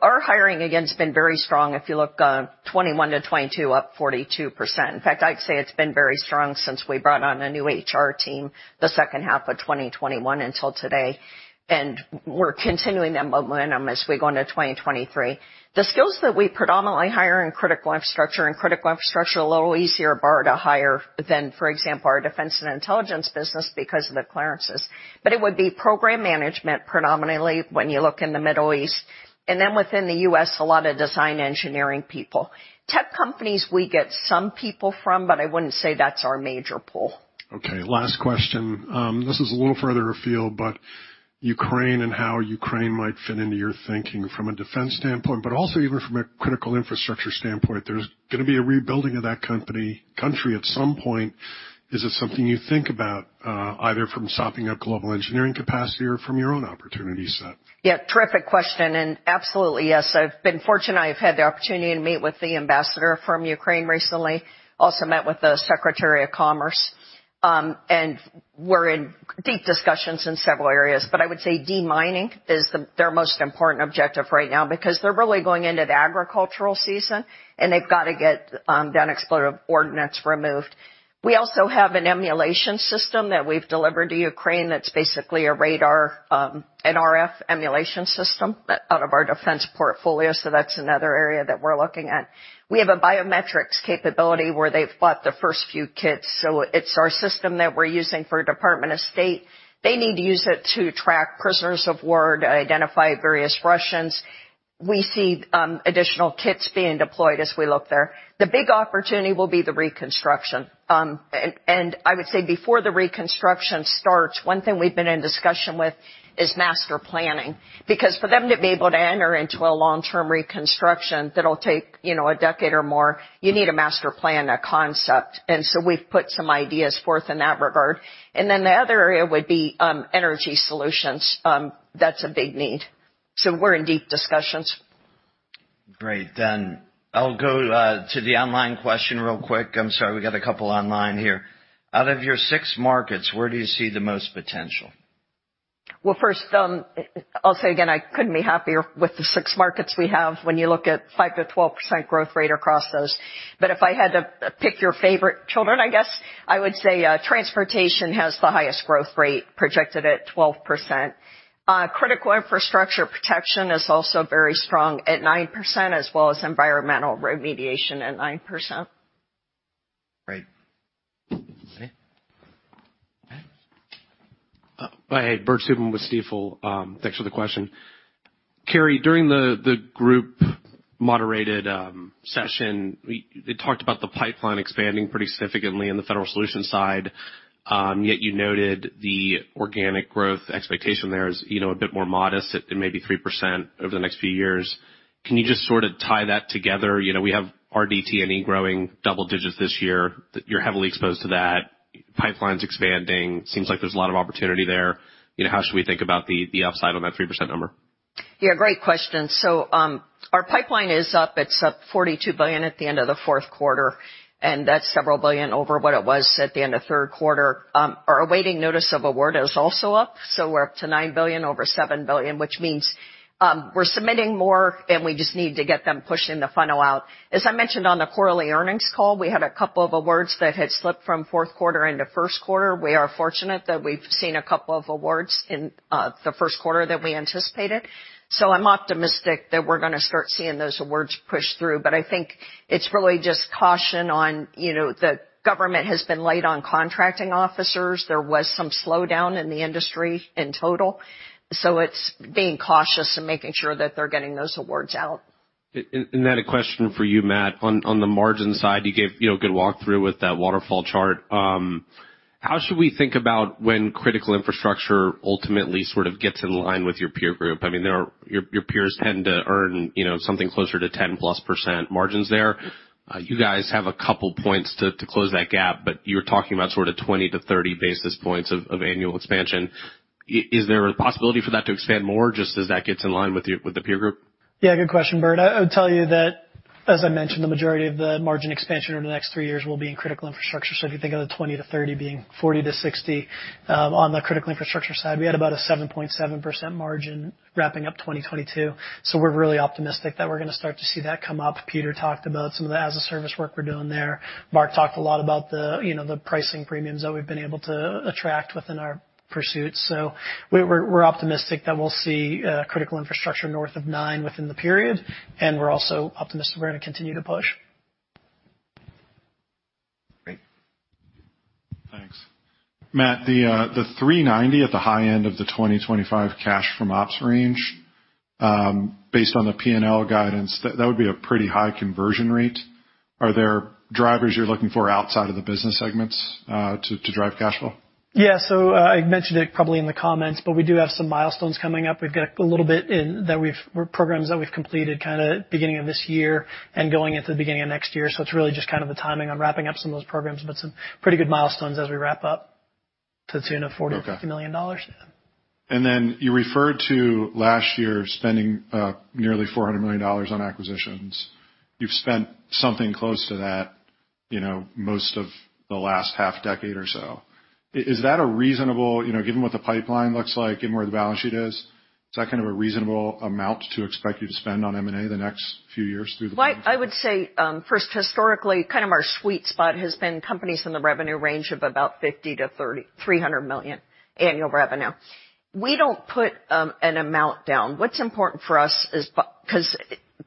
Our hiring, again, has been very strong. If you look, 2021 to 2022, up 42%. In fact, I'd say it's been very strong since we brought on a new HR team the second half of 2021 until today, and we're continuing that momentum as we go into 2023. The skills that we predominantly hire in critical infrastructure, critical infrastructure a little easier bar to hire than, for example, our Defense & Intelligence business because of the clearances. It would be program management predominantly when you look in the Middle East. Then within the U.S., a lot of design engineering people. Tech companies we get some people from, but I wouldn't say that's our major pool. Okay, last question. This is a little further afield, but Ukraine and how Ukraine might fit into your thinking from a defense standpoint, but also even from a critical infrastructure standpoint. There's gonna be a rebuilding of that country at some point. Is it something you think about, either from sopping up global engineering capacity or from your own opportunity set? Terrific question, and absolutely yes. I've been fortunate. I've had the opportunity to meet with the ambassador from Ukraine recently, also met with the Secretary of Commerce, and we're in deep discussions in several areas. I would say demining is the, their most important objective right now because they're really going into the agricultural season, and they've got to get that explosive ordinance removed. We also have an emulation system that we've delivered to Ukraine that's basically a radar, an RF emulation system out of our defense portfolio, so that's another area that we're looking at. We have a biometrics capability where they've bought the first few kits, so it's our system that we're using for Department of State. They need to use it to track prisoners of war, to identify various Russians. We see additional kits being deployed as we look there. The big opportunity will be the reconstruction. I would say before the reconstruction starts, one thing we've been in discussion with is master planning. Because for them to be able to enter into a long-term reconstruction that'll take, you know, a decade or more, you need a master plan, a concept, and so we've put some ideas forth in that regard. Then the other area would be energy solutions. That's a big need. We're in deep discussions. Great. I'll go to the online question real quick. I'm sorry. We got a couple online here. Out of your 6 markets, where do you see the most potential? Well, first, I'll say again, I couldn't be happier with the six markets we have when you look at 5%-12% growth rate across those. If I had to pick your favorite children, I guess I would say, transportation has the highest growth rate projected at 12%. Critical infrastructure protection is also very strong at 9% as well as environmental remediation at 9%. Right. Okay. Go ahead. Hi, Bert Subin with Stifel. Thanks for the question. Carey, during the group moderated session, you talked about the pipeline expanding pretty significantly in the federal solutions side, yet you noted the organic growth expectation there is, you know, a bit more modest at maybe 3% over the next few years. Can you just sort of tie that together? You know, we have RDT&E growing double digits this year, that you're heavily exposed to that. Pipeline's expanding. Seems like there's a lot of opportunity there. You know, how should we think about the upside on that 3% number? Great question. Our pipeline is up. It's up $42 billion at the end of the fourth quarter, that's several billion over what it was at the end of third quarter. Our awaiting notice of award is also up, so we're up to $9 billion over $7 billion, which means we're submitting more, we just need to get them pushed in the funnel out. As I mentioned on the quarterly earnings call, we had a couple of awards that had slipped from fourth quarter into first quarter. We are fortunate that we've seen a couple of awards in the first quarter that we anticipated. I'm optimistic that we're gonna start seeing those awards push through. I think it's really just caution on, you know, the government has been light on contracting officers. There was some slowdown in the industry in total. It's being cautious and making sure that they're getting those awards out. Then a question for you, Matt, on the margin side, you gave, you know, a good walkthrough with that waterfall chart. How should we think about when critical infrastructure ultimately sort of gets in line with your peer group? Your peers tend to earn, you know, something closer to 10+% margins there. You guys have a couple points to close that gap, but you're talking about sort of 20-30 basis points of annual expansion. Is there a possibility for that to expand more just as that gets in line with the peer group? Yeah, good question, Bert. I would tell you that, as I mentioned, the majority of the margin expansion over the next three years will be in critical infrastructure. If you think of the 20%-30% being 40%-60%, on the critical infrastructure side, we had about a 7.7% margin wrapping up 2022. We're really optimistic that we're gonna start to see that come up. Peter talked about some of the as-a-service work we're doing there. Mark talked a lot about the, you know, the pricing premiums that we've been able to attract within our pursuits. We're optimistic that we'll see critical infrastructure north of 9% within the period, and we're also optimistic we're gonna continue to push. Great. Thanks. Matt, the $390 at the high end of the 2025 cash from ops range, based on the P&L guidance, that would be a pretty high conversion rate. Are there drivers you're looking for outside of the business segments, to drive cash flow? I mentioned it probably in the comments, but we do have some milestones coming up. We've got a little bit in that we've programs that we've completed kind of beginning of this year and going into the beginning of next year. It's really just kind of the timing on wrapping up some of those programs, but some pretty good milestones as we wrap up to the tune of $40 million-$50 million. Okay. You referred to last year spending, nearly $400 million on acquisitions. You've spent something close to that, you know, most of the last half decade or so. Is that a reasonable, you know, given what the pipeline looks like and where the balance sheet is that kind of a reasonable amount to expect you to spend on M&A the next few years through the pipeline? Well, I would say, first historically, kind of our sweet spot has been companies in the revenue range of about $50 million-$300 million annual revenue. We don't put an amount down. What's important for us is 'cause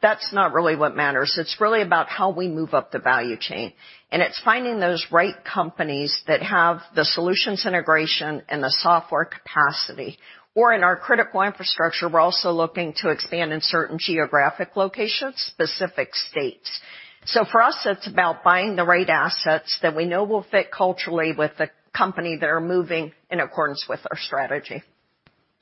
that's not really what matters. It's really about how we move up the value chain, and it's finding those right companies that have the solutions integration and the software capacity, or in our critical infrastructure, we're also looking to expand in certain geographic locations, specific states. For us, it's about buying the right assets that we know will fit culturally with the company that are moving in accordance with our strategy.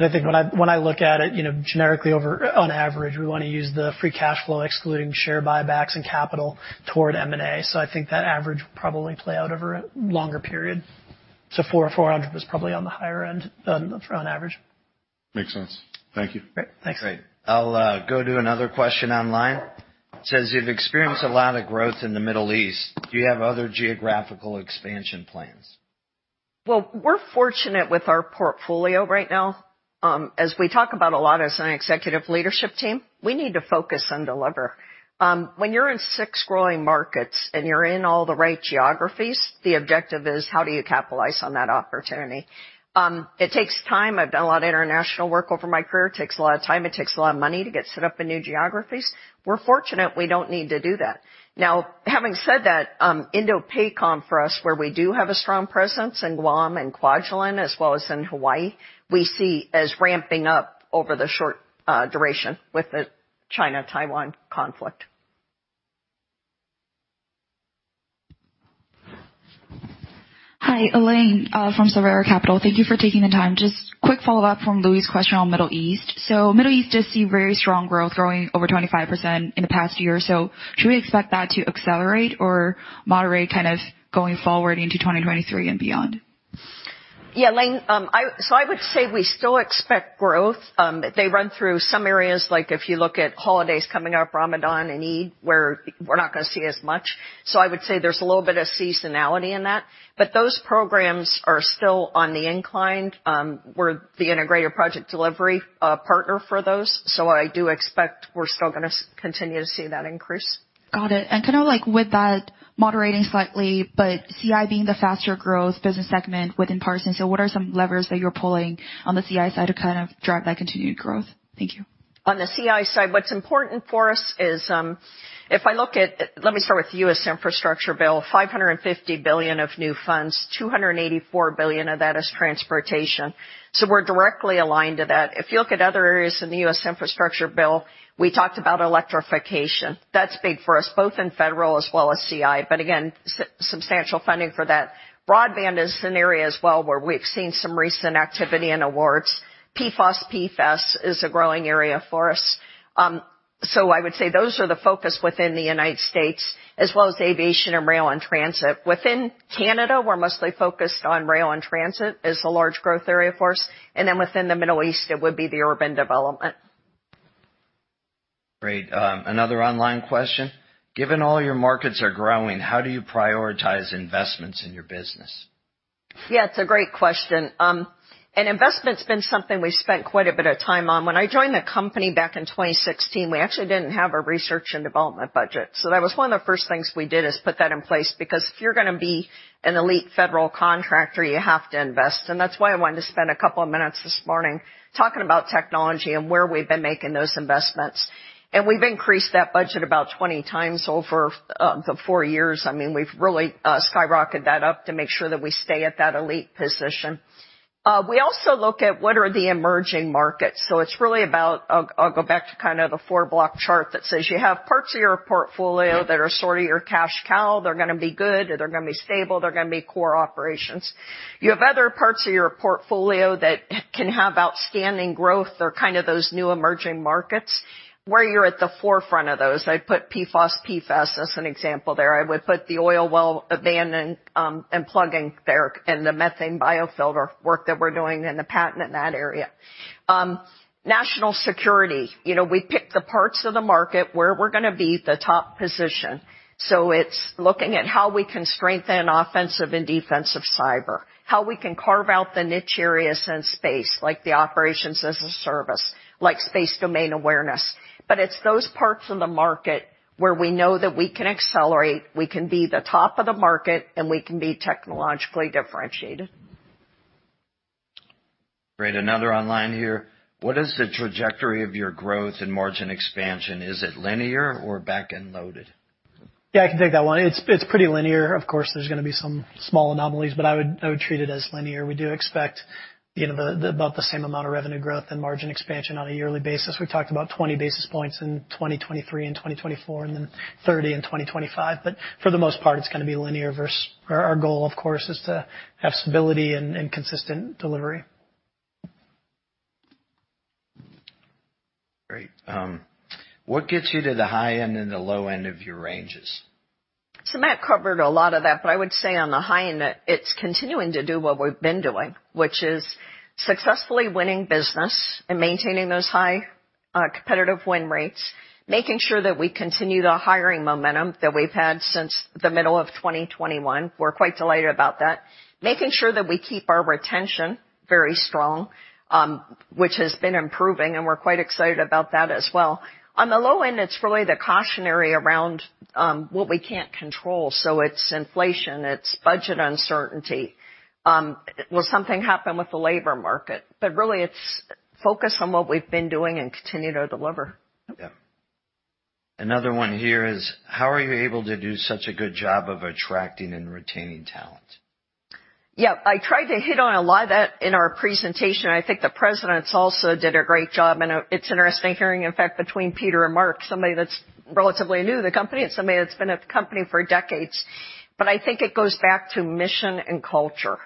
I think when I, when I look at it, you know, generically over on average, we wanna use the free cash flow, excluding share buybacks and capital toward M&A. I think that average will probably play out over a longer period. 4 or $400 was probably on the higher end than on average. Makes sense. Thank you. Great. Thanks. Great. I'll go to another question online. It says, "You've experienced a lot of growth in the Middle East. Do you have other geographical expansion plans? We're fortunate with our portfolio right now. As we talk about a lot as an executive leadership team, we need to focus and deliver. When you're in six growing markets and you're in all the right geographies, the objective is how do you capitalize on that opportunity? It takes time. I've done a lot of international work over my career. It takes a lot of time, it takes a lot of money to get set up in new geographies. We're fortunate we don't need to do that. Having said that, INDOPACOM for us, where we do have a strong presence in Guam and Kwajalein as well as in Hawaii, we see as ramping up over the short duration with the China-Taiwan conflict. Hi, Elaine, from Seaport Global. Thank you for taking the time. Just quick follow-up from Louis' question on Middle East. Middle East does see very strong growth, growing over 25% in the past year or so. Should we expect that to accelerate or moderate kind of going forward into 2023 and beyond? Yeah, Elaine, I would say we still expect growth. They run through some areas, like if you look at holidays coming up, Ramadan and Eid, where we're not gonna see as much. I would say there's a little bit of seasonality in that, but those programs are still on the incline. We're the integrated project delivery partner for those. I do expect we're still gonna continue to see that increase. Got it. Kinda like with that moderating slightly, but CI being the faster growth business segment within Parsons, so what are some levers that you're pulling on the CI side to kind of drive that continued growth? Thank you. On the CI side, what's important for us is, let me start with the U.S. infrastructure bill, $550 billion of new funds, $284 billion of that is transportation. If you look at other areas in the U.S. infrastructure bill, we talked about electrification. That's big for us, both in federal as well as CI. Again, substantial funding for that. Broadband is an area as well where we've seen some recent activity and awards. PFAS, PFOS is a growing area for us. I would say those are the focus within the United States, as well as aviation and rail and transit. Within Canada, we're mostly focused on rail and transit as a large growth area for us. Within the Middle East, it would be the urban development. Great. Another online question. Given all your markets are growing, how do you prioritize investments in your business? Yeah, it's a great question. Investment's been something we've spent quite a bit of time on. When I joined the company back in 2016, we actually didn't have a research and development budget. That was one of the first things we did, is put that in place, because if you're gonna be an elite federal contractor, you have to invest. That's why I wanted to spend a couple of minutes this morning talking about technology and where we've been making those investments. We've increased that budget about 20 times over the four years. I mean, we've really skyrocketed that up to make sure that we stay at that elite position. We also look at what are the emerging markets. It's really about... I'll go back to kind of the four block chart that says you have parts of your portfolio that are sort of your cash cow. They're gonna be good, or they're gonna be stable, they're gonna be core operations. You have other parts of your portfolio that can have outstanding growth or kind of those new emerging markets, where you're at the forefront of those. I'd put PFAS, PFOS as an example there. I would put the oil well abandon and plugging there and the methane biofilter work that we're doing and the patent in that area. National security. You know, we pick the parts of the market where we're gonna be the top position. It's looking at how we can strengthen offensive and defensive cyber, how we can carve out the niche areas in space, like the operations as a service, like space domain awareness. It's those parts in the market where we know that we can accelerate, we can be the top of the market, and we can be technologically differentiated. Great. Another online here. What is the trajectory of your growth and margin expansion? Is it linear or back-end loaded? Yeah, I can take that one. It's pretty linear. Of course, there's gonna be some small anomalies, but I would treat it as linear. We do expect, you know, about the same amount of revenue growth and margin expansion on a yearly basis. We talked about 20 basis points in 2023 and 2024, and then 30 in 2025. For the most part, it's gonna be linear versus... Our goal, of course, is to have stability and consistent delivery. Great. What gets you to the high end and the low end of your ranges? Matt covered a lot of that, but I would say on the high end, it's continuing to do what we've been doing, which is successfully winning business and maintaining those high competitive win rates, making sure that we continue the hiring momentum that we've had since the middle of 2021. We're quite delighted about that. Making sure that we keep our retention very strong, which has been improving, and we're quite excited about that as well. On the low end, it's really the cautionary around what we can't control. It's inflation, it's budget uncertainty. Will something happen with the labor market? Really it's focused on what we've been doing and continue to deliver. Another one here is, how are you able to do such a good job of attracting and retaining talent? Yeah. I tried to hit on a lot of that in our presentation. I think the presidents also did a great job, and it's interesting hearing, in fact, between Peter and Mark, somebody that's relatively new to the company and somebody that's been at the company for decades. I think it goes back to mission and culture.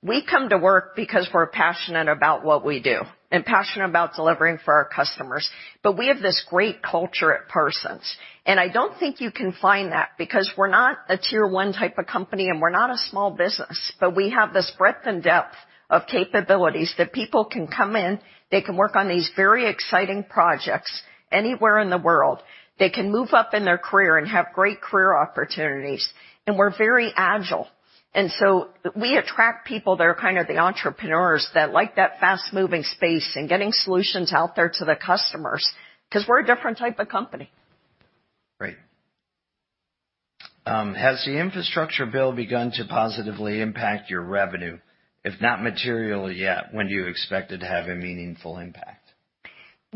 We come to work because we're passionate about what we do and passionate about delivering for our customers. We have this great culture at Parsons, and I don't think you can find that because we're not a tier one type of company and we're not a small business, but we have this breadth and depth of capabilities that people can come in, they can work on these very exciting projects anywhere in the world. They can move up in their career and have great career opportunities. We're very agile. We attract people that are kind of the entrepreneurs that like that fast-moving space and getting solutions out there to the customers, 'cause we're a different type of company. Great. Has the infrastructure bill begun to positively impact your revenue, if not materially yet, when do you expect it to have a meaningful impact?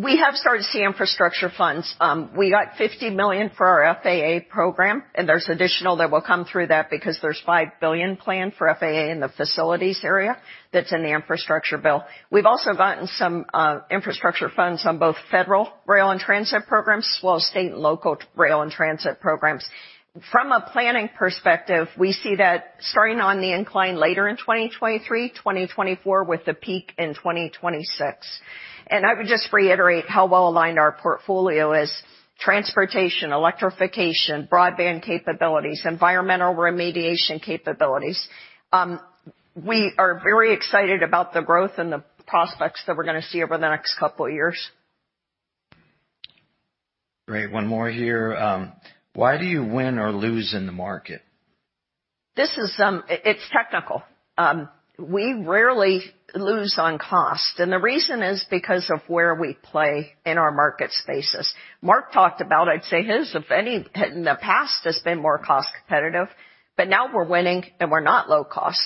We have started to see infrastructure funds. We got $50 million for our FAA program, and there's additional that will come through that because there's $5 billion planned for FAA in the facilities area that's in the infrastructure bill. We've also gotten some infrastructure funds on both federal rail and transit programs, as well as state and local rail and transit programs. From a planning perspective, we see that starting on the incline later in 2023, 2024, with the peak in 2026. I would just reiterate how well aligned our portfolio is. Transportation, electrification, broadband capabilities, environmental remediation capabilities. We are very excited about the growth and the prospects that we're gonna see over the next couple of years. Great. One more here. Why do you win or lose in the market? This is, it's technical. We rarely lose on cost, and the reason is because of where we play in our market spaces. Mark talked about, I'd say his, if any, in the past, has been more cost competitive, but now we're winning, and we're not low cost.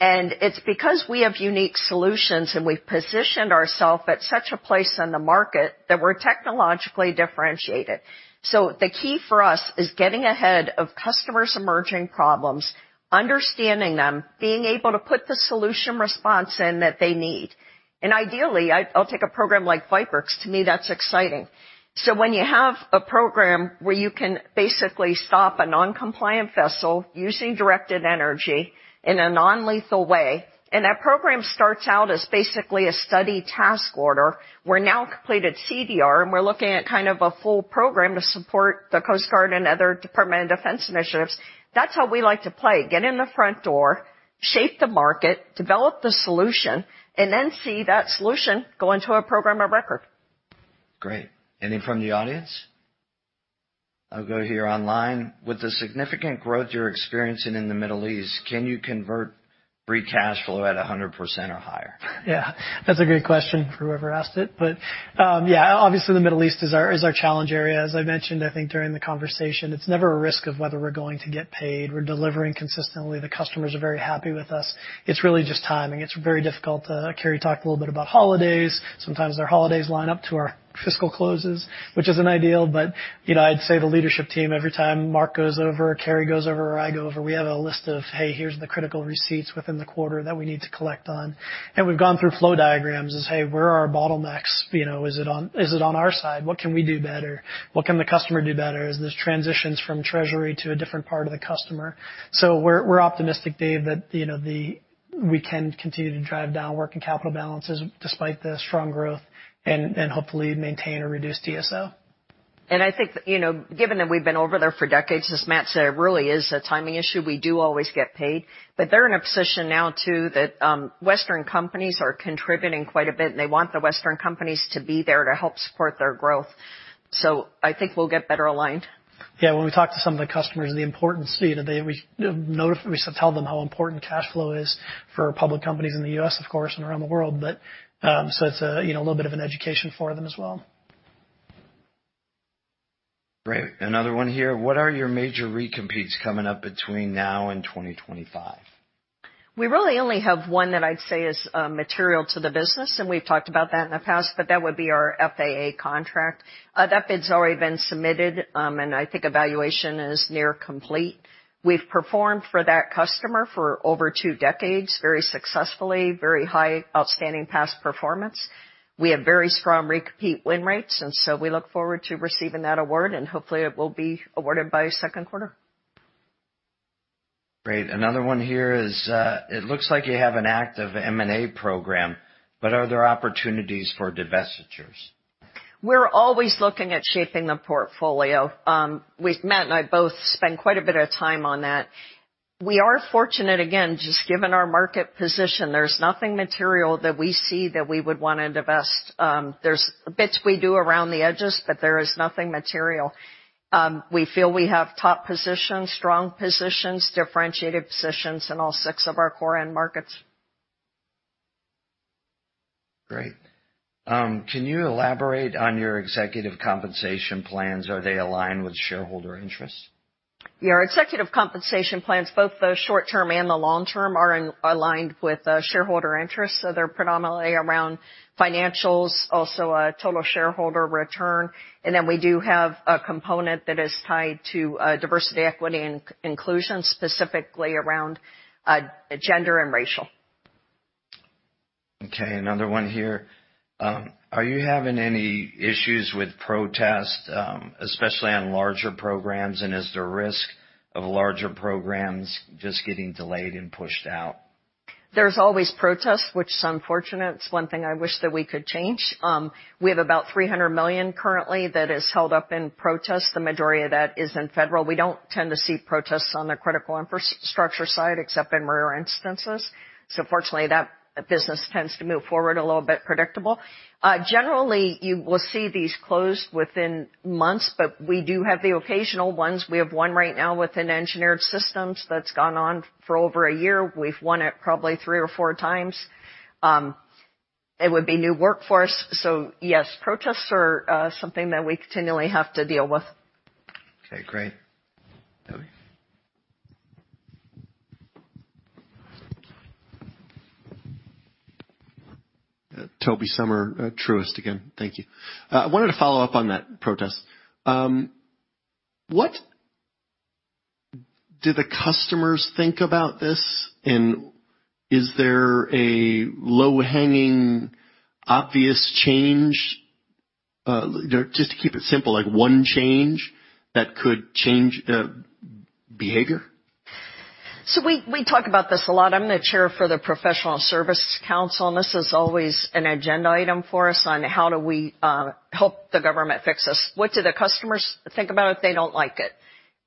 It's because we have unique solutions, and we've positioned ourself at such a place in the market that we're technologically differentiated. The key for us is getting ahead of customers' emerging problems, understanding them, being able to put the solution response in that they need. Ideally, I'll take a program like ViperX. To me, that's exciting. When you have a program where you can basically stop a non-compliant vessel using directed energy in a non-lethal way, and that program starts out as basically a study task order. We're now completed CDR, and we're looking at kind of a full program to support the Coast Guard and other Department of Defense initiatives. That's how we like to play. Get in the front door, shape the market, develop the solution, and then see that solution go into a program of record. Great. Anything from the audience? I'll go here online. With the significant growth you're experiencing in the Middle East, can you convert free cash flow at 100% or higher? Yeah, that's a great question for whoever asked it. Yeah, obviously the Middle East is our challenge area. As I mentioned, I think during the conversation, it's never a risk of whether we're going to get paid. We're delivering consistently. The customers are very happy with us. It's really just timing. It's very difficult. Carey talked a little bit about holidays. Sometimes their holidays line up to our fiscal closes, which isn't ideal, you know, I'd say the leadership team, every time Mark goes over, Carey goes over or I go over, we have a list of, "Hey, here's the critical receipts within the quarter that we need to collect on." We've gone through flow diagrams as, "Hey, where are our bottlenecks? You know, is it on our side? What can we do better? What can the customer do better?" As there's transitions from treasury to a different part of the customer. We're optimistic, Dave, that, you know, we can continue to drive down working capital balances despite the strong growth and hopefully maintain or reduce TSL. I think that, you know, given that we've been over there for decades, as Matt said, it really is a timing issue. We do always get paid. They're in a position now, too, that Western companies are contributing quite a bit, and they want the Western companies to be there to help support their growth. I think we'll get better aligned. Yeah. When we talk to some of the customers, the importance, you know, we tell them how important cash flow is for public companies in the U.S., of course, and around the world. It's, you know, a little bit of an education for them as well. Great. Another one here. What are your major recompetes coming up between now and 2025? We really only have one that I'd say is material to the business. We've talked about that in the past. That would be our FAA contract. That bid's already been submitted. I think evaluation is near complete. We've performed for that customer for over two decades, very successfully, very high outstanding past performance. We have very strong recompete win rates. We look forward to receiving that award, hopefully, it will be awarded by second quarter. Great. Another one here is, it looks like you have an active M&A program, but are there opportunities for divestitures? We're always looking at shaping the portfolio. Matt and I both spend quite a bit of time on that. We are fortunate, again, just given our market position, there's nothing material that we see that we would wanna divest. There's bits we do around the edges, but there is nothing material. We feel we have top positions, strong positions, differentiated positions in all six of our core end markets. Great. Can you elaborate on your executive compensation plans? Are they aligned with shareholder interests? Yeah. Our executive compensation plans, both the short term and the long term, are aligned with shareholder interests, so they're predominantly around financials, also, total shareholder return. We do have a component that is tied to diversity, equity, and inclusion, specifically around gender and racial. Okay, another one here. Are you having any issues with protests, especially on larger programs, and is there risk of larger programs just getting delayed and pushed out? There's always protests, which is unfortunate. It's one thing I wish that we could change. We have about $300 million currently that is held up in protests. The majority of that is in federal. We don't tend to see protests on the critical infrastructure side, except in rare instances. Fortunately, that business tends to move forward a little bit predictable. Generally, you will see these closed within months, but we do have the occasional ones. We have one right now within Engineered Systems that's gone on for over a year. We've won it probably three or four times. It would be new workforce. Yes, protests are something that we continually have to deal with. Okay, great. Tobey. Tobey Sommer, Truist again. Thank you. I wanted to follow up on that protest. What do the customers think about this, and is there a low-hanging obvious change, just to keep it simple, like one change that could change behavior? We talk about this a lot. I'm the chair for the Professional Services Council. This is always an agenda item for us on how do we help the government fix this. What do the customers think about it? They don't like it.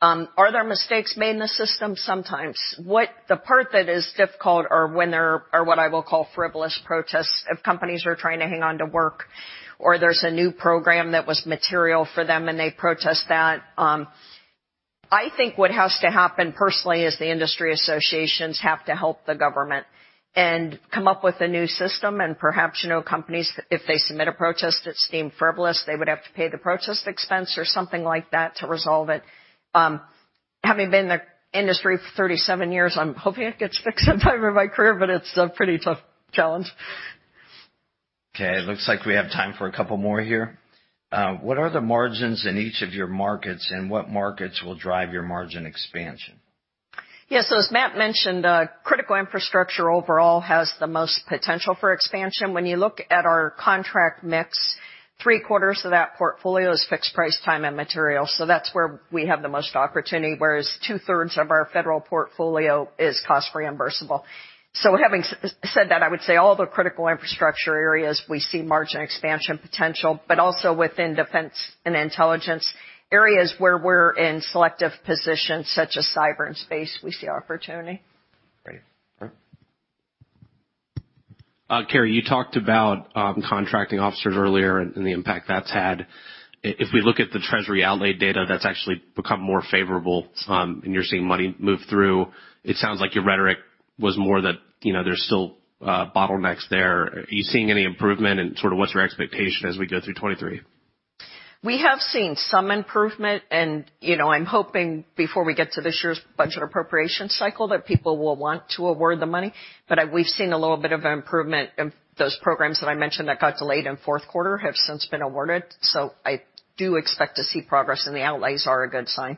Are there mistakes made in the system? Sometimes. The part that is difficult are when there are what I will call frivolous protests of companies who are trying to hang on to work or there's a new program that was material for them and they protest that. I think what has to happen personally is the industry associations have to help the government and come up with a new system and perhaps, you know, companies, if they submit a protest that's deemed frivolous, they would have to pay the protest expense or something like that to resolve it. Having been in the industry for 37 years, I'm hoping it gets fixed sometime in my career, but it's a pretty tough challenge. Okay. It looks like we have time for a couple more here. What are the margins in each of your markets, and what markets will drive your margin expansion? Yes. As Matt Ofilos mentioned, critical infrastructure overall has the most potential for expansion. When you look at our contract mix, three-quarters of that portfolio is fixed price, time, and material, so that's where we have the most opportunity. Whereas two-thirds of our federal portfolio is cost reimbursable. Having said that, I would say all the critical infrastructure areas we see margin expansion potential, but also within Defense and Intelligence areas where we're in selective positions such as cyber and space, we see opportunity. Great. Brent? Carey, you talked about contracting officers earlier and the impact that's had. If we look at the Treasury outlay data, that's actually become more favorable, and you're seeing money move through. It sounds like your rhetoric was more that, you know, there's still bottlenecks there. Are you seeing any improvement, and sort of what's your expectation as we go through 2023? We have seen some improvement and, you know, I'm hoping before we get to this year's budget appropriation cycle that people will want to award the money. We've seen a little bit of improvement in those programs that I mentioned that got delayed in fourth quarter, have since been awarded. I do expect to see progress, and the outlays are a good sign.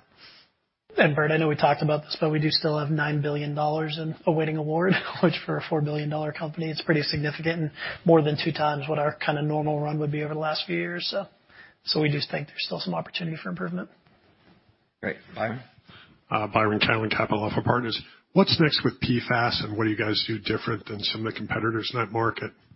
Burt, I know we talked about this, but we do still have $9 billion in awaiting award, which for a $4 billion company is pretty significant and more than 2x what our kind of normal run would be over the last few years. We just think there's still some opportunity for improvement. Great. Byron? Byron Callan, Capital Alpha Partners. What's next with PFAS and what do you guys do different than some of the competitors in that market? Yeah.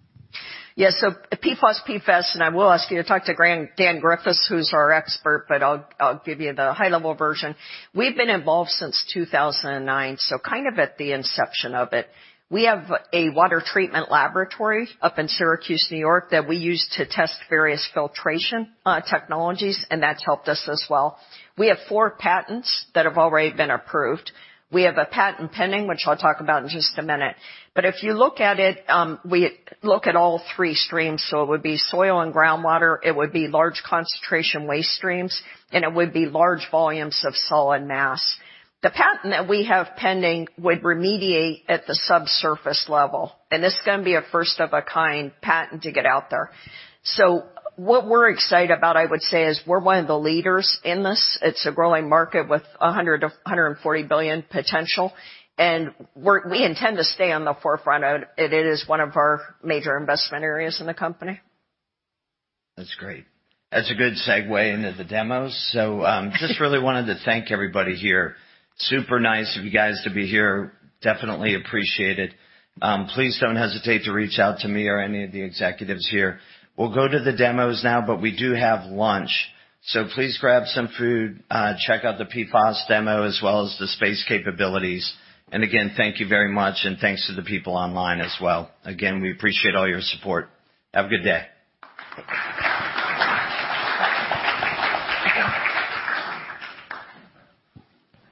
PFOS, PFAS, I will ask you to talk to Dan Griffiths, who's our expert, I'll give you the high-level version. We've been involved since 2009, kind of at the inception of it. We have a water treatment laboratory up in Syracuse, New York, that we use to test various filtration technologies, that's helped us as well. We have 4 patents that have already been approved. We have a patent pending, which I'll talk about in just a minute. If you look at it, we look at all 3 streams, it would be soil and groundwater, it would be large concentration waste streams, and it would be large volumes of solid mass. The patent that we have pending would remediate at the subsurface level, and it's gonna be a first of a kind patent to get out there. What we're excited about, I would say, is we're one of the leaders in this. It's a growing market with $100 billion-$140 billion potential. We intend to stay on the forefront of it. It is one of our major investment areas in the company. That's great. That's a good segue into the demos. Just really wanted to thank everybody here. Super nice of you guys to be here. Definitely appreciate it. Please don't hesitate to reach out to me or any of the executives here. We'll go to the demos now, but we do have lunch, so please grab some food, check out the PFAS demo as well as the space capabilities. Again, thank you very much and thanks to the people online as well. Again, we appreciate all your support. Have a good day.